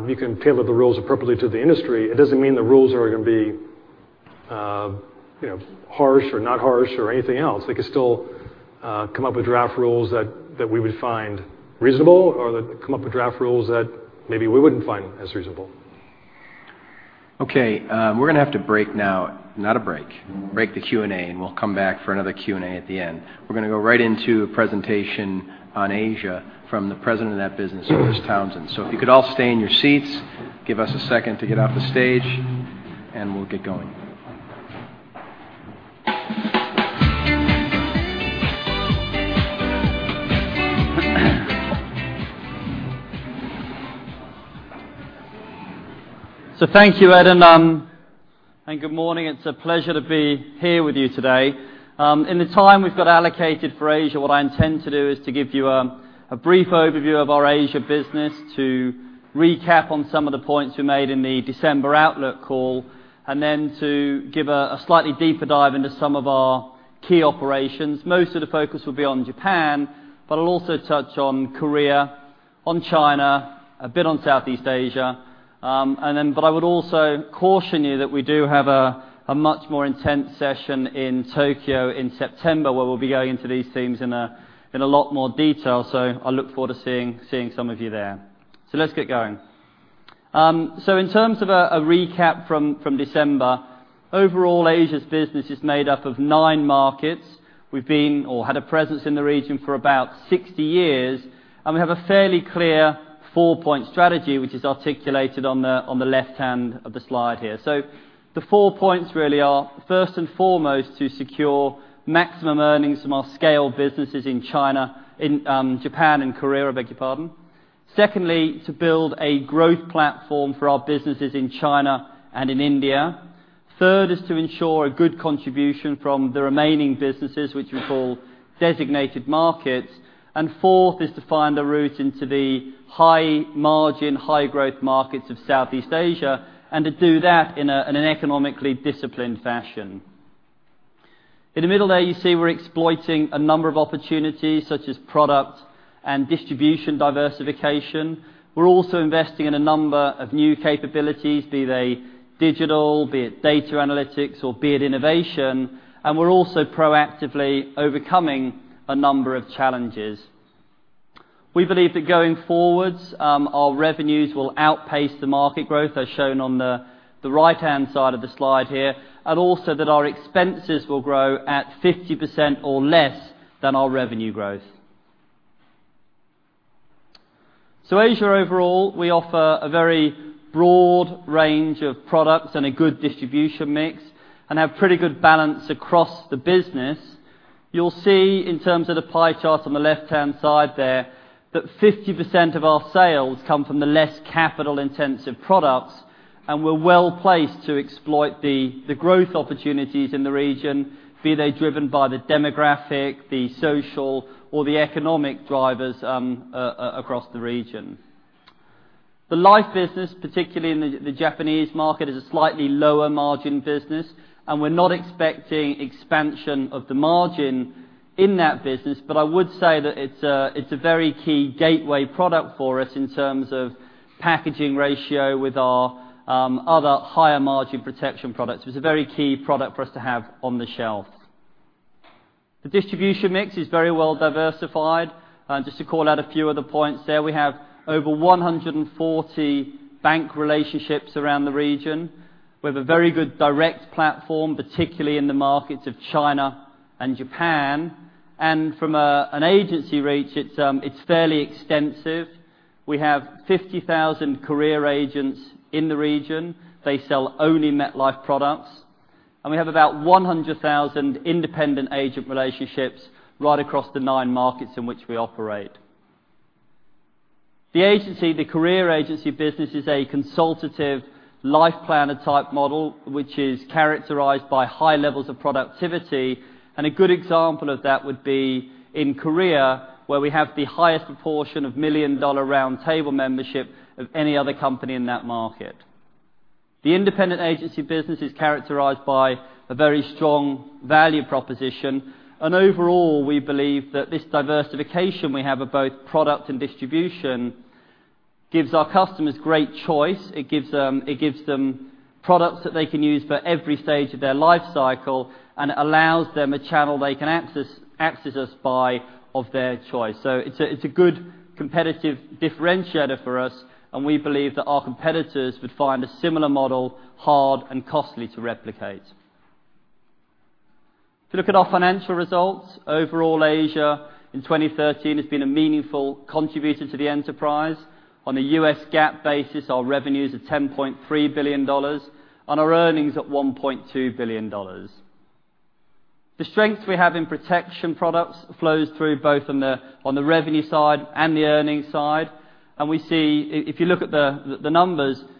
You can tailor the rules appropriately to the industry. It does not mean the rules are going to be harsh or not harsh or anything else. They could still come up with draft rules that we would find reasonable or come up with draft rules that maybe we would not find as reasonable. Okay. We are going to have to break now. Not a break. Break the Q&A. We will come back for another Q&A at the end. We are going to go right into a presentation on Asia from the President of that business, Chris Townsend. If you could all stay in your seats, give us a second to get off the stage, and we will get going. Thank you, Ed, and good morning. It's a pleasure to be here with you today. In the time we've got allocated for Asia, what I intend to do is to give you a brief overview of our Asia business, to recap on some of the points we made in the December outlook call, and then to give a slightly deeper dive into some of our key operations. Most of the focus will be on Japan, but I'll also touch on Korea, on China, a bit on Southeast Asia. I would also caution you that we do have a much more intense session in Tokyo in September, where we'll be going into these themes in a lot more detail. I look forward to seeing some of you there. Let's get going. In terms of a recap from December, overall Asia's business is made up of nine markets. We've been or had a presence in the region for about 60 years, and we have a fairly clear four-point strategy, which is articulated on the left hand of the slide here. The four points really are, first and foremost, to secure maximum earnings from our scale businesses in Japan and Korea, I beg your pardon. Secondly, to build a growth platform for our businesses in China and in India. Third is to ensure a good contribution from the remaining businesses, which we call designated markets. Fourth is to find a route into the high margin, high growth markets of Southeast Asia, and to do that in an economically disciplined fashion. In the middle there you see we're exploiting a number of opportunities, such as product and distribution diversification. We're also investing in a number of new capabilities, be they digital, be it data analytics or be it innovation, and we're also proactively overcoming a number of challenges. We believe that going forwards, our revenues will outpace the market growth as shown on the right-hand side of the slide here, and also that our expenses will grow at 50% or less than our revenue growth. Asia overall, we offer a very broad range of products and a good distribution mix and have pretty good balance across the business. You'll see in terms of the pie chart on the left-hand side there, that 50% of our sales come from the less capital intensive products. We're well-placed to exploit the growth opportunities in the region, be they driven by the demographic, the social, or the economic drivers across the region. The life business, particularly in the Japanese market, is a slightly lower margin business, and we're not expecting expansion of the margin in that business. I would say that it's a very key gateway product for us in terms of packaging ratio with our other higher margin protection products. It's a very key product for us to have on the shelf. The distribution mix is very well diversified. Just to call out a few of the points there. We have over 140 bank relationships around the region. We have a very good direct platform, particularly in the markets of China and Japan. From an agency reach, it's fairly extensive. We have 50,000 career agents in the region. They sell only MetLife products. We have about 100,000 independent agent relationships right across the nine markets in which we operate. The agency, the career agency business is a consultative life planner type model, which is characterized by high levels of productivity. A good example of that would be in Korea, where we have the highest proportion of Million Dollar Round Table membership of any other company in that market. The independent agency business is characterized by a very strong value proposition. Overall, we believe that this diversification we have of both product and distribution gives our customers great choice. It gives them products that they can use for every stage of their life cycle. It allows them a channel they can access us by of their choice. It's a good competitive differentiator for us. We believe that our competitors would find a similar model hard and costly to replicate. If you look at our financial results, overall Asia in 2013 has been a meaningful contributor to the enterprise. On a US GAAP basis, our revenues are $10.3 billion and our earnings at $1.2 billion. The strength we have in protection products flows through both on the revenue side and the earnings side. We see, if you look at the numbers, almost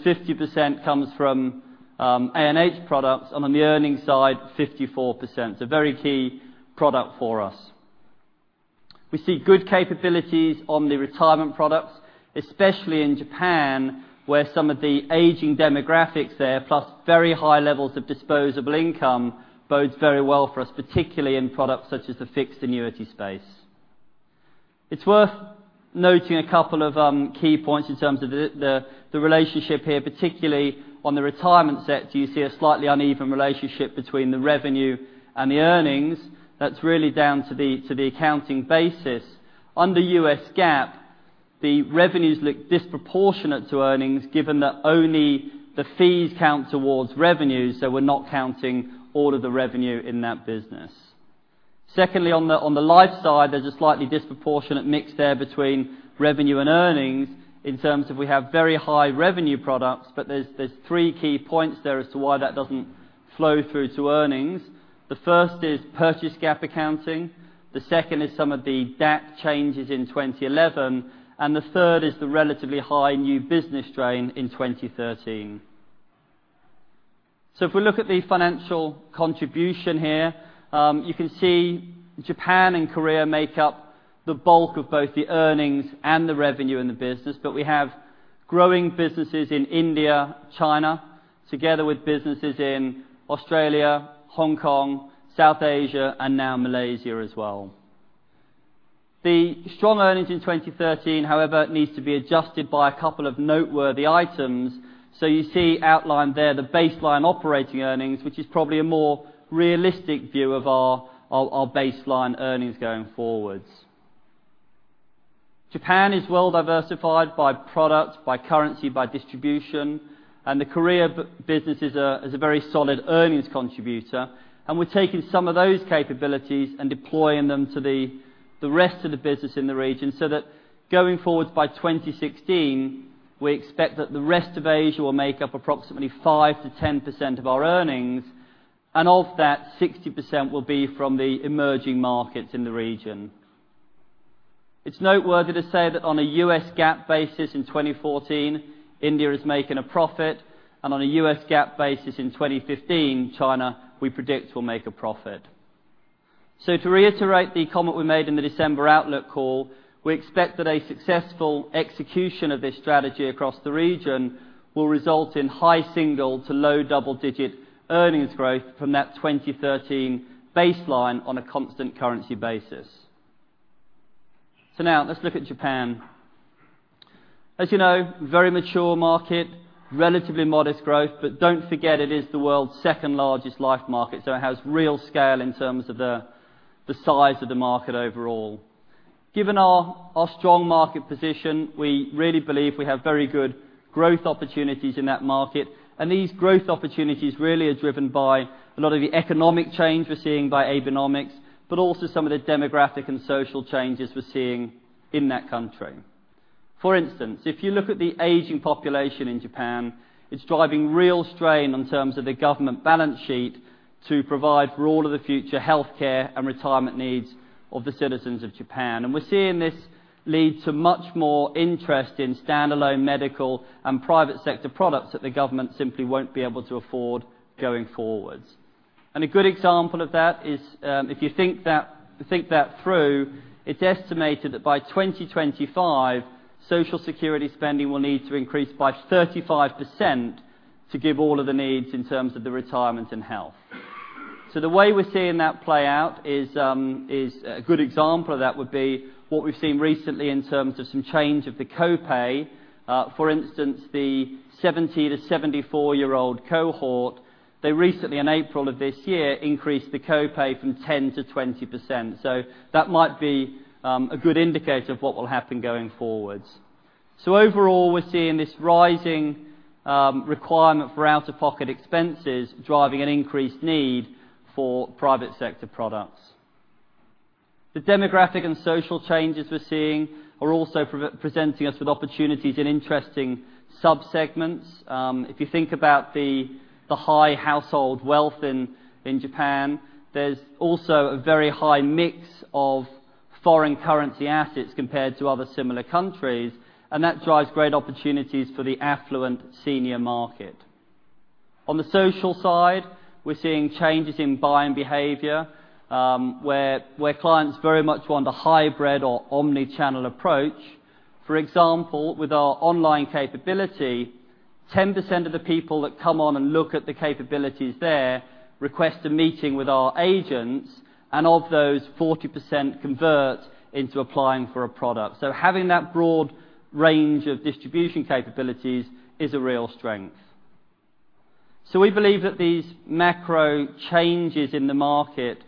50% comes from A&H products. On the earnings side, 54%. It's a very key product for us. We see good capabilities on the retirement products, especially in Japan where some of the aging demographics there, plus very high levels of disposable income bodes very well for us, particularly in products such as the fixed annuity space. It's worth noting a couple of key points in terms of the relationship here, particularly on the retirement sector, you see a slightly uneven relationship between the revenue and the earnings. That's really down to the accounting basis. Under US GAAP, the revenues look disproportionate to earnings given that only the fees count towards revenues. We're not counting all of the revenue in that business. Secondly, on the life side, there's a slightly disproportionate mix there between revenue and earnings in terms of we have very high revenue products. There's 3 key points there as to why that doesn't flow through to earnings. The first is purchase GAAP accounting, the second is some of the DAC changes in 2011. The third is the relatively high new business drain in 2013. If we look at the financial contribution here, you can see Japan and Korea make up the bulk of both the earnings and the revenue in the business. We have growing businesses in India, China, together with businesses in Australia, Hong Kong, South Asia. Now Malaysia as well. The strong earnings in 2013, however, needs to be adjusted by a couple of noteworthy items. You see outlined there the baseline operating earnings, which is probably a more realistic view of our baseline earnings going forwards. Japan is well diversified by product, by currency, by distribution. The Korea business is a very solid earnings contributor. We're taking some of those capabilities and deploying them to the rest of the business in the region, so that going forward, by 2016, we expect that the rest of Asia will make up approximately 5%-10% of our earnings. Of that, 60% will be from the emerging markets in the region. It's noteworthy to say that on a US GAAP basis in 2014, India is making a profit, and on a US GAAP basis in 2015, China, we predict, will make a profit. To reiterate the comment we made in the December outlook call, we expect that a successful execution of this strategy across the region will result in high single to low double-digit earnings growth from that 2013 baseline on a constant currency basis. Now, let's look at Japan. As you know, very mature market, relatively modest growth. Don't forget it is the world's second largest life market, so it has real scale in terms of the size of the market overall. Given our strong market position, we really believe we have very good growth opportunities in that market. These growth opportunities really are driven by a lot of the economic change we're seeing by Abenomics, but also some of the demographic and social changes we're seeing in that country. For instance, if you look at the aging population in Japan, it's driving real strain in terms of the government balance sheet to provide for all of the future healthcare and retirement needs of the citizens of Japan. We're seeing this lead to much more interest in standalone medical and private sector products that the government simply won't be able to afford going forwards. A good example of that is, if you think that through, it's estimated that by 2025, Social Security spending will need to increase by 35% to give all of the needs in terms of the retirement and health. The way we're seeing that play out is, a good example of that would be what we've seen recently in terms of some change of the copay. For instance, the 70-74-year-old cohort, they recently, in April of this year, increased the copay from 10%-20%. That might be a good indicator of what will happen going forwards. Overall, we're seeing this rising requirement for out-of-pocket expenses driving an increased need for private sector products. The demographic and social changes we're seeing are also presenting us with opportunities in interesting subsegments. If you think about the high household wealth in Japan, there's also a very high mix of foreign currency assets compared to other similar countries, and that drives great opportunities for the affluent senior market. On the social side, we're seeing changes in buying behavior, where clients very much want a hybrid or omni-channel approach. For example, with our online capability, 10% of the people that come on and look at the capabilities there request a meeting with our agents. Of those, 40% convert into applying for a product. Having that broad range of distribution capabilities is a real strength. We believe that these macro changes in the market,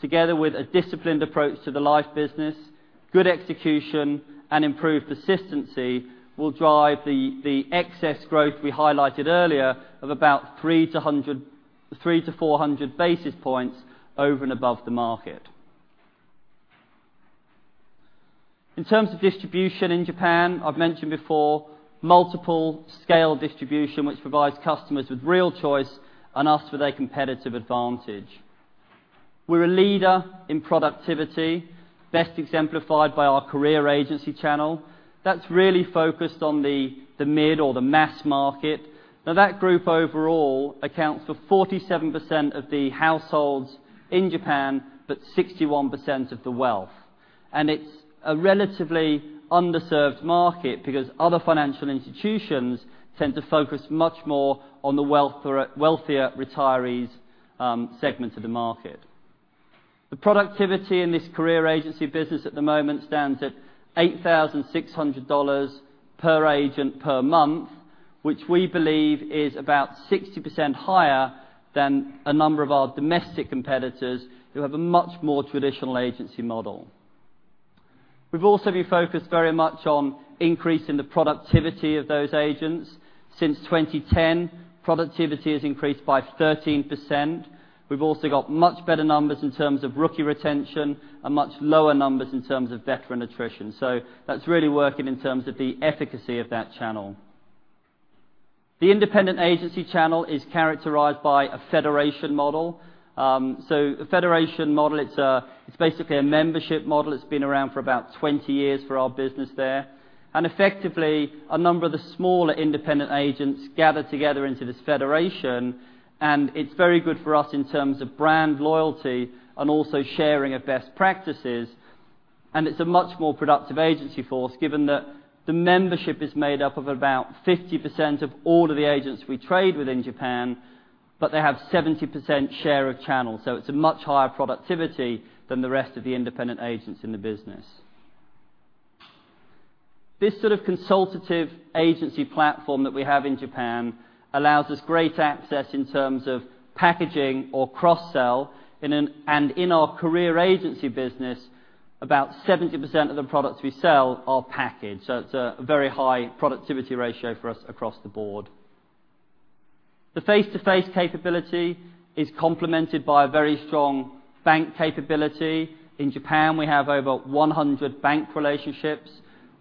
together with a disciplined approach to the life business, good execution, and improved persistency, will drive the excess growth we highlighted earlier of about 300-400 basis points over and above the market. In terms of distribution in Japan, I've mentioned before multiple scale distribution, which provides customers with real choice and us with a competitive advantage. We're a leader in productivity, best exemplified by our career agency channel. That's really focused on the mid or the mass market. That group overall accounts for 47% of the households in Japan, but 61% of the wealth. It's a relatively underserved market because other financial institutions tend to focus much more on the wealthier retirees segment of the market. The productivity in this career agency business at the moment stands at $8,600 per agent per month, which we believe is about 60% higher than a number of our domestic competitors who have a much more traditional agency model. We've also been focused very much on increasing the productivity of those agents. Since 2010, productivity has increased by 13%. We've also got much better numbers in terms of rookie retention and much lower numbers in terms of veteran attrition. That's really working in terms of the efficacy of that channel. The independent agency channel is characterized by a federation model. A federation model, it's basically a membership model. It's been around for about 20 years for our business there. Effectively, a number of the smaller independent agents gather together into this federation, and it's very good for us in terms of brand loyalty and also sharing of best practices. It's a much more productive agency force, given that the membership is made up of about 50% of all of the agents we trade with in Japan, but they have 17% share of channel. It's a much higher productivity than the rest of the independent agents in the business. This sort of consultative agency platform that we have in Japan allows us great access in terms of packaging or cross-sell. In our career agency business, about 70% of the products we sell are packaged. It's a very high productivity ratio for us across the board. The face-to-face capability is complemented by a very strong bank capability. In Japan, we have over 100 bank relationships,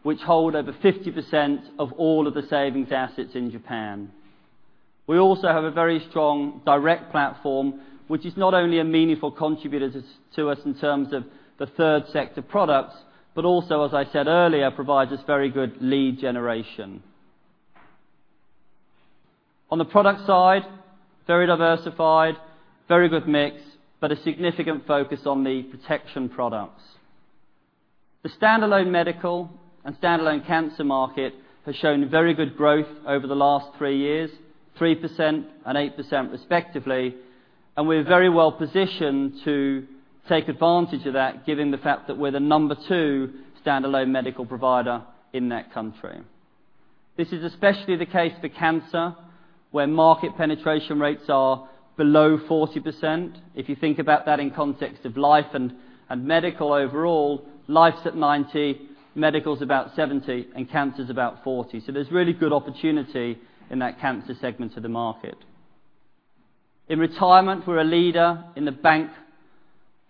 which hold over 50% of all of the savings assets in Japan. We also have a very strong direct platform, which is not only a meaningful contributor to us in terms of the third sector products, but also, as I said earlier, provides us very good lead generation. On the product side, very diversified, very good mix, but a significant focus on the protection products. The standalone medical and standalone cancer market has shown very good growth over the last three years, 3% and 8% respectively. We're very well positioned to take advantage of that given the fact that we're the number 2 standalone medical provider in that country. This is especially the case for cancer, where market penetration rates are below 40%. If you think about that in context of life and medical overall, life's at 90%, medical is about 70%, and cancer is about 40%. There's really good opportunity in that cancer segment of the market. In retirement, we're a leader in the bank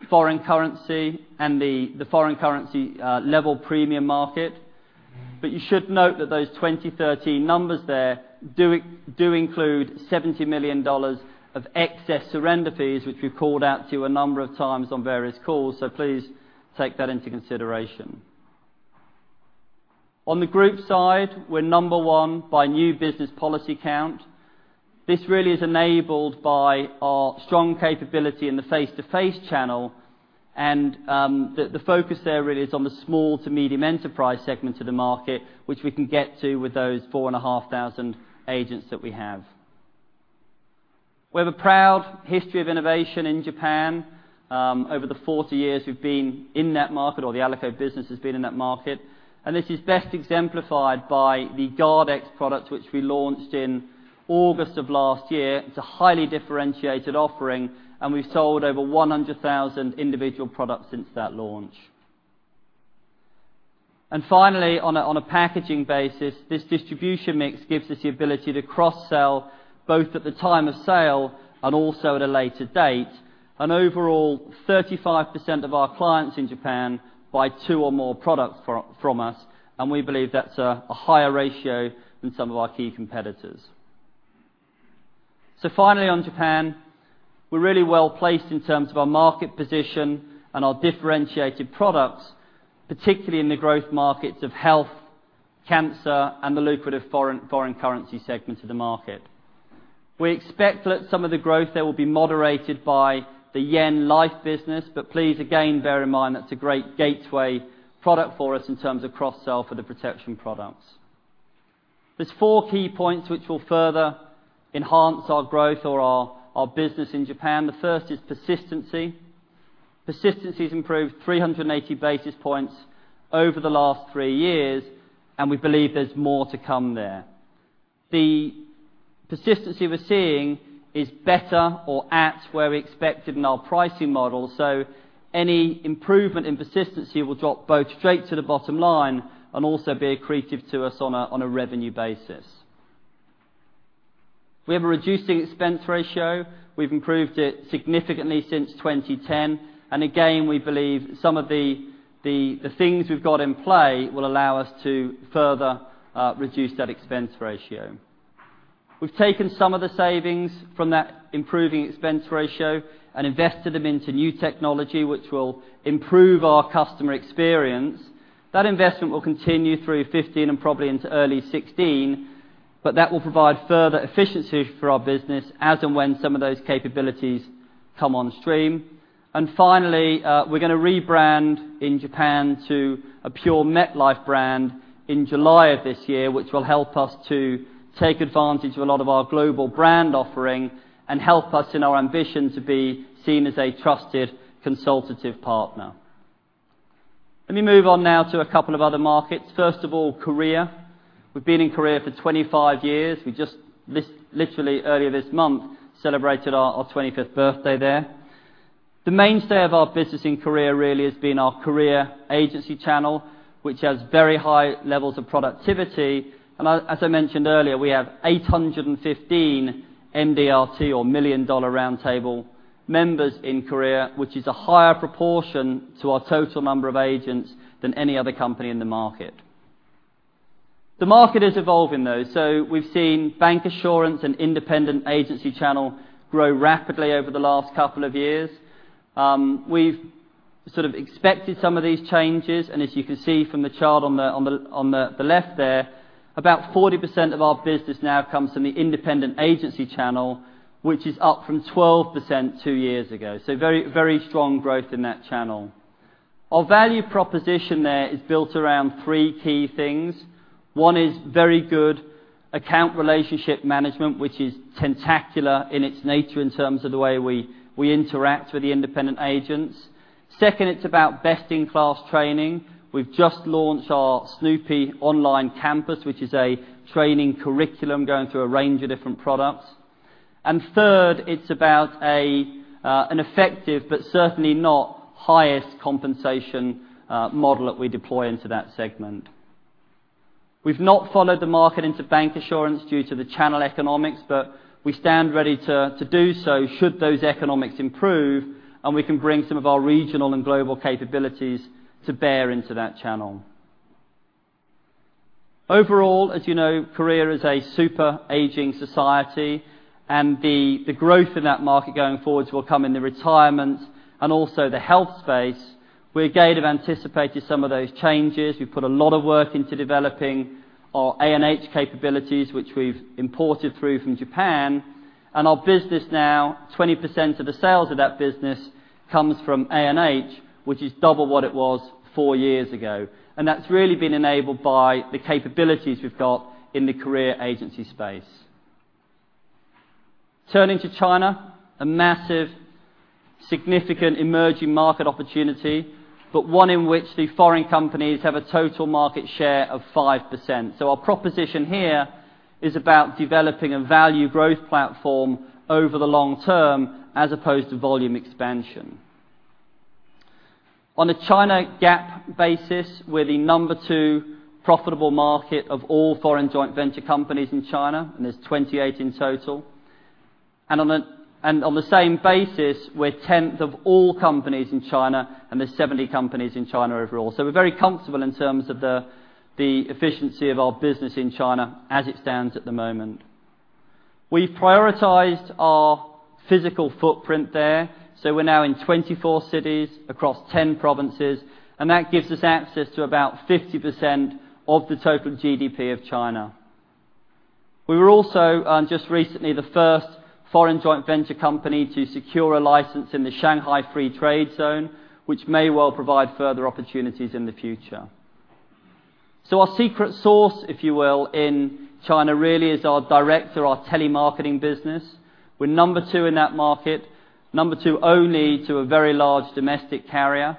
foreign currency and the foreign currency level premium market. You should note that those 2030 numbers there do include $70 million of excess surrender fees, which we've called out to you a number of times on various calls. Please take that into consideration. On the group side, we're number one by new business policy count. This really is enabled by our strong capability in the face-to-face channel, the focus there really is on the small to medium enterprise segment of the market, which we can get to with those 4,500 agents that we have. We have a proud history of innovation in Japan. Over the 40 years we've been in that market, or the Alico business has been in that market. This is best exemplified by the GuardX product, which we launched in August of last year. It's a highly differentiated offering, we've sold over 100,000 individual products since that launch. Finally, on a packaging basis, this distribution mix gives us the ability to cross-sell both at the time of sale and also at a later date. Overall, 35% of our clients in Japan buy two or more products from us, we believe that's a higher ratio than some of our key competitors. Finally on Japan, we're really well-placed in terms of our market position and our differentiated products, particularly in the growth markets of health, cancer, and the lucrative foreign currency segment of the market. We expect that some of the growth there will be moderated by the yen life business, please, again, bear in mind that's a great gateway product for us in terms of cross-sell for the protection products. There's four key points which will further enhance our growth or our business in Japan. The first is persistency. Persistency has improved 380 basis points over the last three years, we believe there's more to come there. The persistency we're seeing is better or at where we expected in our pricing model. Any improvement in persistency will drop both straight to the bottom line and also be accretive to us on a revenue basis. We have a reducing expense ratio. We've improved it significantly since 2010. Again, we believe some of the things we've got in play will allow us to further reduce that expense ratio. We've taken some of the savings from that improving expense ratio and invested them into new technology which will improve our customer experience. That investment will continue through 2015 and probably into early 2016, that will provide further efficiency for our business as and when some of those capabilities come on stream. Finally, we're going to rebrand in Japan to a pure MetLife brand in July of this year, which will help us to take advantage of a lot of our global brand offering and help us in our ambition to be seen as a trusted consultative partner. Let me move on now to a couple of other markets. First of all, Korea. We've been in Korea for 25 years. We just literally earlier this month celebrated our 25th birthday there. The mainstay of our business in Korea really has been our Korea agency channel, which has very high levels of productivity. As I mentioned earlier, we have 815 MDRT or Million Dollar Round Table members in Korea, which is a higher proportion to our total number of agents than any other company in the market. The market is evolving, though. We've seen bancassurance and independent agency channel grow rapidly over the last couple of years. We've sort of expected some of these changes. As you can see from the chart on the left there, 40% of our business now comes from the independent agency channel, which is up from 12% two years ago. Very strong growth in that channel. Our value proposition there is built around three key things. One is very good account relationship management, which is tentacular in its nature in terms of the way we interact with the independent agents. Second, it's about best-in-class training. We've just launched our Snoopy online campus, which is a training curriculum going through a range of different products. Third, it's about an effective but certainly not highest compensation model that we deploy into that segment. We've not followed the market into bank assurance due to the channel economics, but we stand ready to do so should those economics improve and we can bring some of our regional and global capabilities to bear into that channel. Overall, as you know, Korea is a super aging society, and the growth in that market going forwards will come in the retirement and also the health space. We again have anticipated some of those changes. We've put a lot of work into developing our A&H capabilities, which we've imported through from Japan. Our business now, 20% of the sales of that business comes from A&H, which is double what it was four years ago. That's really been enabled by the capabilities we've got in the Korea agency space. Turning to China, a massive, significant emerging market opportunity, but one in which the foreign companies have a total market share of 5%. Our proposition here is about developing a value growth platform over the long term as opposed to volume expansion. On a China GAAP basis, we're the number 2 profitable market of all foreign joint venture companies in China, and there's 28 in total. On the same basis, we're 10th of all companies in China, and there's 70 companies in China overall. We're very comfortable in terms of the efficiency of our business in China as it stands at the moment. We've prioritized our physical footprint there. We're now in 24 cities across 10 provinces, and that gives us access to 50% of the total GDP of China. We were also just recently the first foreign joint venture company to secure a license in the Shanghai Free Trade Zone, which may well provide further opportunities in the future. Our secret sauce, if you will, in China really is our direct, our telemarketing business. We're number 2 in that market, number 2 only to a very large domestic carrier.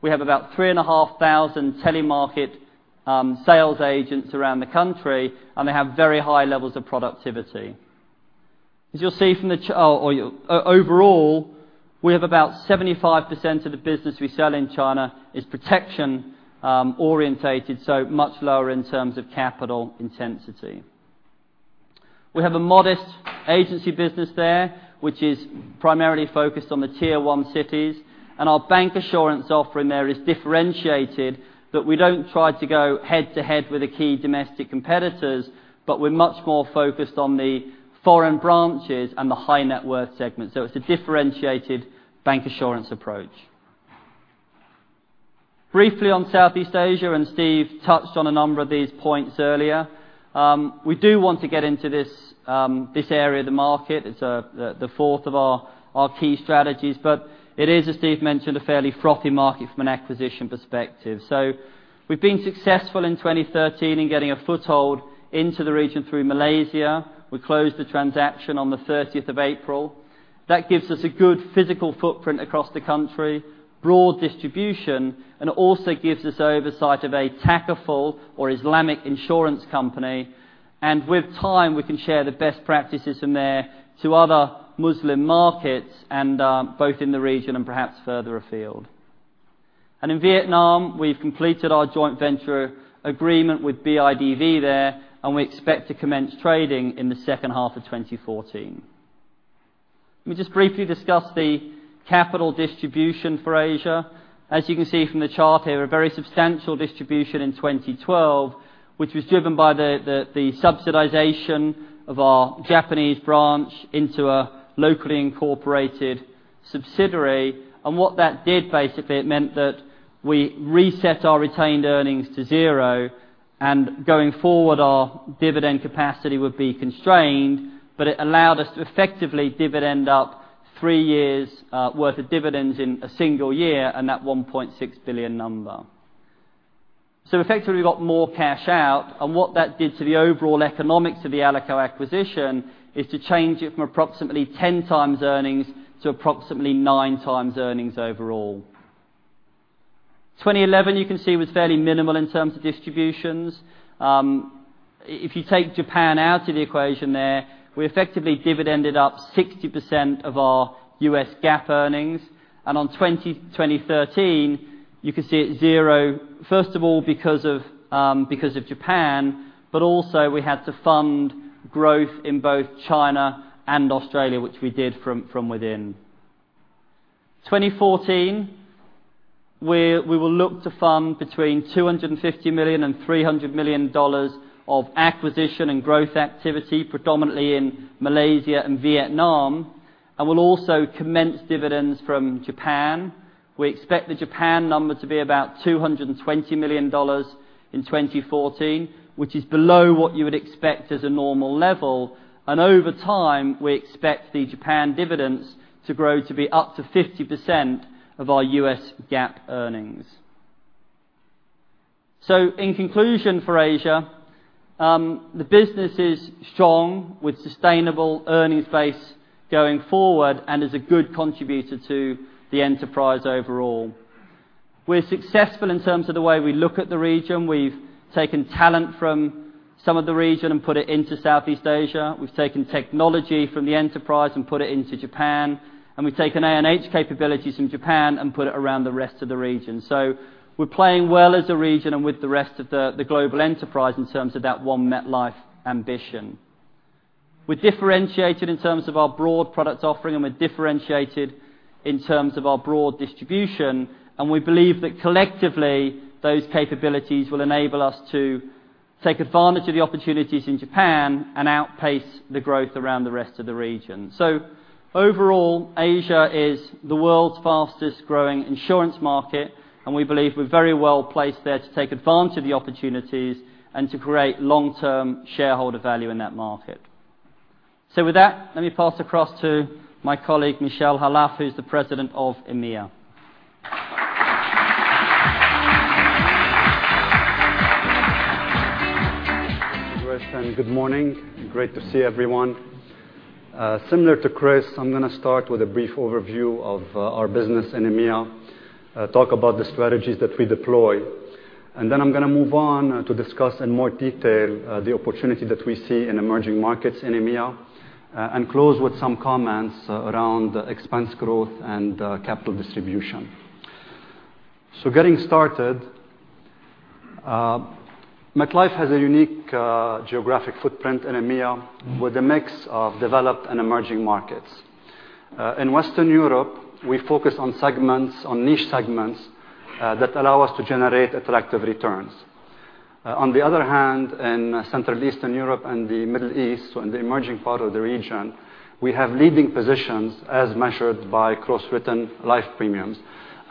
We have 3,500 telemarket sales agents around the country, and they have very high levels of productivity. As you'll see, overall, we have 75% of the business we sell in China is protection-oriented, so much lower in terms of capital intensity. We have a modest agency business there, which is primarily focused on the Tier 1 cities. Our bank assurance offering there is differentiated that we don't try to go head to head with the key domestic competitors, but we're much more focused on the foreign branches and the high net worth segment. It's a differentiated bank assurance approach. Briefly on Southeast Asia. Steve touched on a number of these points earlier. We do want to get into this area of the market. It's the fourth of our key strategies, but it is, as Steve mentioned, a fairly frothy market from an acquisition perspective. We've been successful in 2013 in getting a foothold into the region through Malaysia. We closed the transaction on the 30th of April. That gives us a good physical footprint across the country, broad distribution, and it also gives us oversight of a takaful or Islamic insurance company. With time, we can share the best practices from there to other Muslim markets both in the region and perhaps further afield. In Vietnam, we've completed our joint venture agreement with BIDV there, and we expect to commence trading in the second half of 2014. Let me just briefly discuss the capital distribution for Asia. As you can see from the chart here, a very substantial distribution in 2012, which was driven by the subsidization of our Japanese branch into a locally incorporated subsidiary. What that did, basically, it meant that we reset our retained earnings to zero, and going forward, our dividend capacity would be constrained, but it allowed us to effectively dividend up three years worth of dividends in a single year and that $1.6 billion number. Effectively, we got more cash out, and what that did to the overall economics of the Alico acquisition is to change it from approximately 10 times earnings to approximately 9 times earnings overall. 2011, you can see, was fairly minimal in terms of distributions. If you take Japan out of the equation there, we effectively dividended up 60% of our US GAAP earnings. On 2013, you can see it zero, first of all, because of Japan, but also we had to fund growth in both China and Australia, which we did from within. 2014, we will look to fund between $250 million-$300 million of acquisition and growth activity, predominantly in Malaysia and Vietnam, and we'll also commence dividends from Japan. We expect the Japan number to be about $220 million in 2014, which is below what you would expect as a normal level. Over time, we expect the Japan dividends to grow to be up to 50% of our US GAAP earnings. In conclusion for Asia, the business is strong with sustainable earnings base going forward and is a good contributor to the enterprise overall. We're successful in terms of the way we look at the region. We've taken talent from some of the region and put it into Southeast Asia. We've taken technology from the enterprise and put it into Japan, and we've taken A&H capabilities from Japan and put it around the rest of the region. We're playing well as a region and with the rest of the global enterprise in terms of that One MetLife ambition. We're differentiated in terms of our broad product offering. We're differentiated in terms of our broad distribution. We believe that collectively, those capabilities will enable us to take advantage of the opportunities in Japan and outpace the growth around the rest of the region. Overall, Asia is the world's fastest growing insurance market. We believe we're very well placed there to take advantage of the opportunities and to create long-term shareholder value in that market. With that, let me pass across to my colleague, Michel Khalaf, who's the President of EMEA. Thank you, Chris, and good morning. Great to see everyone. Similar to Chris, I'm going to start with a brief overview of our business in EMEA, talk about the strategies that we deploy. I'm going to move on to discuss in more detail the opportunity that we see in emerging markets in EMEA, and close with some comments around expense growth and capital distribution. Getting started. MetLife has a unique geographic footprint in EMEA with a mix of developed and emerging markets. In Western Europe, we focus on niche segments that allow us to generate attractive returns. On the other hand, in Central Eastern Europe and the Middle East, in the emerging part of the region, we have leading positions as measured by gross written life premiums,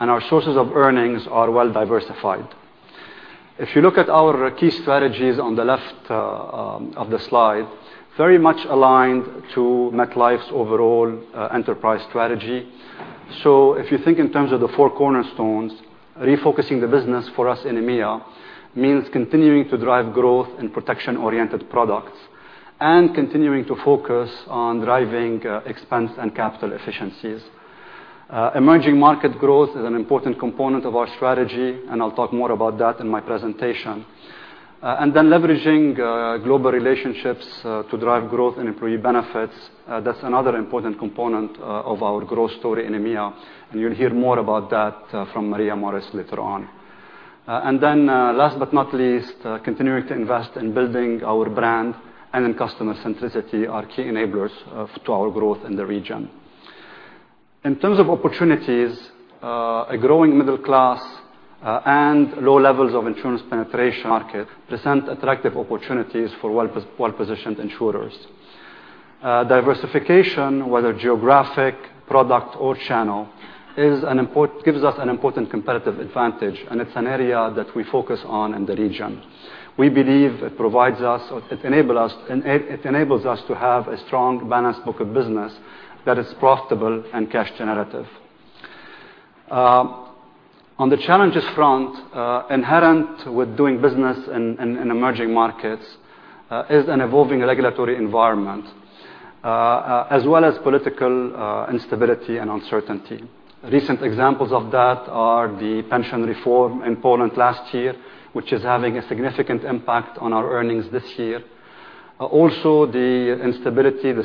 and our sources of earnings are well diversified. If you look at our key strategies on the left of the slide, very much aligned to MetLife's overall enterprise strategy. If you think in terms of the four cornerstones, refocusing the business for us in EMEA means continuing to drive growth in protection oriented products and continuing to focus on driving expense and capital efficiencies. Emerging market growth is an important component of our strategy. I'll talk more about that in my presentation. Leveraging global relationships to drive growth in employee benefits, that's another important component of our growth story in EMEA. You'll hear more about that from Maria Morris later on. Last but not least, continuing to invest in building our brand and in customer centricity are key enablers to our growth in the region. In terms of opportunities, a growing middle class and low levels of insurance penetration market present attractive opportunities for well-positioned insurers. Diversification, whether geographic, product, or channel gives us an important competitive advantage. It's an area that we focus on in the region. We believe it enables us to have a strong, balanced book of business that is profitable and cash generative. On the challenges front, inherent with doing business in emerging markets is an evolving regulatory environment as well as political instability and uncertainty. Recent examples of that are the pension reform in Poland last year, which is having a significant impact on our earnings this year. Also the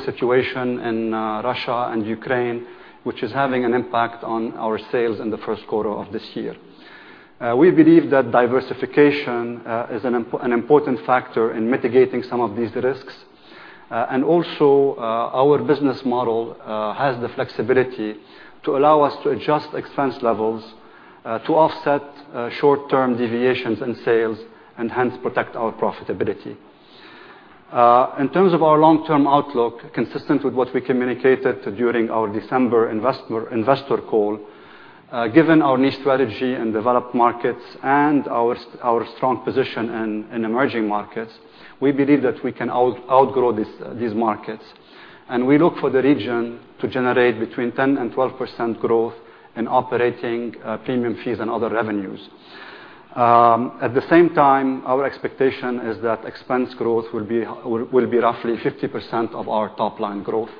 situation in Russia and Ukraine, which is having an impact on our sales in the first quarter of this year. We believe that diversification is an important factor in mitigating some of these risks. Our business model has the flexibility to allow us to adjust expense levels to offset short-term deviations in sales and hence protect our profitability. In terms of our long term outlook, consistent with what we communicated during our December investor call, given our niche strategy in developed markets and our strong position in emerging markets, we believe that we can outgrow these markets. We look for the region to generate between 10% and 12% growth in operating premium fees and other revenues. At the same time, our expectation is that expense growth will be roughly 50% of our top line growth.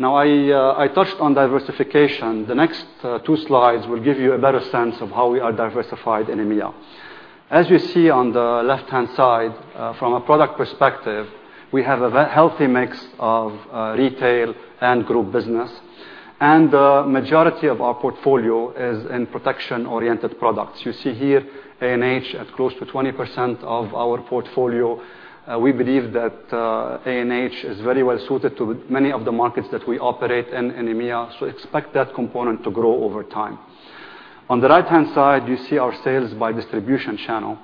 I touched on diversification. The next two slides will give you a better sense of how we are diversified in EMEA. As you see on the left hand side, from a product perspective, we have a healthy mix of retail and group business, and the majority of our portfolio is in protection oriented products. You see here A&H at close to 20% of our portfolio. We believe that A&H is very well suited to many of the markets that we operate in EMEA, so expect that component to grow over time. On the right hand side, you see our sales by distribution channel.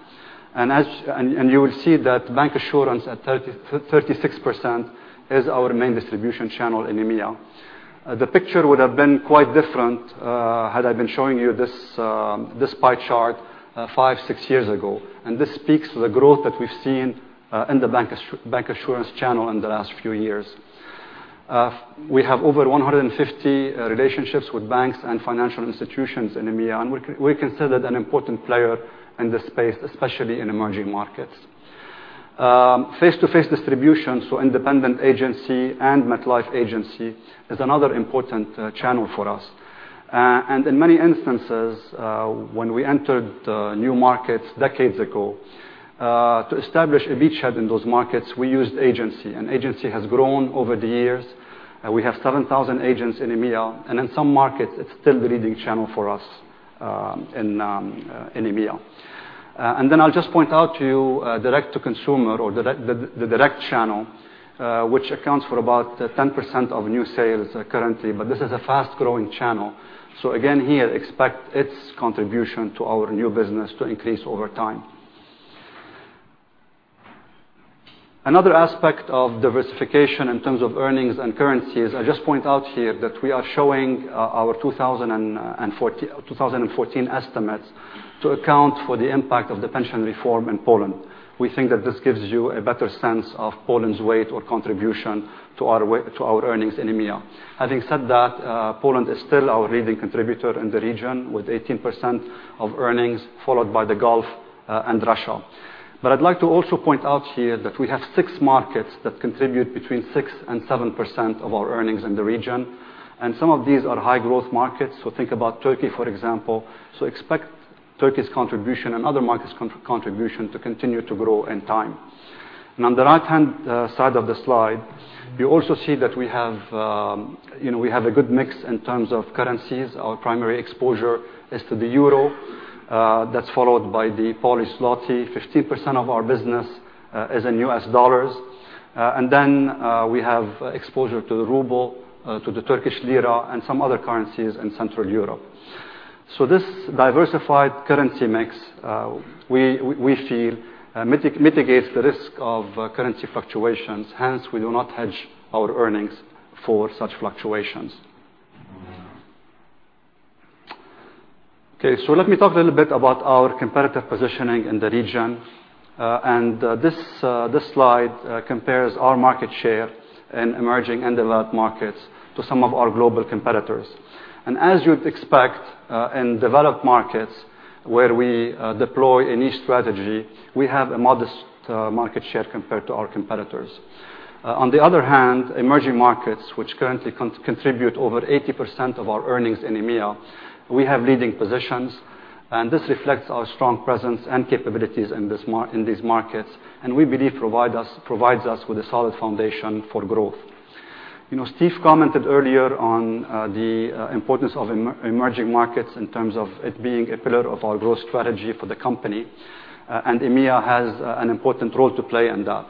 You will see that bank assurance at 36% is our main distribution channel in EMEA. The picture would have been quite different had I been showing you this pie chart five, six years ago, and this speaks to the growth that we've seen in the bank assurance channel in the last few years. We have over 150 relationships with banks and financial institutions in EMEA, and we're considered an important player in this space, especially in emerging markets. Face-to-face distribution, so independent agency and MetLife agency is another important channel for us. In many instances, when we entered new markets decades ago, to establish a beachhead in those markets, we used agency. Agency has grown over the years. We have 7,000 agents in EMEA, and in some markets, it's still the leading channel for us in EMEA. Then I'll just point out to you, direct to consumer or the direct channel, which accounts for about 10% of new sales currently, but this is a fast-growing channel. Again, here, expect its contribution to our new business to increase over time. Another aspect of diversification in terms of earnings and currencies, I just point out here that we are showing our 2014 estimates to account for the impact of the pension reform in Poland. We think that this gives you a better sense of Poland's weight or contribution to our earnings in EMEA. Having said that, Poland is still our leading contributor in the region with 18% of earnings, followed by the Gulf and Russia. I'd like to also point out here that we have six markets that contribute between 6% and 7% of our earnings in the region, and some of these are high growth markets. Think about Turkey, for example. Expect Turkey's contribution and other markets' contribution to continue to grow in time. On the right-hand side of the slide, you also see that we have a good mix in terms of currencies. Our primary exposure is to the euro. That's followed by the Polish zloty. 15% of our business is in U.S. dollars. We have exposure to the ruble, to the Turkish lira, and some other currencies in Central Europe. This diversified currency mix, we feel, mitigates the risk of currency fluctuations. Hence, we do not hedge our earnings for such fluctuations. Okay. Let me talk a little bit about our competitive positioning in the region. This slide compares our market share in emerging and developed markets to some of our global competitors. As you'd expect in developed markets where we deploy a niche strategy, we have a modest market share compared to our competitors. On the other hand, emerging markets, which currently contribute over 80% of our earnings in EMEA, we have leading positions, and this reflects our strong presence and capabilities in these markets, and we believe provides us with a solid foundation for growth. Steve commented earlier on the importance of emerging markets in terms of it being a pillar of our growth strategy for the company, and EMEA has an important role to play in that.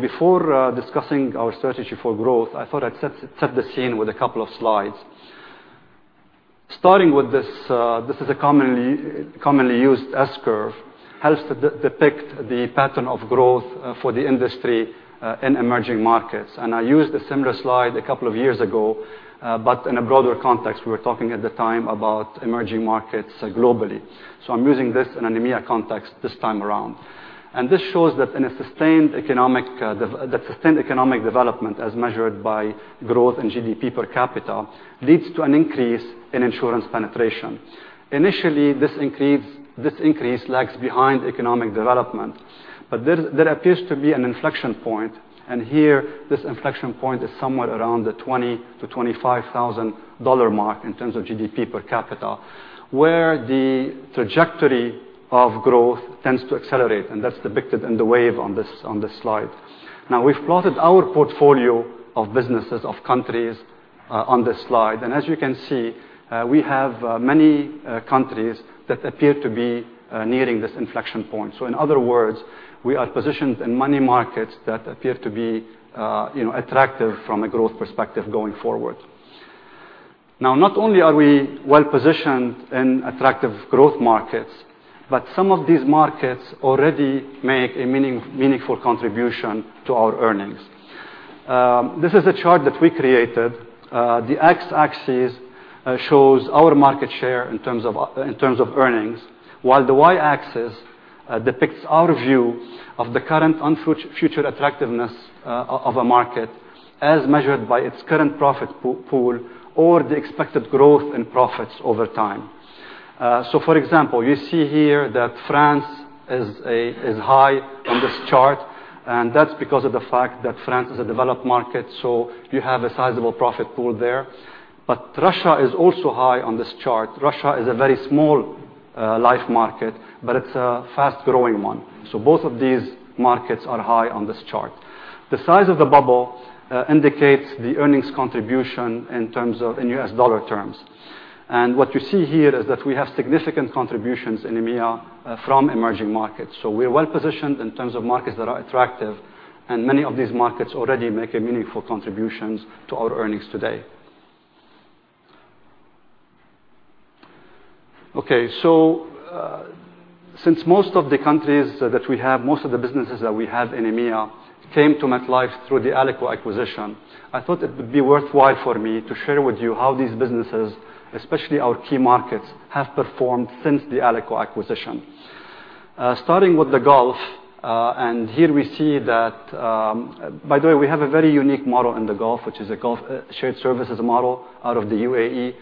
Before discussing our strategy for growth, I thought I'd set the scene with a couple of slides. Starting with this. This is a commonly used S-curve. It helps depict the pattern of growth for the industry in emerging markets. I used a similar slide a couple of years ago, but in a broader context. We were talking at the time about emerging markets globally. I'm using this in an EMEA context this time around. This shows that sustained economic development, as measured by growth in GDP per capita, leads to an increase in insurance penetration. Initially, this increase lags behind economic development. There appears to be an inflection point, and here, this inflection point is somewhere around the $20,000-$25,000 mark in terms of GDP per capita, where the trajectory of growth tends to accelerate, and that's depicted in the wave on this slide. We've plotted our portfolio of businesses of countries on this slide. As you can see, we have many countries that appear to be nearing this inflection point. In other words, we are positioned in many markets that appear to be attractive from a growth perspective going forward. Not only are we well-positioned in attractive growth markets, but some of these markets already make a meaningful contribution to our earnings. This is a chart that we created. The x-axis shows our market share in terms of earnings, while the y-axis depicts our view of the current and future attractiveness of a market as measured by its current profit pool or the expected growth in profits over time. For example, you see here that France is high on this chart. That's because of the fact that France is a developed market. You have a sizable profit pool there. Russia is also high on this chart. Russia is a very small life market. It's a fast-growing one. Both of these markets are high on this chart. The size of the bubble indicates the earnings contribution in U.S. dollar terms. What you see here is that we have significant contributions in EMEA from emerging markets. We are well-positioned in terms of markets that are attractive, and many of these markets already make meaningful contributions to our earnings today. Since most of the countries that we have, most of the businesses that we have in EMEA came to MetLife through the Alico acquisition, I thought it would be worthwhile for me to share with you how these businesses, especially our key markets, have performed since the Alico acquisition. Starting with the Gulf. By the way, we have a very unique model in the Gulf, which is a Gulf shared services model out of the UAE.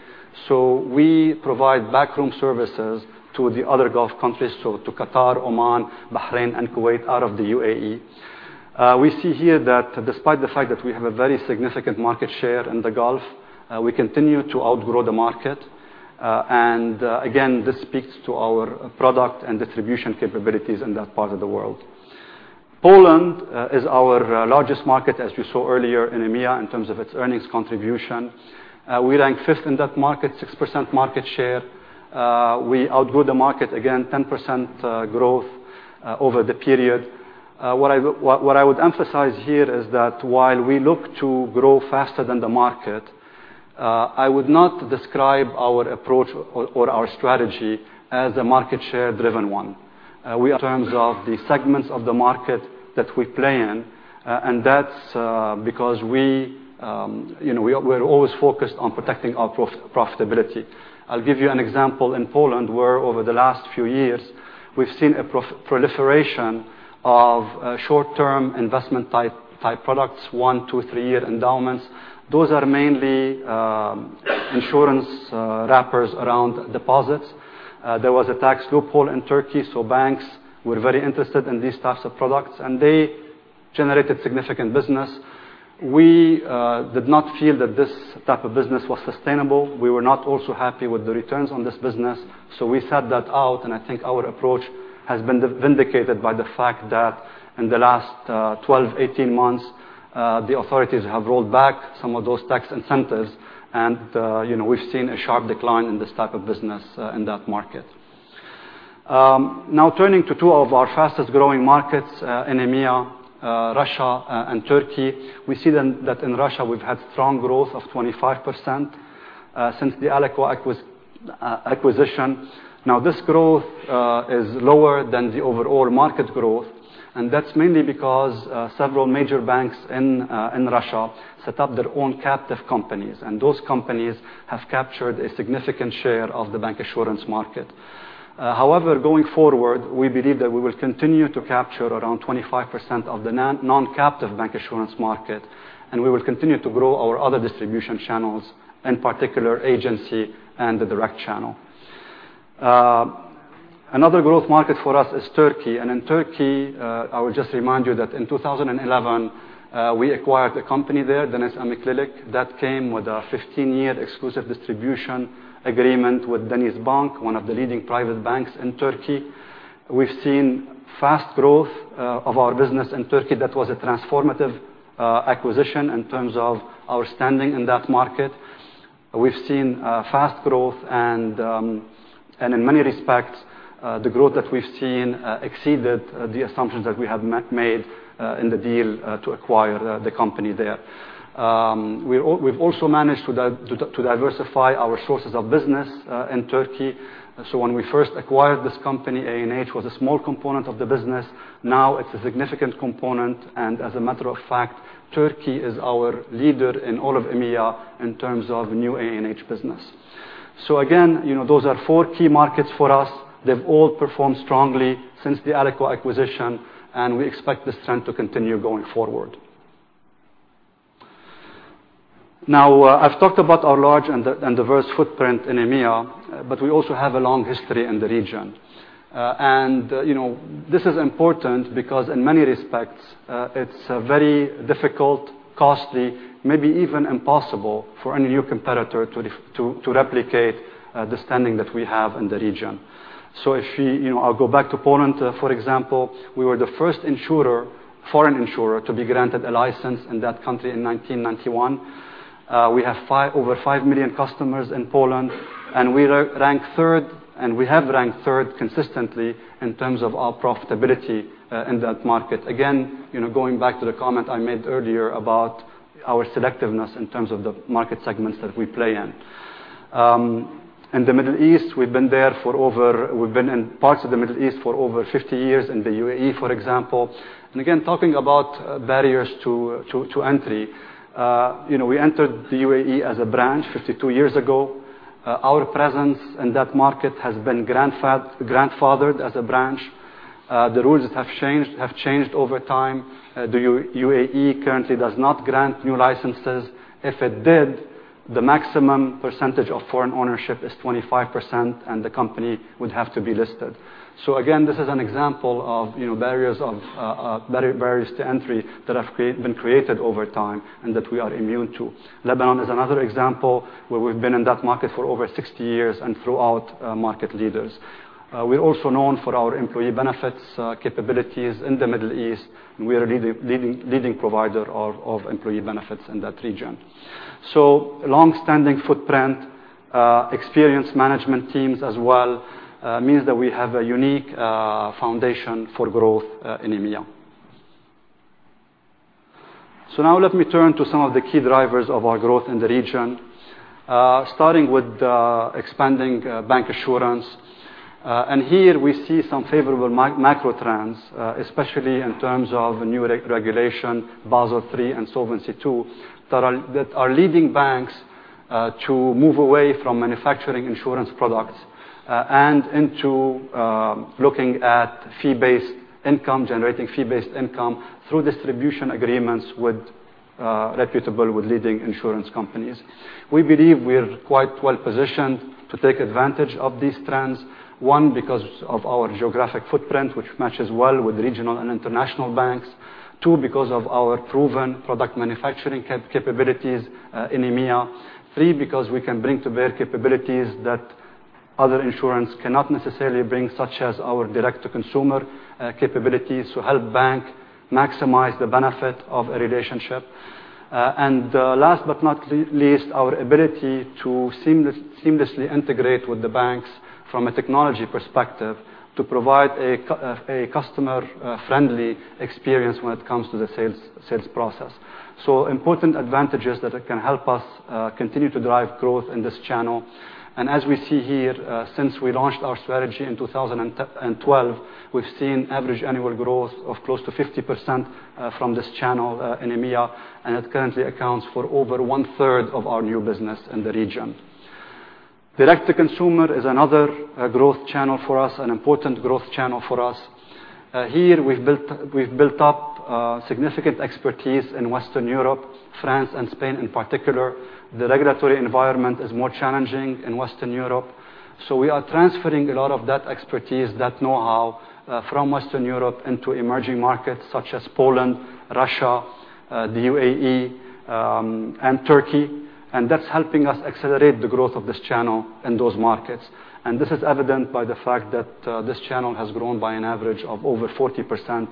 We provide backroom services to the other Gulf countries, to Qatar, Oman, Bahrain, and Kuwait out of the UAE. We see here that despite the fact that we have a very significant market share in the Gulf, we continue to outgrow the market. Again, this speaks to our product and distribution capabilities in that part of the world. Poland is our largest market, as you saw earlier, in EMEA, in terms of its earnings contribution. We rank fifth in that market, 6% market share. We outgrew the market again, 10% growth over the period. What I would emphasize here is that while we look to grow faster than the market, I would not describe our approach or our strategy as a market share driven one. We are in terms of the segments of the market that we play in and that's because we're always focused on protecting our profitability. I'll give you an example. In Poland, where over the last few years, we've seen a proliferation of short-term investment-type products, one, two, three-year endowments. Those are mainly insurance wrappers around deposits. There was a tax loophole in Turkey, banks were very interested in these types of products, and they generated significant business. We did not feel that this type of business was sustainable. We were not also happy with the returns on this business. We sat that out, and I think our approach has been vindicated by the fact that in the last 12, 18 months the authorities have rolled back some of those tax incentives, and we've seen a sharp decline in this type of business in that market. Turning to two of our fastest-growing markets in EMEA, Russia and Turkey. We see that in Russia we've had strong growth of 25% since the Alico acquisition. This growth is lower than the overall market growth, and that's mainly because several major banks in Russia set up their own captive companies, and those companies have captured a significant share of the bancassurance market. However, going forward, we believe that we will continue to capture around 25% of the non-captive bancassurance market, and we will continue to grow our other distribution channels, in particular agency and the direct channel. Another growth market for us is Turkey. In Turkey I would just remind you that in 2011 we acquired a company there, DenizEmeklilik. That came with a 15-year exclusive distribution agreement with DenizBank, one of the leading private banks in Turkey. We've seen fast growth of our business in Turkey. That was a transformative acquisition in terms of our standing in that market. We've seen fast growth. In many respects the growth that we've seen exceeded the assumptions that we have made in the deal to acquire the company there. We've also managed to diversify our sources of business in Turkey. When we first acquired this company, A&H was a small component of the business. Now it's a significant component, and as a matter of fact, Turkey is our leader in all of EMEA in terms of new A&H business. Again, those are four key markets for us. They've all performed strongly since the Alico acquisition, and we expect this trend to continue going forward. I've talked about our large and diverse footprint in EMEA, but we also have a long history in the region. This is important because in many respects it's very difficult, costly, maybe even impossible for any new competitor to replicate the standing that we have in the region. I'll go back to Poland, for example. We were the first insurer, foreign insurer to be granted a license in that country in 1991. We have over 5 million customers in Poland, and we rank third, and we have ranked third consistently in terms of our profitability in that market. Going back to the comment I made earlier about our selectiveness in terms of the market segments that we play in. In the Middle East, we've been in parts of the Middle East for over 50 years, in the UAE, for example. Again, talking about barriers to entry. We entered the UAE as a branch 52 years ago. Our presence in that market has been grandfathered as a branch. The rules have changed over time. The UAE currently does not grant new licenses. If it did, the maximum percentage of foreign ownership is 25% and the company would have to be listed. Again, this is an example of barriers to entry that have been created over time and that we are immune to. Lebanon is another example where we've been in that market for over 60 years and throughout market leaders. We're also known for our employee benefits capabilities in the Middle East, and we are a leading provider of employee benefits in that region. Longstanding footprint, experienced management teams as well, means that we have a unique foundation for growth in EMEA. Now let me turn to some of the key drivers of our growth in the region. Starting with expanding bancassurance. Here we see some favorable macro trends, especially in terms of new regulation, Basel III and Solvency II, that are leading banks to move away from manufacturing insurance products and into looking at fee-based income, generating fee-based income through distribution agreements with reputable, with leading insurance companies. We believe we're quite well-positioned to take advantage of these trends. One, because of our geographic footprint, which matches well with regional and international banks. Two, because of our proven product manufacturing capabilities in EMEA. Three, because we can bring to bear capabilities that other insurance cannot necessarily bring, such as our direct-to-consumer capabilities to help bank maximize the benefit of a relationship. Last but not least, our ability to seamlessly integrate with the banks from a technology perspective to provide a customer-friendly experience when it comes to the sales process. Important advantages that can help us continue to drive growth in this channel. It currently accounts for over one-third of our new business in the region. Direct to consumer is another growth channel for us, an important growth channel for us. Here, we've built up significant expertise in Western Europe, France and Spain in particular. The regulatory environment is more challenging in Western Europe. We are transferring a lot of that expertise, that know-how, from Western Europe into emerging markets such as Poland, Russia, the UAE, and Turkey. That's helping us accelerate the growth of this channel in those markets. This is evident by the fact that this channel has grown by an average of over 40%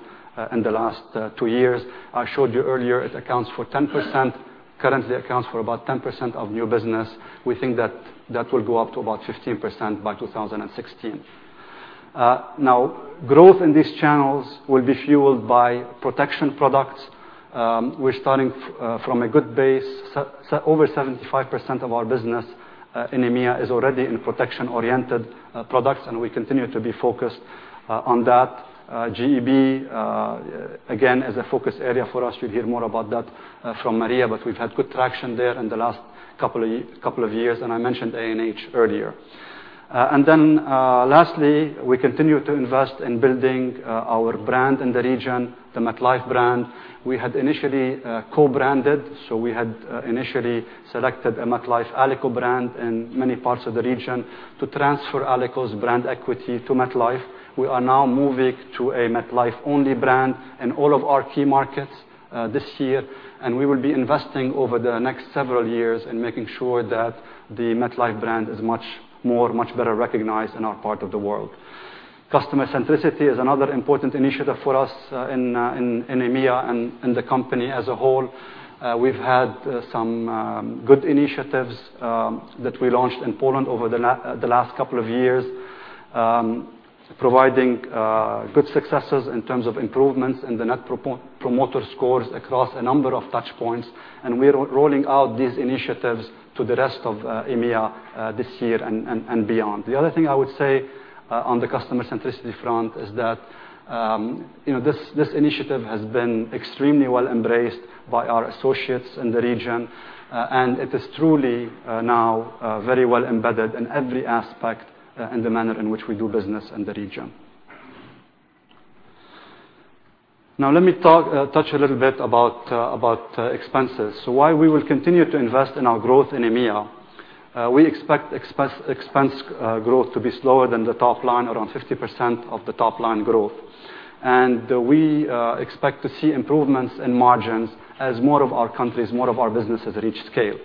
in the last two years. I showed you earlier, it currently accounts for about 10% of new business. We think that will go up to about 15% by 2016. Growth in these channels will be fueled by protection products. We're starting from a good base. Over 75% of our business in EMEA is already in protection-oriented products, and we continue to be focused on that. GEB, again, is a focus area for us. You'll hear more about that from Maria, but we've had good traction there in the last couple of years, and I mentioned A&H earlier. Lastly, we continue to invest in building our brand in the region, the MetLife brand. We had initially co-branded. We had initially selected a MetLife Alico brand in many parts of the region to transfer Alico's brand equity to MetLife. We are now moving to a MetLife-only brand in all of our key markets this year, and we will be investing over the next several years in making sure that the MetLife brand is much better recognized in our part of the world. Customer centricity is another important initiative for us in EMEA and the company as a whole. We've had some good initiatives that we launched in Poland over the last couple of years, providing good successes in terms of improvements in the Net Promoter Scores across a number of touch points. We are rolling out these initiatives to the rest of EMEA this year and beyond. The other thing I would say on the customer centricity front is that this initiative has been extremely well embraced by our associates in the region. It is truly now very well embedded in every aspect and the manner in which we do business in the region. Let me touch a little bit about expenses. Why we will continue to invest in our growth in EMEA. We expect expense growth to be slower than the top line, around 50% of the top line growth. We expect to see improvements in margins as more of our countries, more of our businesses reach scale.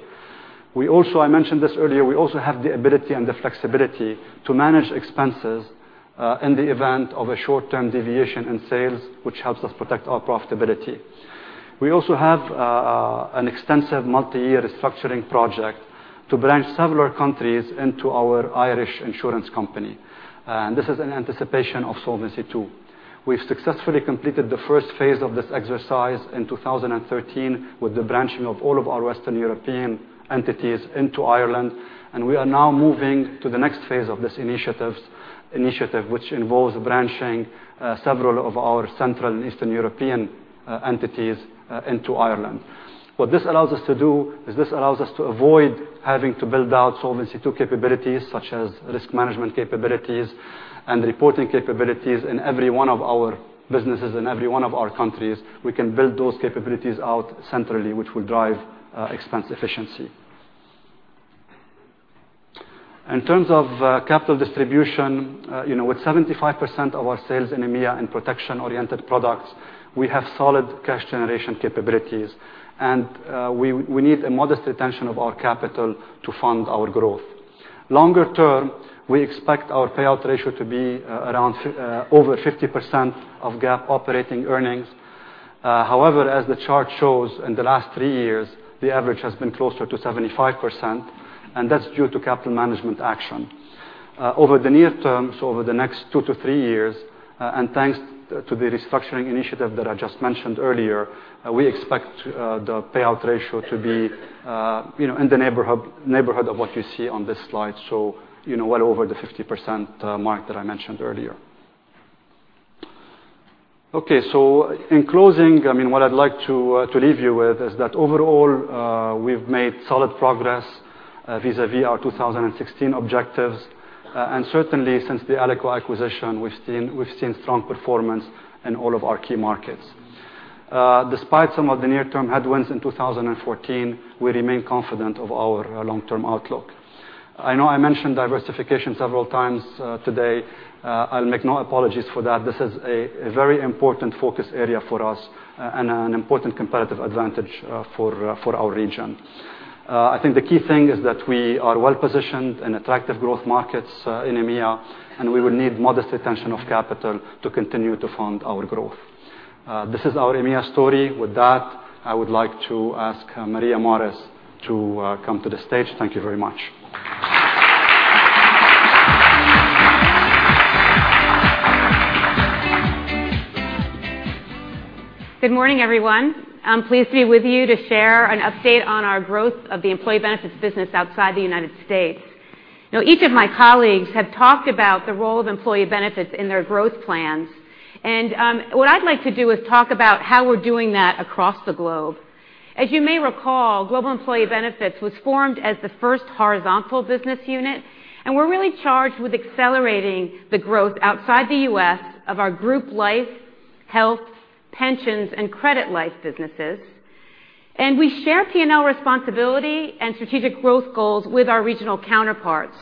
I mentioned this earlier, we also have the ability and the flexibility to manage expenses in the event of a short-term deviation in sales, which helps us protect our profitability. We also have an extensive multi-year restructuring project to branch several countries into our Irish insurance company. This is in anticipation of Solvency II. We've successfully completed the first phase of this exercise in 2013 with the branching of all of our Western European entities into Ireland. We are now moving to the next phase of this initiative, which involves branching several of our Central and Eastern European entities into Ireland. What this allows us to do is this allows us to avoid having to build out Solvency II capabilities such as risk management capabilities and reporting capabilities in every one of our businesses, in every one of our countries. We can build those capabilities out centrally, which will drive expense efficiency. In terms of capital distribution, with 75% of our sales in EMEA in protection-oriented products, we have solid cash generation capabilities. We need a modest retention of our capital to fund our growth. Longer term, we expect our payout ratio to be over 50% of GAAP operating earnings. However, as the chart shows, in the last three years, the average has been closer to 75%, and that's due to capital management action. Over the near term, so over the next two to three years, thanks to the restructuring initiative that I just mentioned earlier, we expect the payout ratio to be in the neighborhood of what you see on this slide, so well over the 50% mark that I mentioned earlier. Okay. In closing, what I'd like to leave you with is that overall, we've made solid progress vis-a-vis our 2016 objectives. Certainly since the Alico acquisition, we've seen strong performance in all of our key markets. Despite some of the near-term headwinds in 2014, we remain confident of our long-term outlook. I know I mentioned diversification several times today. I'll make no apologies for that. This is a very important focus area for us and an important competitive advantage for our region. I think the key thing is that we are well-positioned in attractive growth markets in EMEA. We will need modest retention of capital to continue to fund our growth. This is our EMEA story. With that, I would like to ask Maria Morris to come to the stage. Thank you very much. Good morning, everyone. I'm pleased to be with you to share an update on our growth of the employee benefits business outside the United States. Each of my colleagues have talked about the role of employee benefits in their growth plans. What I'd like to do is talk about how we're doing that across the globe. As you may recall, Global Employee Benefits was formed as the first horizontal business unit. We're really charged with accelerating the growth outside the U.S. of our group life, health, pensions, and credit life businesses. We share P&L responsibility and strategic growth goals with our regional counterparts.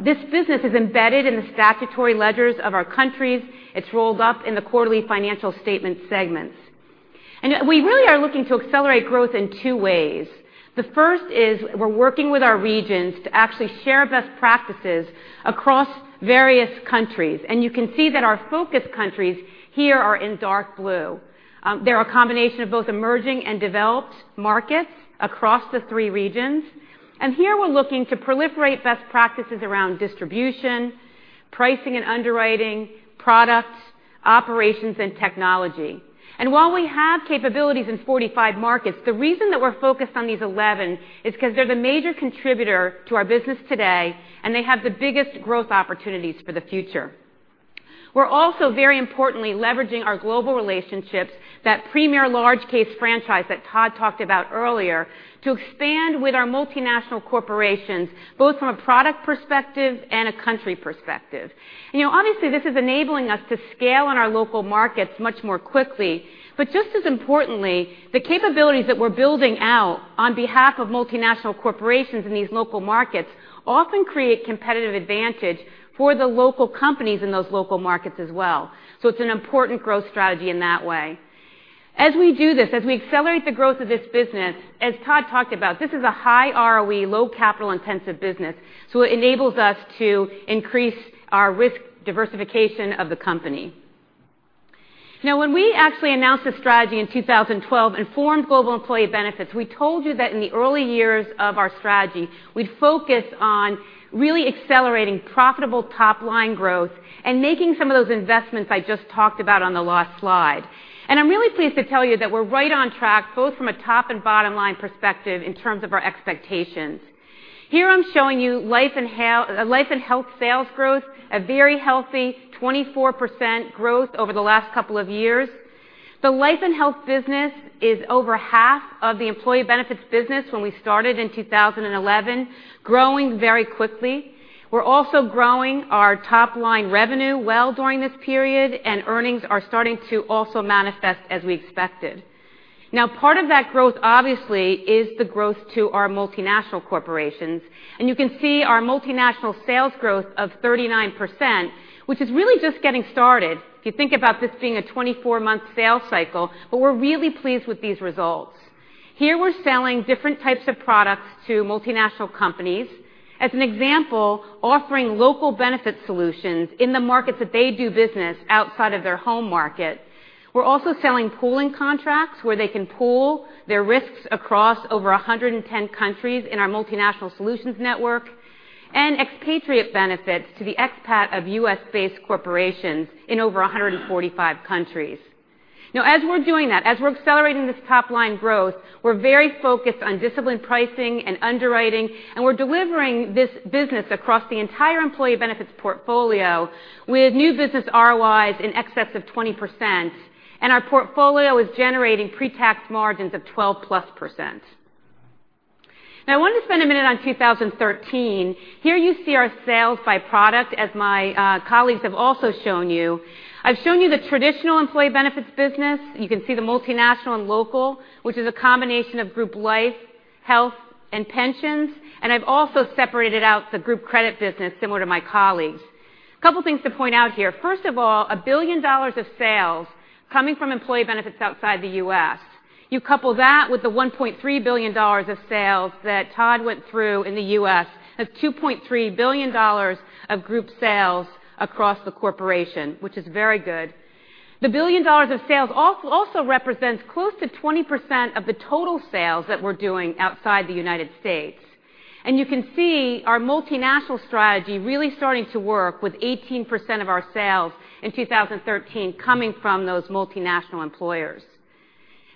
This business is embedded in the statutory ledgers of our countries. It's rolled up in the quarterly financial statement segments. We really are looking to accelerate growth in two ways. The first is we're working with our regions to actually share best practices across various countries. You can see that our focus countries here are in dark blue. They're a combination of both emerging and developed markets across the three regions. Here we're looking to proliferate best practices around distribution, pricing and underwriting, product, operations, and technology. While we have capabilities in 45 markets, the reason that we're focused on these 11 is because they're the major contributor to our business today, and they have the biggest growth opportunities for the future. We're also very importantly leveraging our global relationships, that premier large case franchise that Todd talked about earlier, to expand with our multinational corporations, both from a product perspective and a country perspective. Obviously, this is enabling us to scale in our local markets much more quickly, but just as importantly, the capabilities that we're building out on behalf of multinational corporations in these local markets often create competitive advantage for the local companies in those local markets as well. It's an important growth strategy in that way. As we do this, as we accelerate the growth of this business, as Todd talked about, this is a high ROE, low capital intensive business, so it enables us to increase our risk diversification of the company. Now, when we actually announced this strategy in 2012 and formed Global Employee Benefits, we told you that in the early years of our strategy, we'd focus on really accelerating profitable top-line growth and making some of those investments I just talked about on the last slide. I'm really pleased to tell you that we're right on track, both from a top and bottom line perspective in terms of our expectations. Here I'm showing you life and health sales growth, a very healthy 24% growth over the last couple of years. The life and health business is over half of the employee benefits business when we started in 2011, growing very quickly. We're also growing our top-line revenue well during this period, and earnings are starting to also manifest as we expected. Now, part of that growth obviously is the growth to our multinational corporations. You can see our multinational sales growth of 39%, which is really just getting started if you think about this being a 24-month sales cycle, but we're really pleased with these results. Here we're selling different types of products to multinational companies. As an example, offering local benefit solutions in the markets that they do business outside of their home market. We're also selling pooling contracts where they can pool their risks across over 110 countries in our multinational solutions network and expatriate benefits to the ex-pat of U.S.-based corporations in over 145 countries. Now, as we're doing that, as we're accelerating this top-line growth, we're very focused on disciplined pricing and underwriting, and we're delivering this business across the entire employee benefits portfolio with new business ROIs in excess of 20%, and our portfolio is generating pre-tax margins of 12-plus %. Now I want to spend a minute on 2013. Here you see our sales by product, as my colleagues have also shown you. I've shown you the traditional employee benefits business. You can see the multinational and local, which is a combination of group life, health, and pensions. I've also separated out the group credit business similar to my colleagues. Couple things to point out here. First of all, $1 billion of sales coming from employee benefits outside the U.S. You couple that with the $1.3 billion of sales that Todd went through in the U.S. That's $2.3 billion of group sales across the corporation, which is very good. The billion dollars of sales also represents close to 20% of the total sales that we're doing outside the United States. You can see our multinational strategy really starting to work with 18% of our sales in 2013 coming from those multinational employers.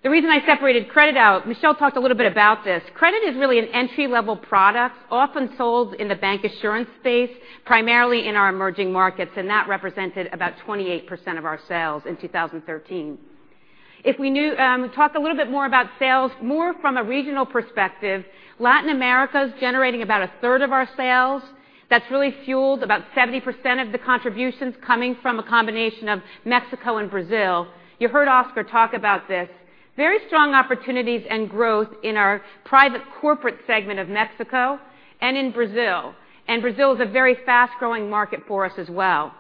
The reason I separated credit out, Michel talked a little bit about this. Credit is really an entry-level product, often sold in the bancassurance space, primarily in our emerging markets, and that represented about 28% of our sales in 2013. If we talk a little bit more about sales, more from a regional perspective, Latin America is generating about a third of our sales. That's really fueled about 70% of the contributions coming from a combination of Mexico and Brazil. You heard Oscar talk about this. Very strong opportunities and growth in our private corporate segment of Mexico and in Brazil. Brazil is a very fast-growing market for us as well.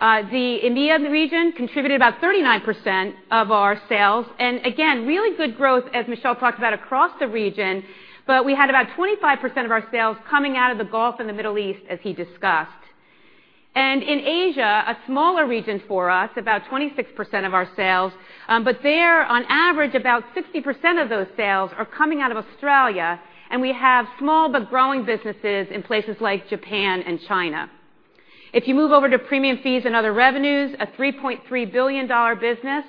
The EMEA region contributed about 39% of our sales. Again, really good growth, as Michel talked about across the region, but we had about 25% of our sales coming out of the Gulf and the Middle East, as he discussed. In Asia, a smaller region for us, about 26% of our sales. But there, on average, about 60% of those sales are coming out of Australia, and we have small but growing businesses in places like Japan and China. If you move over to premium fees and other revenues, a $3.3 billion business.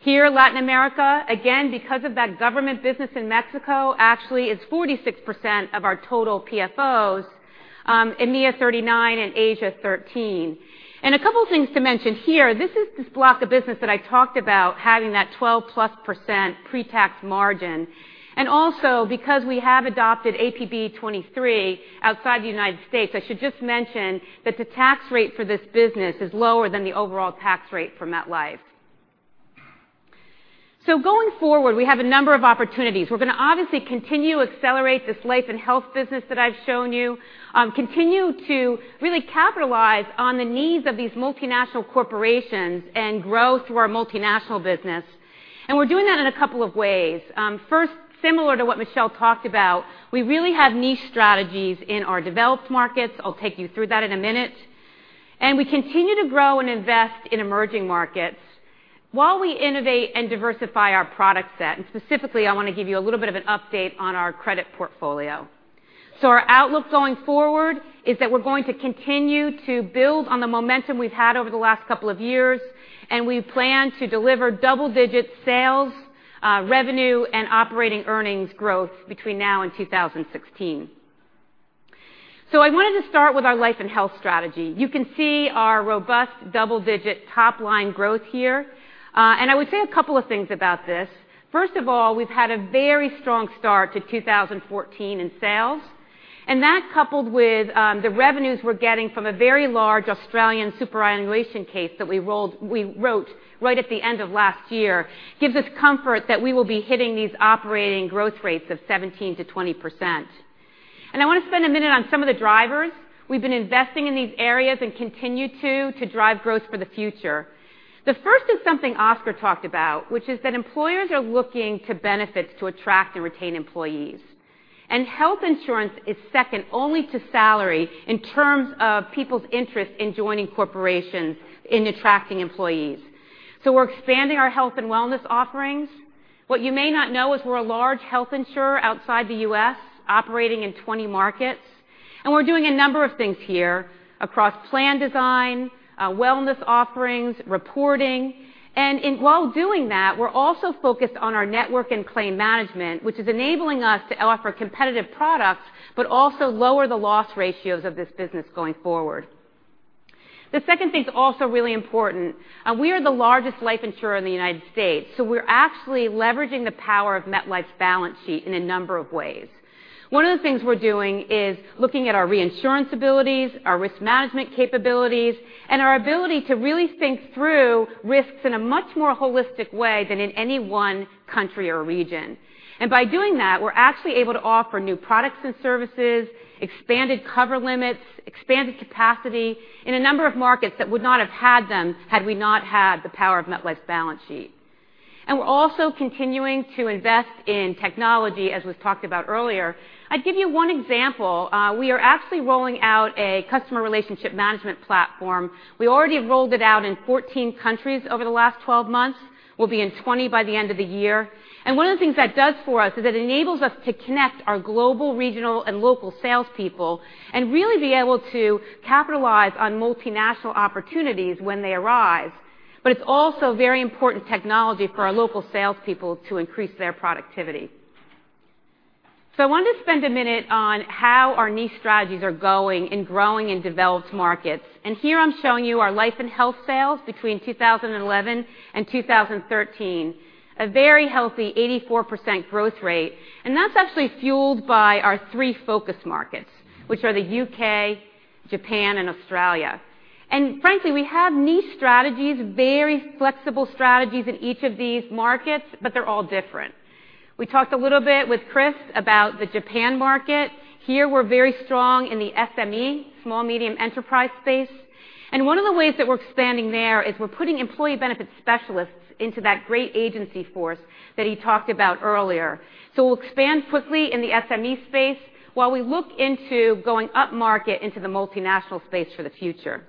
Here, Latin America, again because of that government business in Mexico, actually is 46% of our total PFOs, EMEA 39%, and Asia 13%. A couple things to mention here. This is this block of business that I talked about having that 12%+ pre-tax margin. Also because we have adopted APB 23 outside the United States, I should just mention that the tax rate for this business is lower than the overall tax rate for MetLife. Going forward, we have a number of opportunities. We're going to obviously continue to accelerate this life and health business that I've shown you, continue to really capitalize on the needs of these multinational corporations, and grow through our multinational business. We're doing that in a couple of ways. First, similar to what Michel talked about, we really have niche strategies in our developed markets. I'll take you through that in a minute. We continue to grow and invest in emerging markets while we innovate and diversify our product set. Specifically, I want to give you a little bit of an update on our credit portfolio. Our outlook going forward is that we're going to continue to build on the momentum we've had over the last couple of years, and we plan to deliver double-digit sales, revenue, and operating earnings growth between now and 2016. I wanted to start with our life and health strategy. You can see our robust double-digit top-line growth here. I would say a couple of things about this. First of all, we've had a very strong start to 2014 in sales, that coupled with the revenues we're getting from a very large Australian superannuation case that we wrote right at the end of last year, gives us comfort that we will be hitting these operating growth rates of 17%-20%. I want to spend a minute on some of the drivers. We've been investing in these areas and continue to drive growth for the future. The first is something Oscar talked about, which is that employers are looking to benefits to attract and retain employees. Health insurance is second only to salary in terms of people's interest in joining corporations in attracting employees. We're expanding our health and wellness offerings. What you may not know is we're a large health insurer outside the U.S., operating in 20 markets, we're doing a number of things here across plan design, wellness offerings, reporting. While doing that, we're also focused on our network and claim management, which is enabling us to offer competitive products but also lower the loss ratios of this business going forward. The second thing is also really important. We are the largest life insurer in the United States, we're actually leveraging the power of MetLife's balance sheet in a number of ways. One of the things we're doing is looking at our reinsurance abilities, our risk management capabilities, and our ability to really think through risks in a much more holistic way than in any one country or region. By doing that, we're actually able to offer new products and services, expanded cover limits, expanded capacity in a number of markets that would not have had them had we not had the power of MetLife's balance sheet. We're also continuing to invest in technology, as was talked about earlier. I'd give you one example. We are actually rolling out a customer relationship management platform. We already have rolled it out in 14 countries over the last 12 months. We'll be in 20 by the end of the year. One of the things that does for us is it enables us to connect our global, regional, and local salespeople and really be able to capitalize on multinational opportunities when they arise. It's also very important technology for our local salespeople to increase their productivity. I wanted to spend a minute on how our niche strategies are going in growing and developed markets. Here I'm showing you our life and health sales between 2011 and 2013. A very healthy 84% growth rate. That's actually fueled by our three focus markets, which are the U.K., Japan, and Australia. Frankly, we have niche strategies, very flexible strategies in each of these markets, they're all different. We talked a little bit with Chris about the Japan market. Here we're very strong in the SME, small medium enterprise space. One of the ways that we're expanding there is we're putting employee benefit specialists into that great agency force that he talked about earlier. We'll expand quickly in the SME space while we look into going upmarket into the multinational space for the future.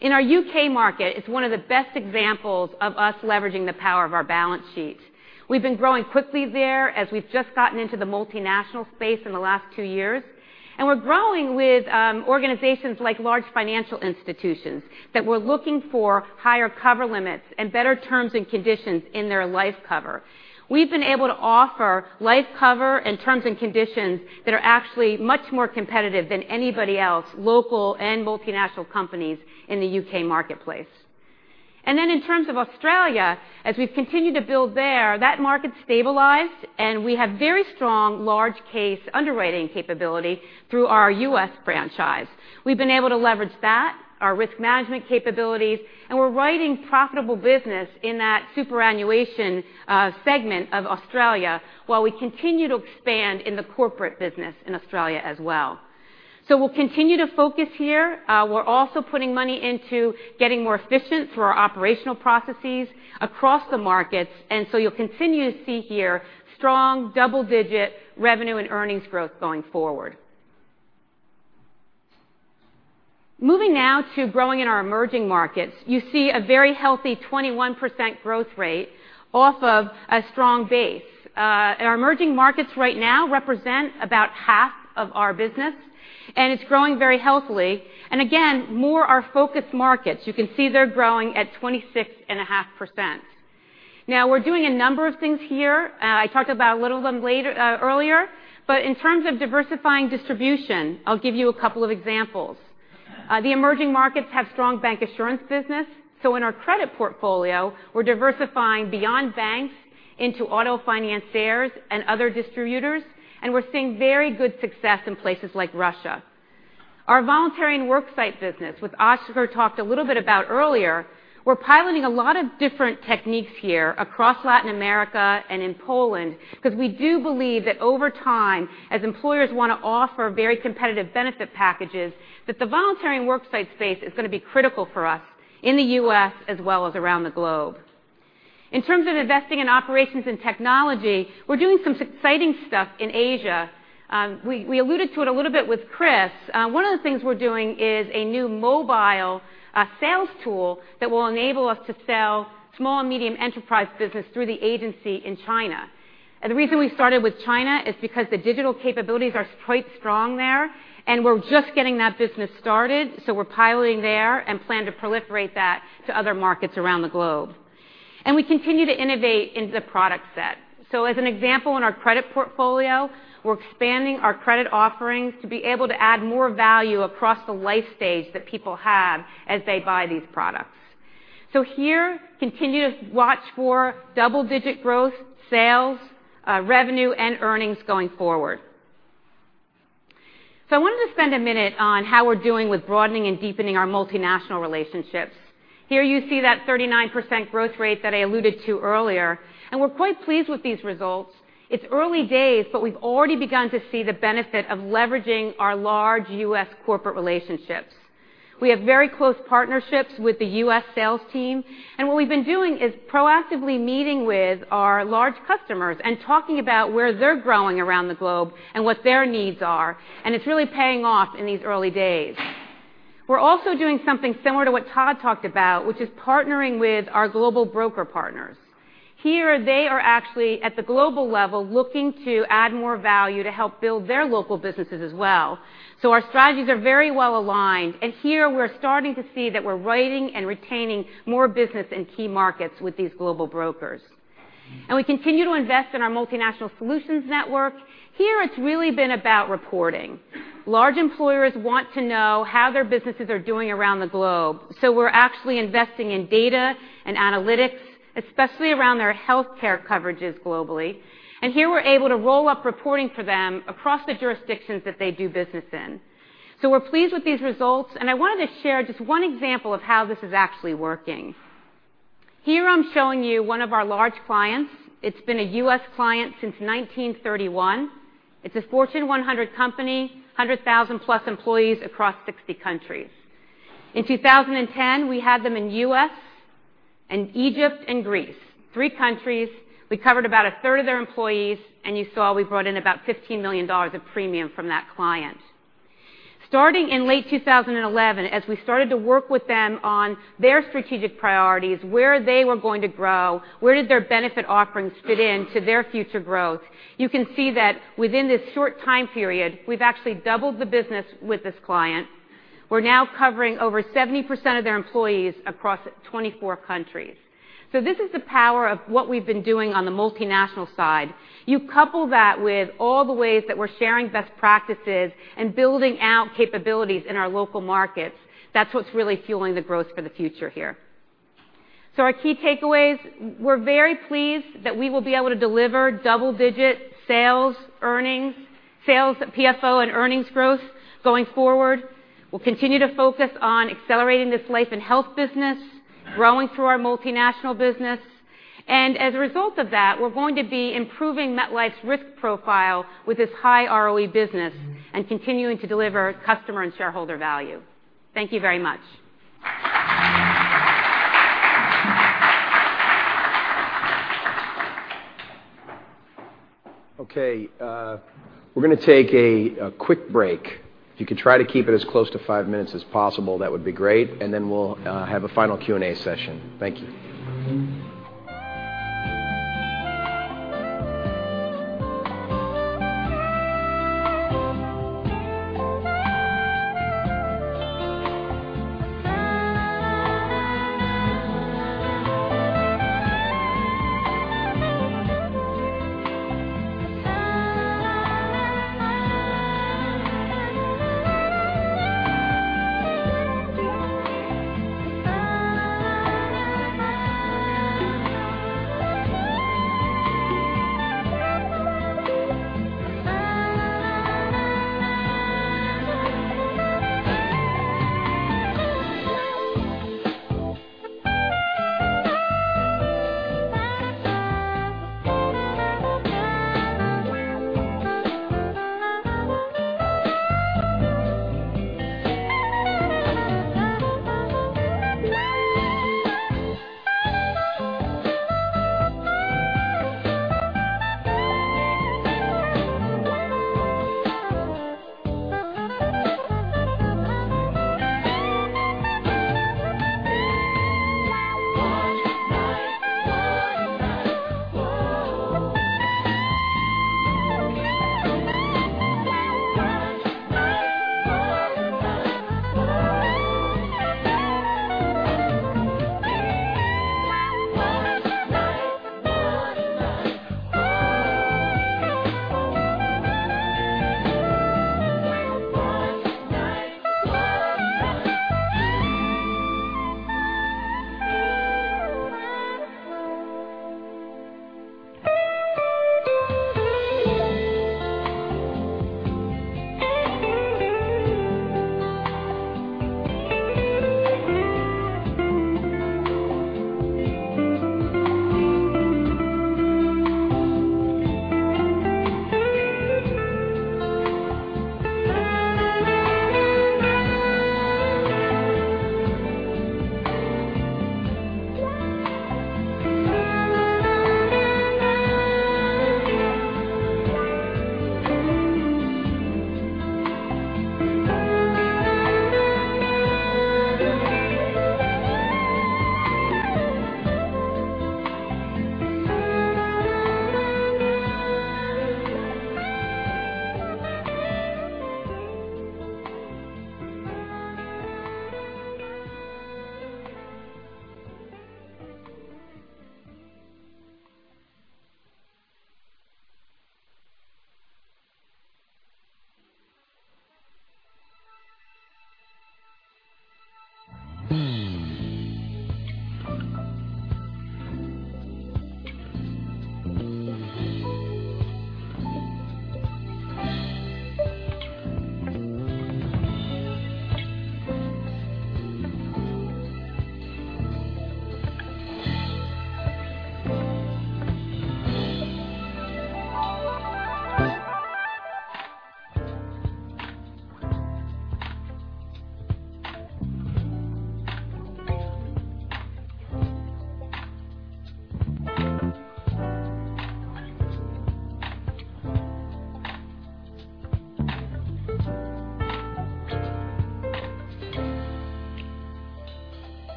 In our U.K. market, it's one of the best examples of us leveraging the power of our balance sheet. We've been growing quickly there as we've just gotten into the multinational space in the last two years. We're growing with organizations like large financial institutions that were looking for higher cover limits and better terms and conditions in their life cover. We've been able to offer life cover and terms and conditions that are actually much more competitive than anybody else, local and multinational companies, in the U.K. marketplace. In terms of Australia, as we've continued to build there, that market stabilized, and we have very strong large case underwriting capability through our U.S. franchise. We've been able to leverage that, our risk management capabilities, and we're writing profitable business in that superannuation segment of Australia while we continue to expand in the corporate business in Australia as well. We'll continue to focus here. We're also putting money into getting more efficient through our operational processes across the markets. You'll continue to see here strong double-digit revenue and earnings growth going forward. Moving now to growing in our emerging markets, you see a very healthy 21% growth rate off of a strong base. Our emerging markets right now represent about half of our business, and it's growing very healthily. Again, more our focus markets, you can see they're growing at 26.5%. We're doing a number of things here. I talked about a little of them earlier, but in terms of diversifying distribution, I'll give you a couple of examples. The emerging markets have strong bank assurance business, so in our credit portfolio, we're diversifying beyond banks into auto financiers and other distributors, and we're seeing very good success in places like Russia. Our voluntary and worksite business, which Oscar talked a little bit about earlier, we're piloting a lot of different techniques here across Latin America and in Poland because we do believe that over time, as employers want to offer very competitive benefit packages, that the voluntary and worksite space is going to be critical for us in the U.S. as well as around the globe. In terms of investing in operations and technology, we're doing some exciting stuff in Asia. We alluded to it a little bit with Chris. One of the things we're doing is a new mobile sales tool that will enable us to sell small and medium enterprise business through the agency in China. The reason we started with China is because the digital capabilities are quite strong there, and we're just getting that business started, so we're piloting there and plan to proliferate that to other markets around the globe. We continue to innovate in the product set. As an example, in our credit portfolio, we're expanding our credit offerings to be able to add more value across the life stage that people have as they buy these products. Here, continue to watch for double-digit growth, sales, revenue, and earnings going forward. I wanted to spend a minute on how we're doing with broadening and deepening our multinational relationships. Here you see that 39% growth rate that I alluded to earlier, and we're quite pleased with these results. It's early days, but we've already begun to see the benefit of leveraging our large U.S. corporate relationships. We have very close partnerships with the U.S. sales team, and what we've been doing is proactively meeting with our large customers and talking about where they're growing around the globe and what their needs are, and it's really paying off in these early days. We're also doing something similar to what Todd talked about, which is partnering with our global broker partners. Here they are actually at the global level, looking to add more value to help build their local businesses as well. Our strategies are very well aligned, and here we're starting to see that we're writing and retaining more business in key markets with these global brokers. We continue to invest in our multinational solutions network. Here it's really been about reporting. Large employers want to know how their businesses are doing around the globe. We're actually investing in data and analytics, especially around their healthcare coverages globally. Here we're able to roll up reporting for them across the jurisdictions that they do business in. We're pleased with these results, and I wanted to share just one example of how this is actually working. Here I'm showing you one of our large clients. It's been a U.S. client since 1931. It's a Fortune 100 company, 100,000+ employees across 60 countries. In 2010, we had them in U.S. and Egypt and Greece, three countries. We covered about a third of their employees, and you saw we brought in about $15 million of premium from that client. Starting in late 2011, as we started to work with them on their strategic priorities, where they were going to grow, where did their benefit offerings fit into their future growth? You can see that within this short time period, we've actually doubled the business with this client. We're now covering over 70% of their employees across 24 countries. This is the power of what we've been doing on the multinational side. You couple that with all the ways that we're sharing best practices and building out capabilities in our local markets, that's what's really fueling the growth for the future here. Our key takeaways, we're very pleased that we will be able to deliver double-digit sales, PFO, and earnings growth going forward. We'll continue to focus on accelerating this life and health business, growing through our multinational business, and as a result of that, we're going to be improving MetLife's risk profile with this high ROE business and continuing to deliver customer and shareholder value. Thank you very much. We're going to take a quick break. If you could try to keep it as close to five minutes as possible, that would be great, and then we'll have a final Q&A session. Thank you.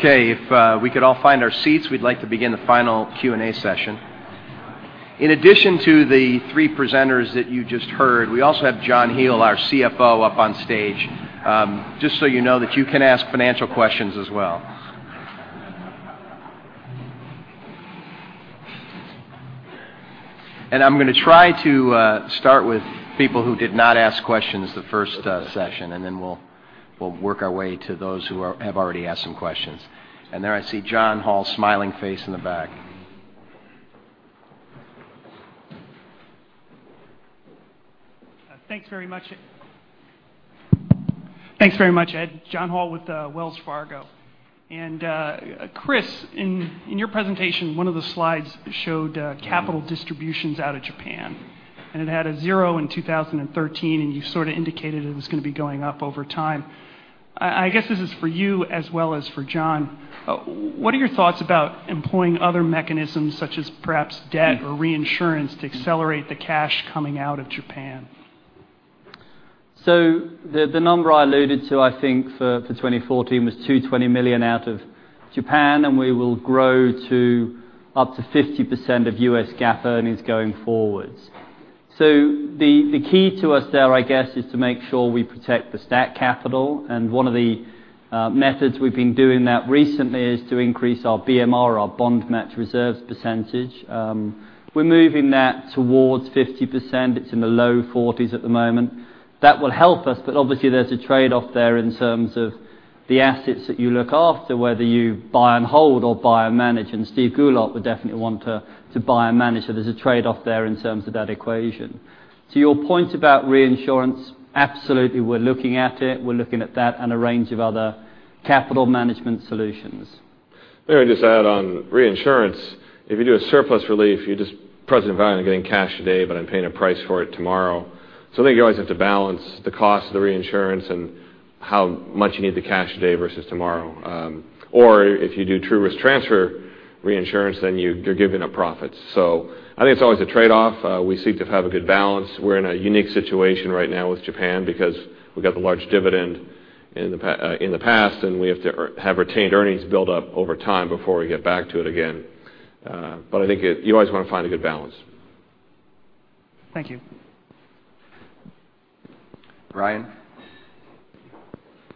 If we could all find our seats, we'd like to begin the final Q&A session. In addition to the three presenters that you just heard, we also have John Hele, our CFO, up on stage. Just so you know that you can ask financial questions as well. I'm going to try to start with people who did not ask questions the first session, and then we'll work our way to those who have already asked some questions. There I see John Hall's smiling face in the back. Thanks very much. Thanks very much, Ed. John Hall with Wells Fargo. Chris, in your presentation, one of the slides showed capital distributions out of Japan, and it had a 0 in 2013, and you sort of indicated that it's going to be going up over time. I guess this is for you as well as for John. What are your thoughts about employing other mechanisms such as perhaps debt or reinsurance to accelerate the cash coming out of Japan? The number I alluded to, I think, for 2014 was $220 million out of Japan, and we will grow to up to 50% of US GAAP earnings going forwards. The key to us there, I guess, is to make sure we protect the stack capital. One of the methods we've been doing that recently is to increase our BMR, our bond match reserves percentage. We're moving that towards 50%. It's in the low 40s at the moment. That will help us, but obviously, there's a trade-off there in terms of the assets that you look after, whether you buy and hold or buy and manage. Steven Goulart would definitely want to buy and manage, so there's a trade-off there in terms of that equation. To your point about reinsurance, absolutely, we're looking at it. We're looking at that and a range of other capital management solutions. May I just add on reinsurance. If you do a surplus relief, you're just present environment getting cash today, but I'm paying a price for it tomorrow. I think you always have to balance the cost of the reinsurance and how much you need the cash today versus tomorrow. If you do true risk transfer reinsurance, then you're giving up profits. I think it's always a trade-off. We seek to have a good balance. We're in a unique situation right now with Japan because we got the large dividend in the past, and we have to have retained earnings build up over time before we get back to it again. I think you always want to find a good balance. Thank you. Ryan?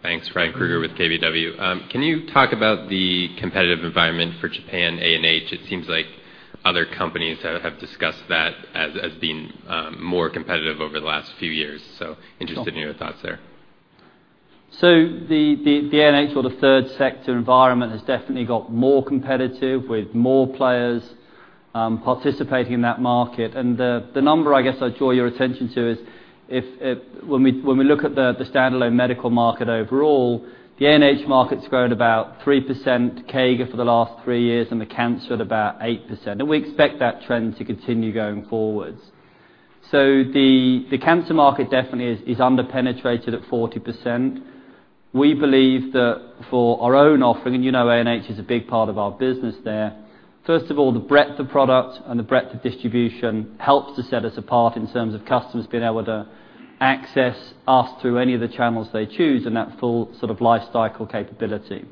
Thanks. Ryan Krueger with KBW. Can you talk about the competitive environment for Japan A&H? It seems like other companies have discussed that as being more competitive over the last few years. Interested in your thoughts there. The A&H or the third sector environment has definitely got more competitive with more players participating in that market, the number I guess I'd draw your attention to is when we look at the standalone medical market overall, the A&H market's grown about 3% CAGR for the last three years and the cancer at about 8%. We expect that trend to continue going forwards. The cancer market definitely is underpenetrated at 40%. We believe that for our own offering, you know A&H is a big part of our business there. First of all, the breadth of product and the breadth of distribution helps to set us apart in terms of customers being able to access us through any of the channels they choose and that full sort of lifecycle capability.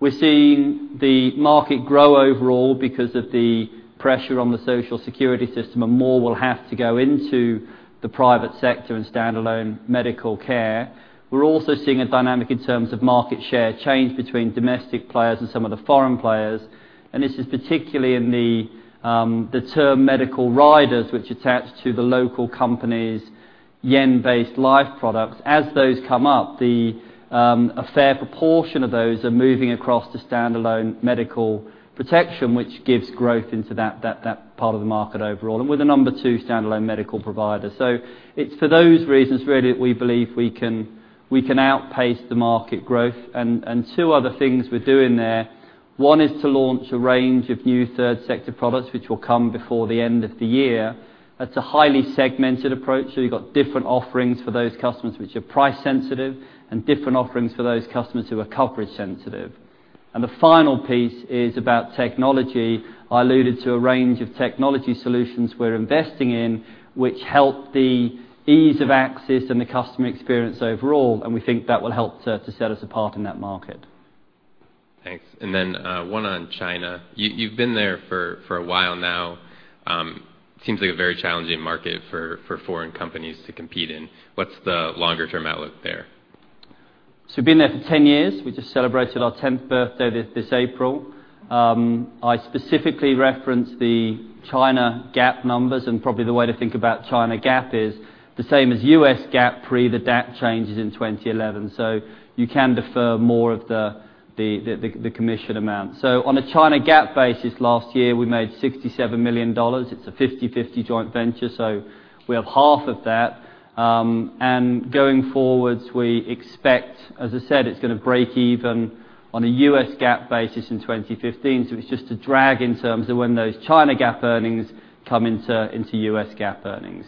We're seeing the market grow overall because of the pressure on the Social Security system and more will have to go into the private sector and standalone medical care. We're also seeing a dynamic in terms of market share change between domestic players and some of the foreign players. This is particularly in the term medical riders which attach to the local companies' yen-based life products. As those come up, a fair proportion of those are moving across to standalone medical protection, which gives growth into that part of the market overall. We're the number 2 standalone medical provider. It's for those reasons, really, we believe we can outpace the market growth. Two other things we're doing there One is to launch a range of new third sector products, which will come before the end of the year. That's a highly segmented approach. You've got different offerings for those customers which are price sensitive, different offerings for those customers who are coverage sensitive. The final piece is about technology. I alluded to a range of technology solutions we're investing in, which help the ease of access and the customer experience overall, we think that will help to set us apart in that market. Thanks. Then one on China. You've been there for a while now. Seems like a very challenging market for foreign companies to compete in. What's the longer term outlook there? We've been there for 10 years. We just celebrated our 10th birthday this April. I specifically referenced the China GAAP numbers. Probably the way to think about China GAAP is the same as US GAAP pre the DAC changes in 2011. You can defer more of the commission amount. On a China GAAP basis last year, we made $67 million. It's a 50/50 joint venture, we have half of that. Going forwards, we expect, as I said, it's going to break even on a US GAAP basis in 2015. It's just a drag in terms of when those China GAAP earnings come into US GAAP earnings.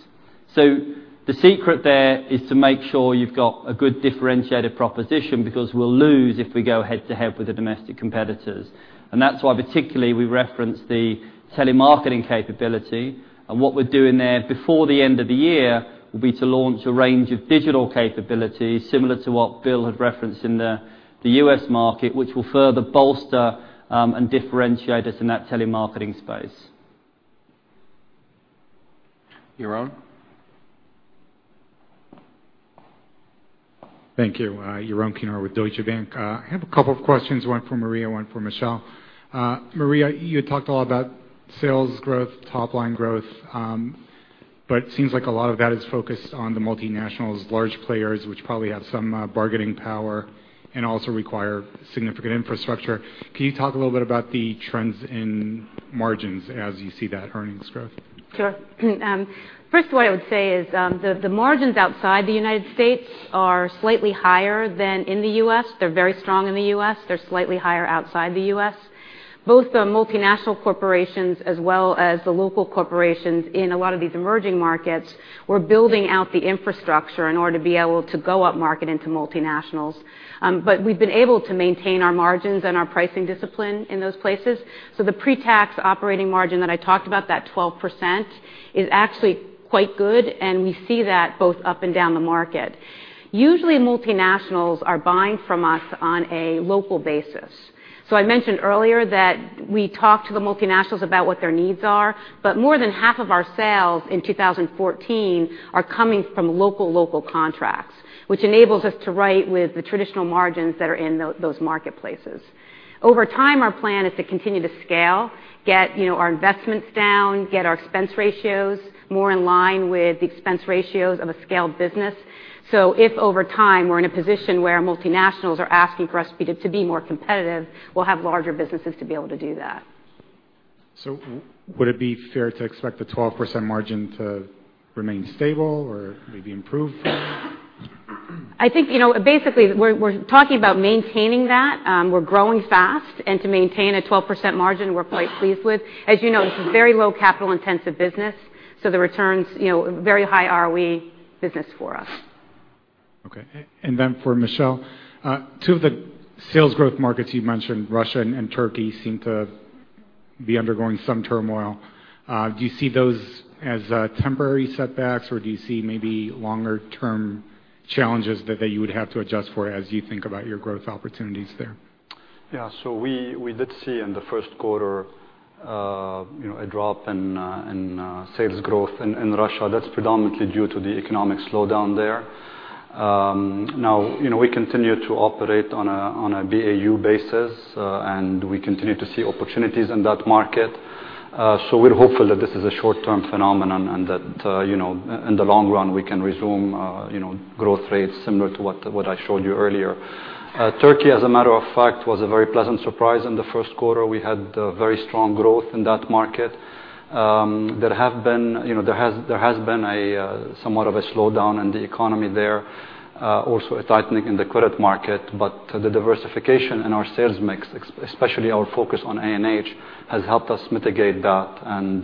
The secret there is to make sure you've got a good differentiated proposition because we'll lose if we go head to head with the domestic competitors. That's why particularly we reference the telemarketing capability. What we're doing there before the end of the year will be to launch a range of digital capabilities similar to what Bill had referenced in the U.S. market, which will further bolster and differentiate us in that telemarketing space. Yaron? Thank you. Yaron Kinar with Deutsche Bank. I have a couple of questions, one for Maria, one for Michel. Maria, you had talked a lot about sales growth, top line growth. Seems like a lot of that is focused on the multinationals, large players, which probably have some bargaining power and also require significant infrastructure. Can you talk a little bit about the trends in margins as you see that earnings growth? Sure. First what I would say is, the margins outside the United States are slightly higher than in the U.S. They're very strong in the U.S. They're slightly higher outside the U.S. Both the multinational corporations as well as the local corporations in a lot of these emerging markets were building out the infrastructure in order to be able to go up market into multinationals. We've been able to maintain our margins and our pricing discipline in those places. The pre-tax operating margin that I talked about, that 12%, is actually quite good, and we see that both up and down the market. Usually multinationals are buying from us on a local basis. I mentioned earlier that we talk to the multinationals about what their needs are, but more than half of our sales in 2014 are coming from local contracts, which enables us to write with the traditional margins that are in those marketplaces. Over time, our plan is to continue to scale, get our investments down, get our expense ratios more in line with the expense ratios of a scaled business. If over time we're in a position where multinationals are asking for us to be more competitive, we'll have larger businesses to be able to do that. Would it be fair to expect the 12% margin to remain stable or maybe improve? I think basically we're talking about maintaining that. We're growing fast, and to maintain a 12% margin, we're quite pleased with. As you know, this is a very low capital intensive business, so the returns, very high ROE business for us. Okay. For Michel. Two of the sales growth markets you mentioned, Russia and Turkey, seem to be undergoing some turmoil. Do you see those as temporary setbacks, or do you see maybe longer term challenges that you would have to adjust for as you think about your growth opportunities there? Yeah. We did see in the first quarter a drop in sales growth in Russia. That's predominantly due to the economic slowdown there. Now we continue to operate on a BAU basis, and we continue to see opportunities in that market. We're hopeful that this is a short-term phenomenon and that in the long run, we can resume growth rates similar to what I showed you earlier. Turkey, as a matter of fact, was a very pleasant surprise in the first quarter. We had very strong growth in that market. There has been somewhat of a slowdown in the economy there, also a tightening in the credit market. The diversification in our sales mix, especially our focus on A&H, has helped us mitigate that and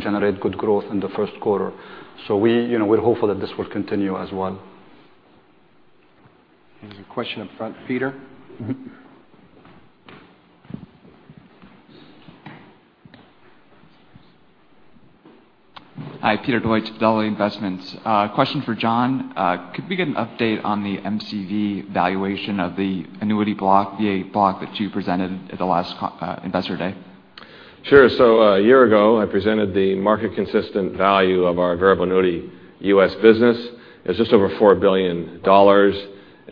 generate good growth in the first quarter. We're hopeful that this will continue as well. There's a question up front. Peter? Hi, Peter Deloitte with Deloitte Investments. Question for John. Could we get an update on the MCV valuation of the annuity block, VA block that you presented at the last Investor Day? Sure. A year ago, I presented the Market Consistent Value of our variable annuity U.S. business. It was just over $4 billion.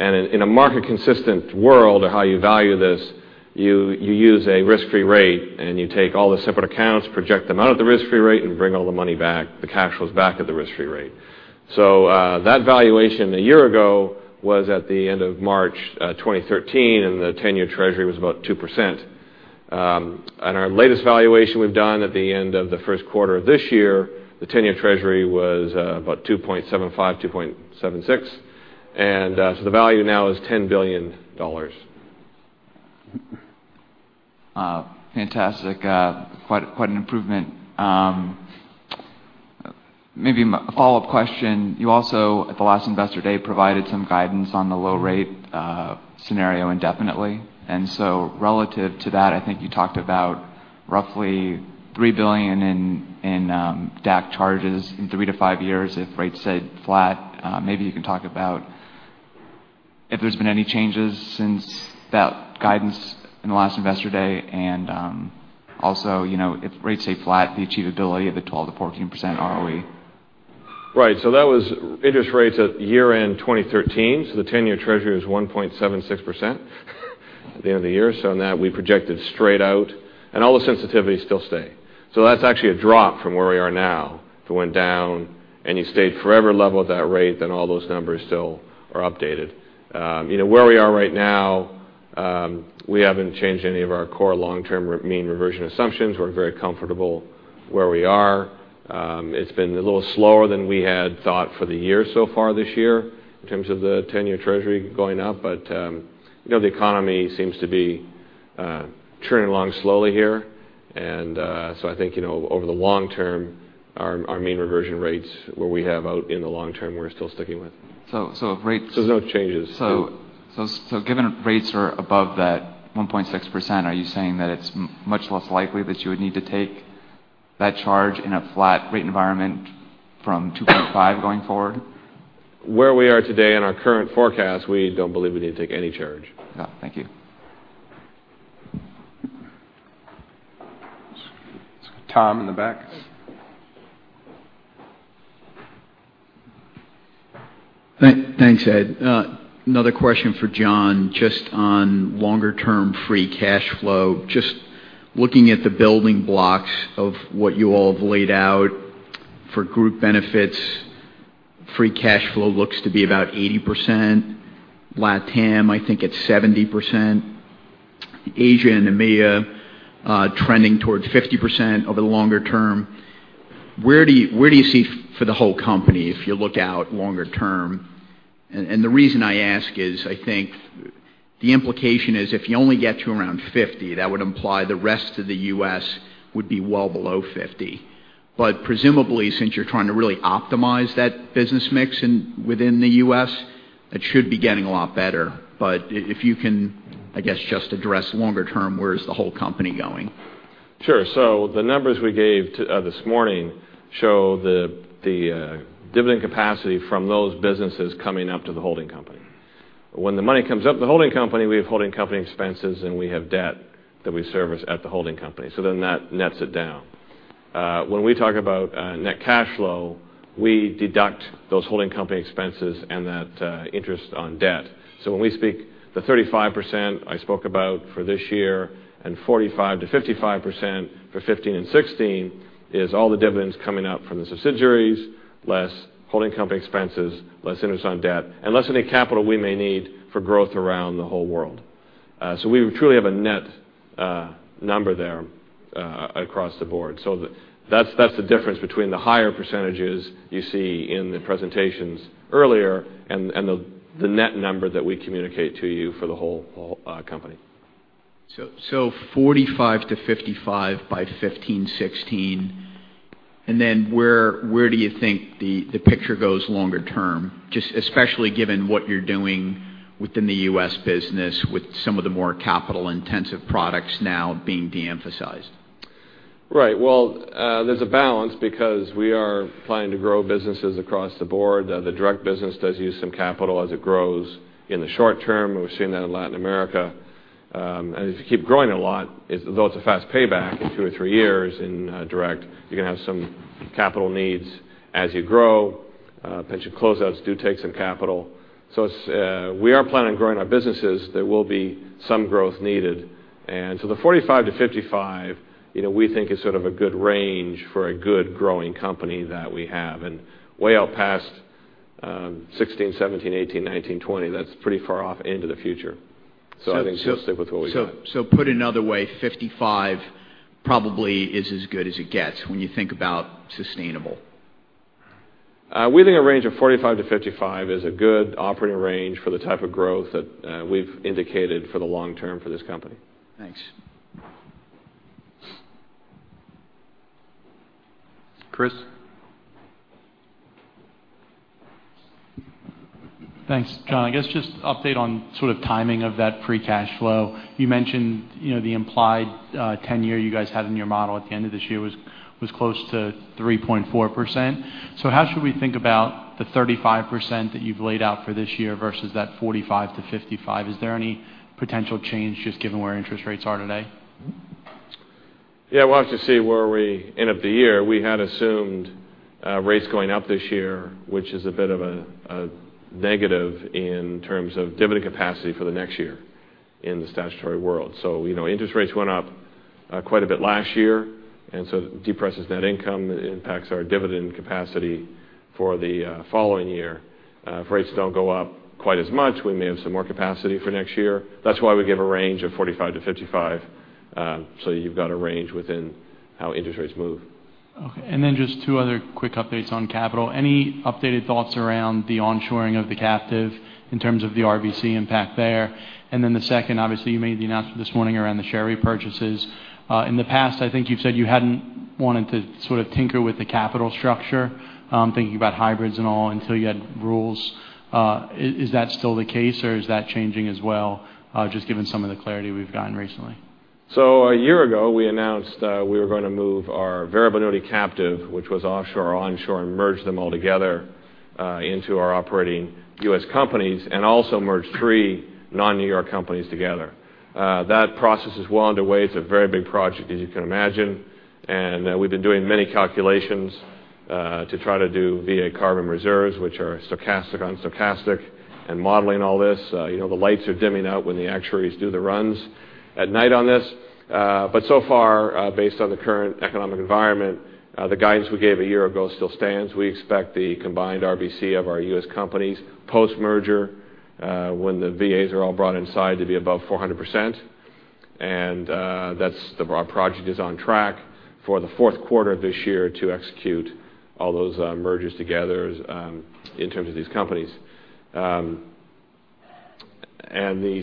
In a Market Consistent world of how you value this, you use a risk-free rate and you take all the separate accounts, project them out at the risk-free rate, and bring all the money back, the cash flows back at the risk-free rate. That valuation a year ago was at the end of March 2013, and the 10-year Treasury was about 2%. Our latest valuation we've done at the end of the first quarter of this year, the 10-year Treasury was about 2.75%, 2.76%. The value now is $10 billion. Fantastic. Quite an improvement. Maybe a follow-up question. You also, at the last Investor Day, provided some guidance on the low rate scenario indefinitely. Relative to that, I think you talked about roughly $3 billion in DAC charges in three to five years if rates stayed flat. Maybe you can talk about if there's been any changes since that guidance in the last Investor Day, and also, if rates stay flat, the achievability of the 12%-14% ROE. Right. That was interest rates at year-end 2013. The 10-year Treasury is 1.76% at the end of the year. On that, we projected straight out, all the sensitivities still stay. That's actually a drop from where we are now. If it went down and you stayed forever level at that rate, then all those numbers still are updated. Where we are right now, we haven't changed any of our core long-term mean reversion assumptions. We're very comfortable where we are. It's been a little slower than we had thought for the year so far this year in terms of the 10-year Treasury going up. The economy seems to be churning along slowly here, I think over the long term, our mean reversion rates, what we have out in the long term, we're still sticking with. Rates- There's no changes. Given rates are above that 1.6%, are you saying that it's much less likely that you would need to take that charge in a flat rate environment from 2.5% going forward? Where we are today in our current forecast, we don't believe we need to take any charge. Oh, thank you. Tom, in the back. Thanks, Ed. Another question for John, just on longer term free cash flow. Just looking at the building blocks of what you all have laid out for group benefits, free cash flow looks to be about 80%. LATAM, I think it's 70%. Asia and EMEA trending towards 50% over the longer term. Where do you see for the whole company if you look out longer term? The reason I ask is I think the implication is if you only get to around 50%, that would imply the rest of the U.S. would be well below 50%. Presumably since you're trying to really optimize that business mix within the U.S., it should be getting a lot better. If you can, I guess, just address longer term, where is the whole company going? Sure. The numbers we gave this morning show the dividend capacity from those businesses coming up to the holding company. When the money comes up to the holding company, we have holding company expenses, and we have debt that we service at the holding company. That nets it down. When we talk about net cash flow, we deduct those holding company expenses and that interest on debt. When we speak, the 35% I spoke about for this year and 45%-55% for 2015 and 2016 is all the dividends coming up from the subsidiaries, less holding company expenses, less interest on debt, and less any capital we may need for growth around the whole world. We truly have a net number there across the board. That's the difference between the higher percentages you see in the presentations earlier and the net number that we communicate to you for the whole company. 45-55 by 2015, 2016. Where do you think the picture goes longer term, just especially given what you're doing within the U.S. business with some of the more capital intensive products now being de-emphasized? Well, there's a balance because we are planning to grow businesses across the board. The direct business does use some capital as it grows in the short term. We've seen that in Latin America. If you keep growing it a lot, although it's a fast payback in two or three years in direct, you're going to have some capital needs as you grow. Pension closeouts do take some capital. As we are planning on growing our businesses, there will be some growth needed. The 45-55 we think is sort of a good range for a good growing company that we have. Way out past 2016, 2017, 2018, 2019, 2020, that's pretty far off into the future. I think we'll stick with what we got. Put another way, 55 probably is as good as it gets when you think about sustainable. We think a range of 45-55 is a good operating range for the type of growth that we've indicated for the long term for this company. Thanks. Chris? Thanks. John, I guess just update on sort of timing of that free cash flow. You mentioned the implied 10-year you guys had in your model at the end of this year was close to 3.4%. How should we think about the 35% that you've laid out for this year versus that 45%-55%? Is there any potential change just given where interest rates are today? Yeah. We'll have to see where we end up the year. We had assumed rates going up this year, which is a bit of a negative in terms of dividend capacity for the next year in the statutory world. Interest rates went up quite a bit last year, and so it depresses net income. It impacts our dividend capacity for the following year. If rates don't go up quite as much, we may have some more capacity for next year. That's why we give a range of 45%-55%, so you've got a range within how interest rates move. Okay. Just two other quick updates on capital. Any updated thoughts around the onshoring of the captive in terms of the RBC impact there? The second, obviously, you made the announcement this morning around the share repurchases. In the past, I think you've said you hadn't wanted to sort of tinker with the capital structure, thinking about hybrids and all until you had rules. Is that still the case or is that changing as well, just given some of the clarity we've gotten recently? A year ago, we announced that we were going to move our Verbanotti captive, which was offshore or onshore, and merge them all together into our operating U.S. companies, and also merge three non-New York companies together. That process is well underway. It's a very big project, as you can imagine, and we've been doing many calculations to try to do CARVM reserves, which are stochastic on stochastic, and modeling all this. The lights are dimming out when the actuaries do the runs at night on this. So far, based on the current economic environment, the guidance we gave a year ago still stands. We expect the combined RBC of our U.S. companies, post-merger, when the VAs are all brought inside, to be above 400%. Our project is on track for the fourth quarter of this year to execute all those mergers together in terms of these companies. The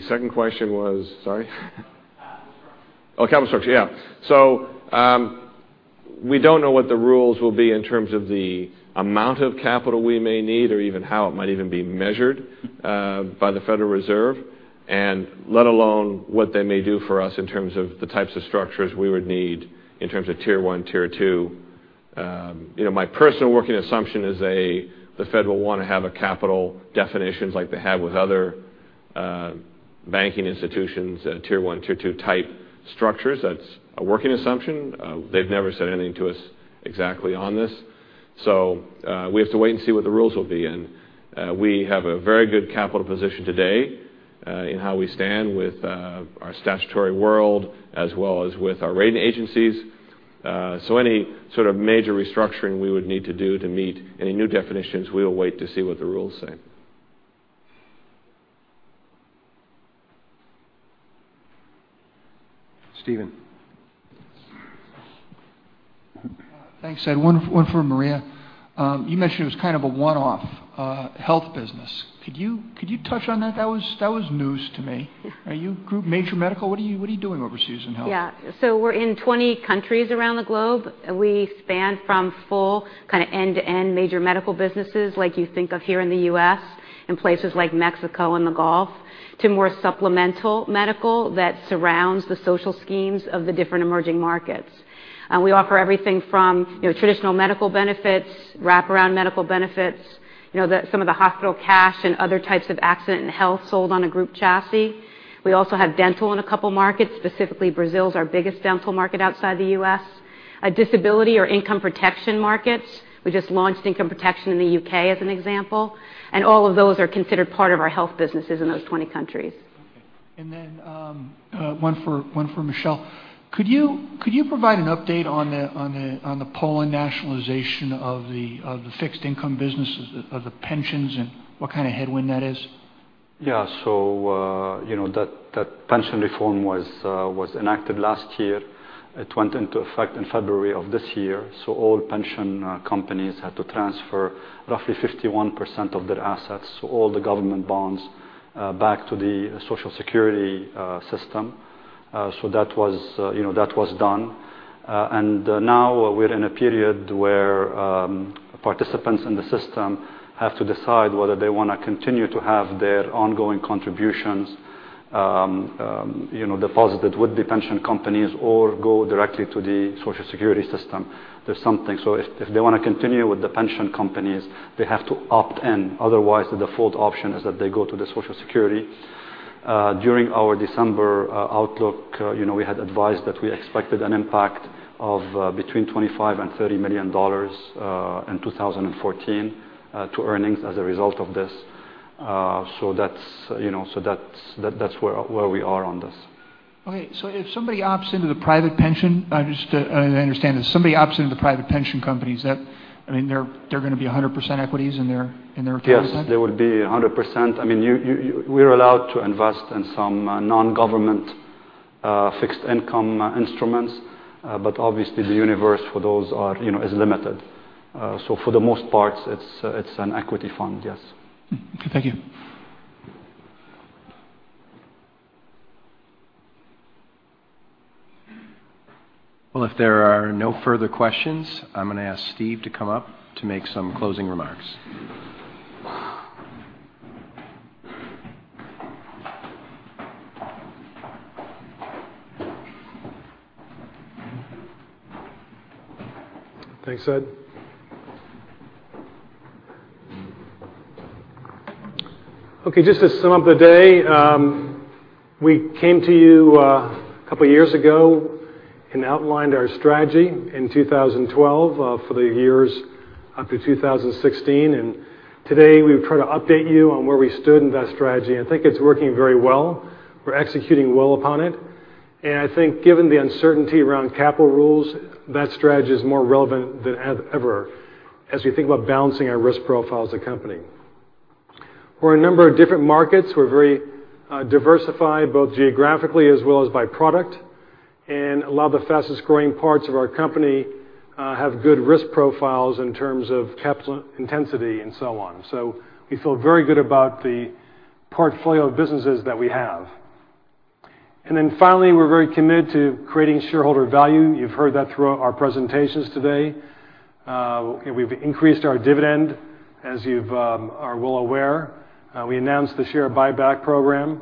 second question was? Sorry. Capital structure. Oh, capital structure. Yeah. We don't know what the rules will be in terms of the amount of capital we may need or even how it might even be measured by the Federal Reserve. Let alone what they may do for us in terms of the types of structures we would need in terms of tier 1, tier 2. My personal working assumption is the Fed will want to have capital definitions like they have with other banking institutions, tier 1, tier 2 type structures. That's a working assumption. They've never said anything to us exactly on this. We have to wait and see what the rules will be. We have a very good capital position today in how we stand with our statutory world as well as with our rating agencies. Any sort of major restructuring we would need to do to meet any new definitions, we will wait to see what the rules say. Stephen. Thanks, Ed. One for Maria. You mentioned it was kind of a one-off health business. Could you touch on that? That was news to me. Are you group major medical? What are you doing overseas in health? Yeah. We're in 20 countries around the globe. We span from full kind of end-to-end major medical businesses like you think of here in the U.S. and places like Mexico and the Gulf, to more supplemental medical that surrounds the social schemes of the different emerging markets. We offer everything from traditional medical benefits, wraparound medical benefits, some of the hospital cash and other types of accident and health sold on a group chassis. We also have dental in a couple markets. Specifically, Brazil is our biggest dental market outside the U.S. Disability or income protection markets. We just launched income protection in the U.K., as an example. All of those are considered part of our health businesses in those 20 countries. Okay. One for Michel. Could you provide an update on the Poland nationalization of the fixed income businesses of the pensions and what kind of headwind that is? Yeah. That pension reform was enacted last year. It went into effect in February of this year. All pension companies had to transfer roughly 51% of their assets, all the government bonds, back to the Social Security system. That was done. Now we're in a period where participants in the system have to decide whether they want to continue to have their ongoing contributions deposited with the pension companies or go directly to the Social Security system. If they want to continue with the pension companies, they have to opt in. Otherwise, the default option is that they go to the Social Security. During our December outlook, we had advised that we expected an impact of between $25 million and $30 million in 2014 to earnings as a result of this. That's where we are on this. Okay. If somebody opts into the private pension companies, they're going to be 100% equities in their account then? Yes, they would be 100%. We're allowed to invest in some non-government fixed income instruments. Obviously, the universe for those is limited. For the most part, it's an equity fund, yes. Okay. Thank you. Well, if there are no further questions, I'm going to ask Steve to come up to make some closing remarks. Thanks, Ed. Just to sum up the day. We came to you a couple of years ago and outlined our strategy in 2012 for the years up to 2016. Today, we've tried to update you on where we stood in that strategy. I think it's working very well. We're executing well upon it. I think given the uncertainty around capital rules, that strategy is more relevant than ever as we think about balancing our risk profile as a company. We're in a number of different markets. We're very diversified, both geographically as well as by product. A lot of the fastest-growing parts of our company have good risk profiles in terms of capital intensity and so on. We feel very good about the portfolio of businesses that we have. Finally, we're very committed to creating shareholder value. You've heard that throughout our presentations today. We've increased our dividend, as you are well aware. We announced the share buyback program.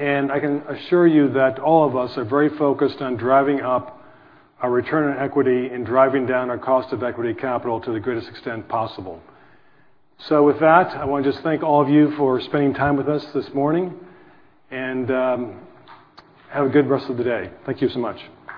I can assure you that all of us are very focused on driving up our return on equity and driving down our cost of equity capital to the greatest extent possible. With that, I want to just thank all of you for spending time with us this morning, and have a good rest of the day. Thank you so much.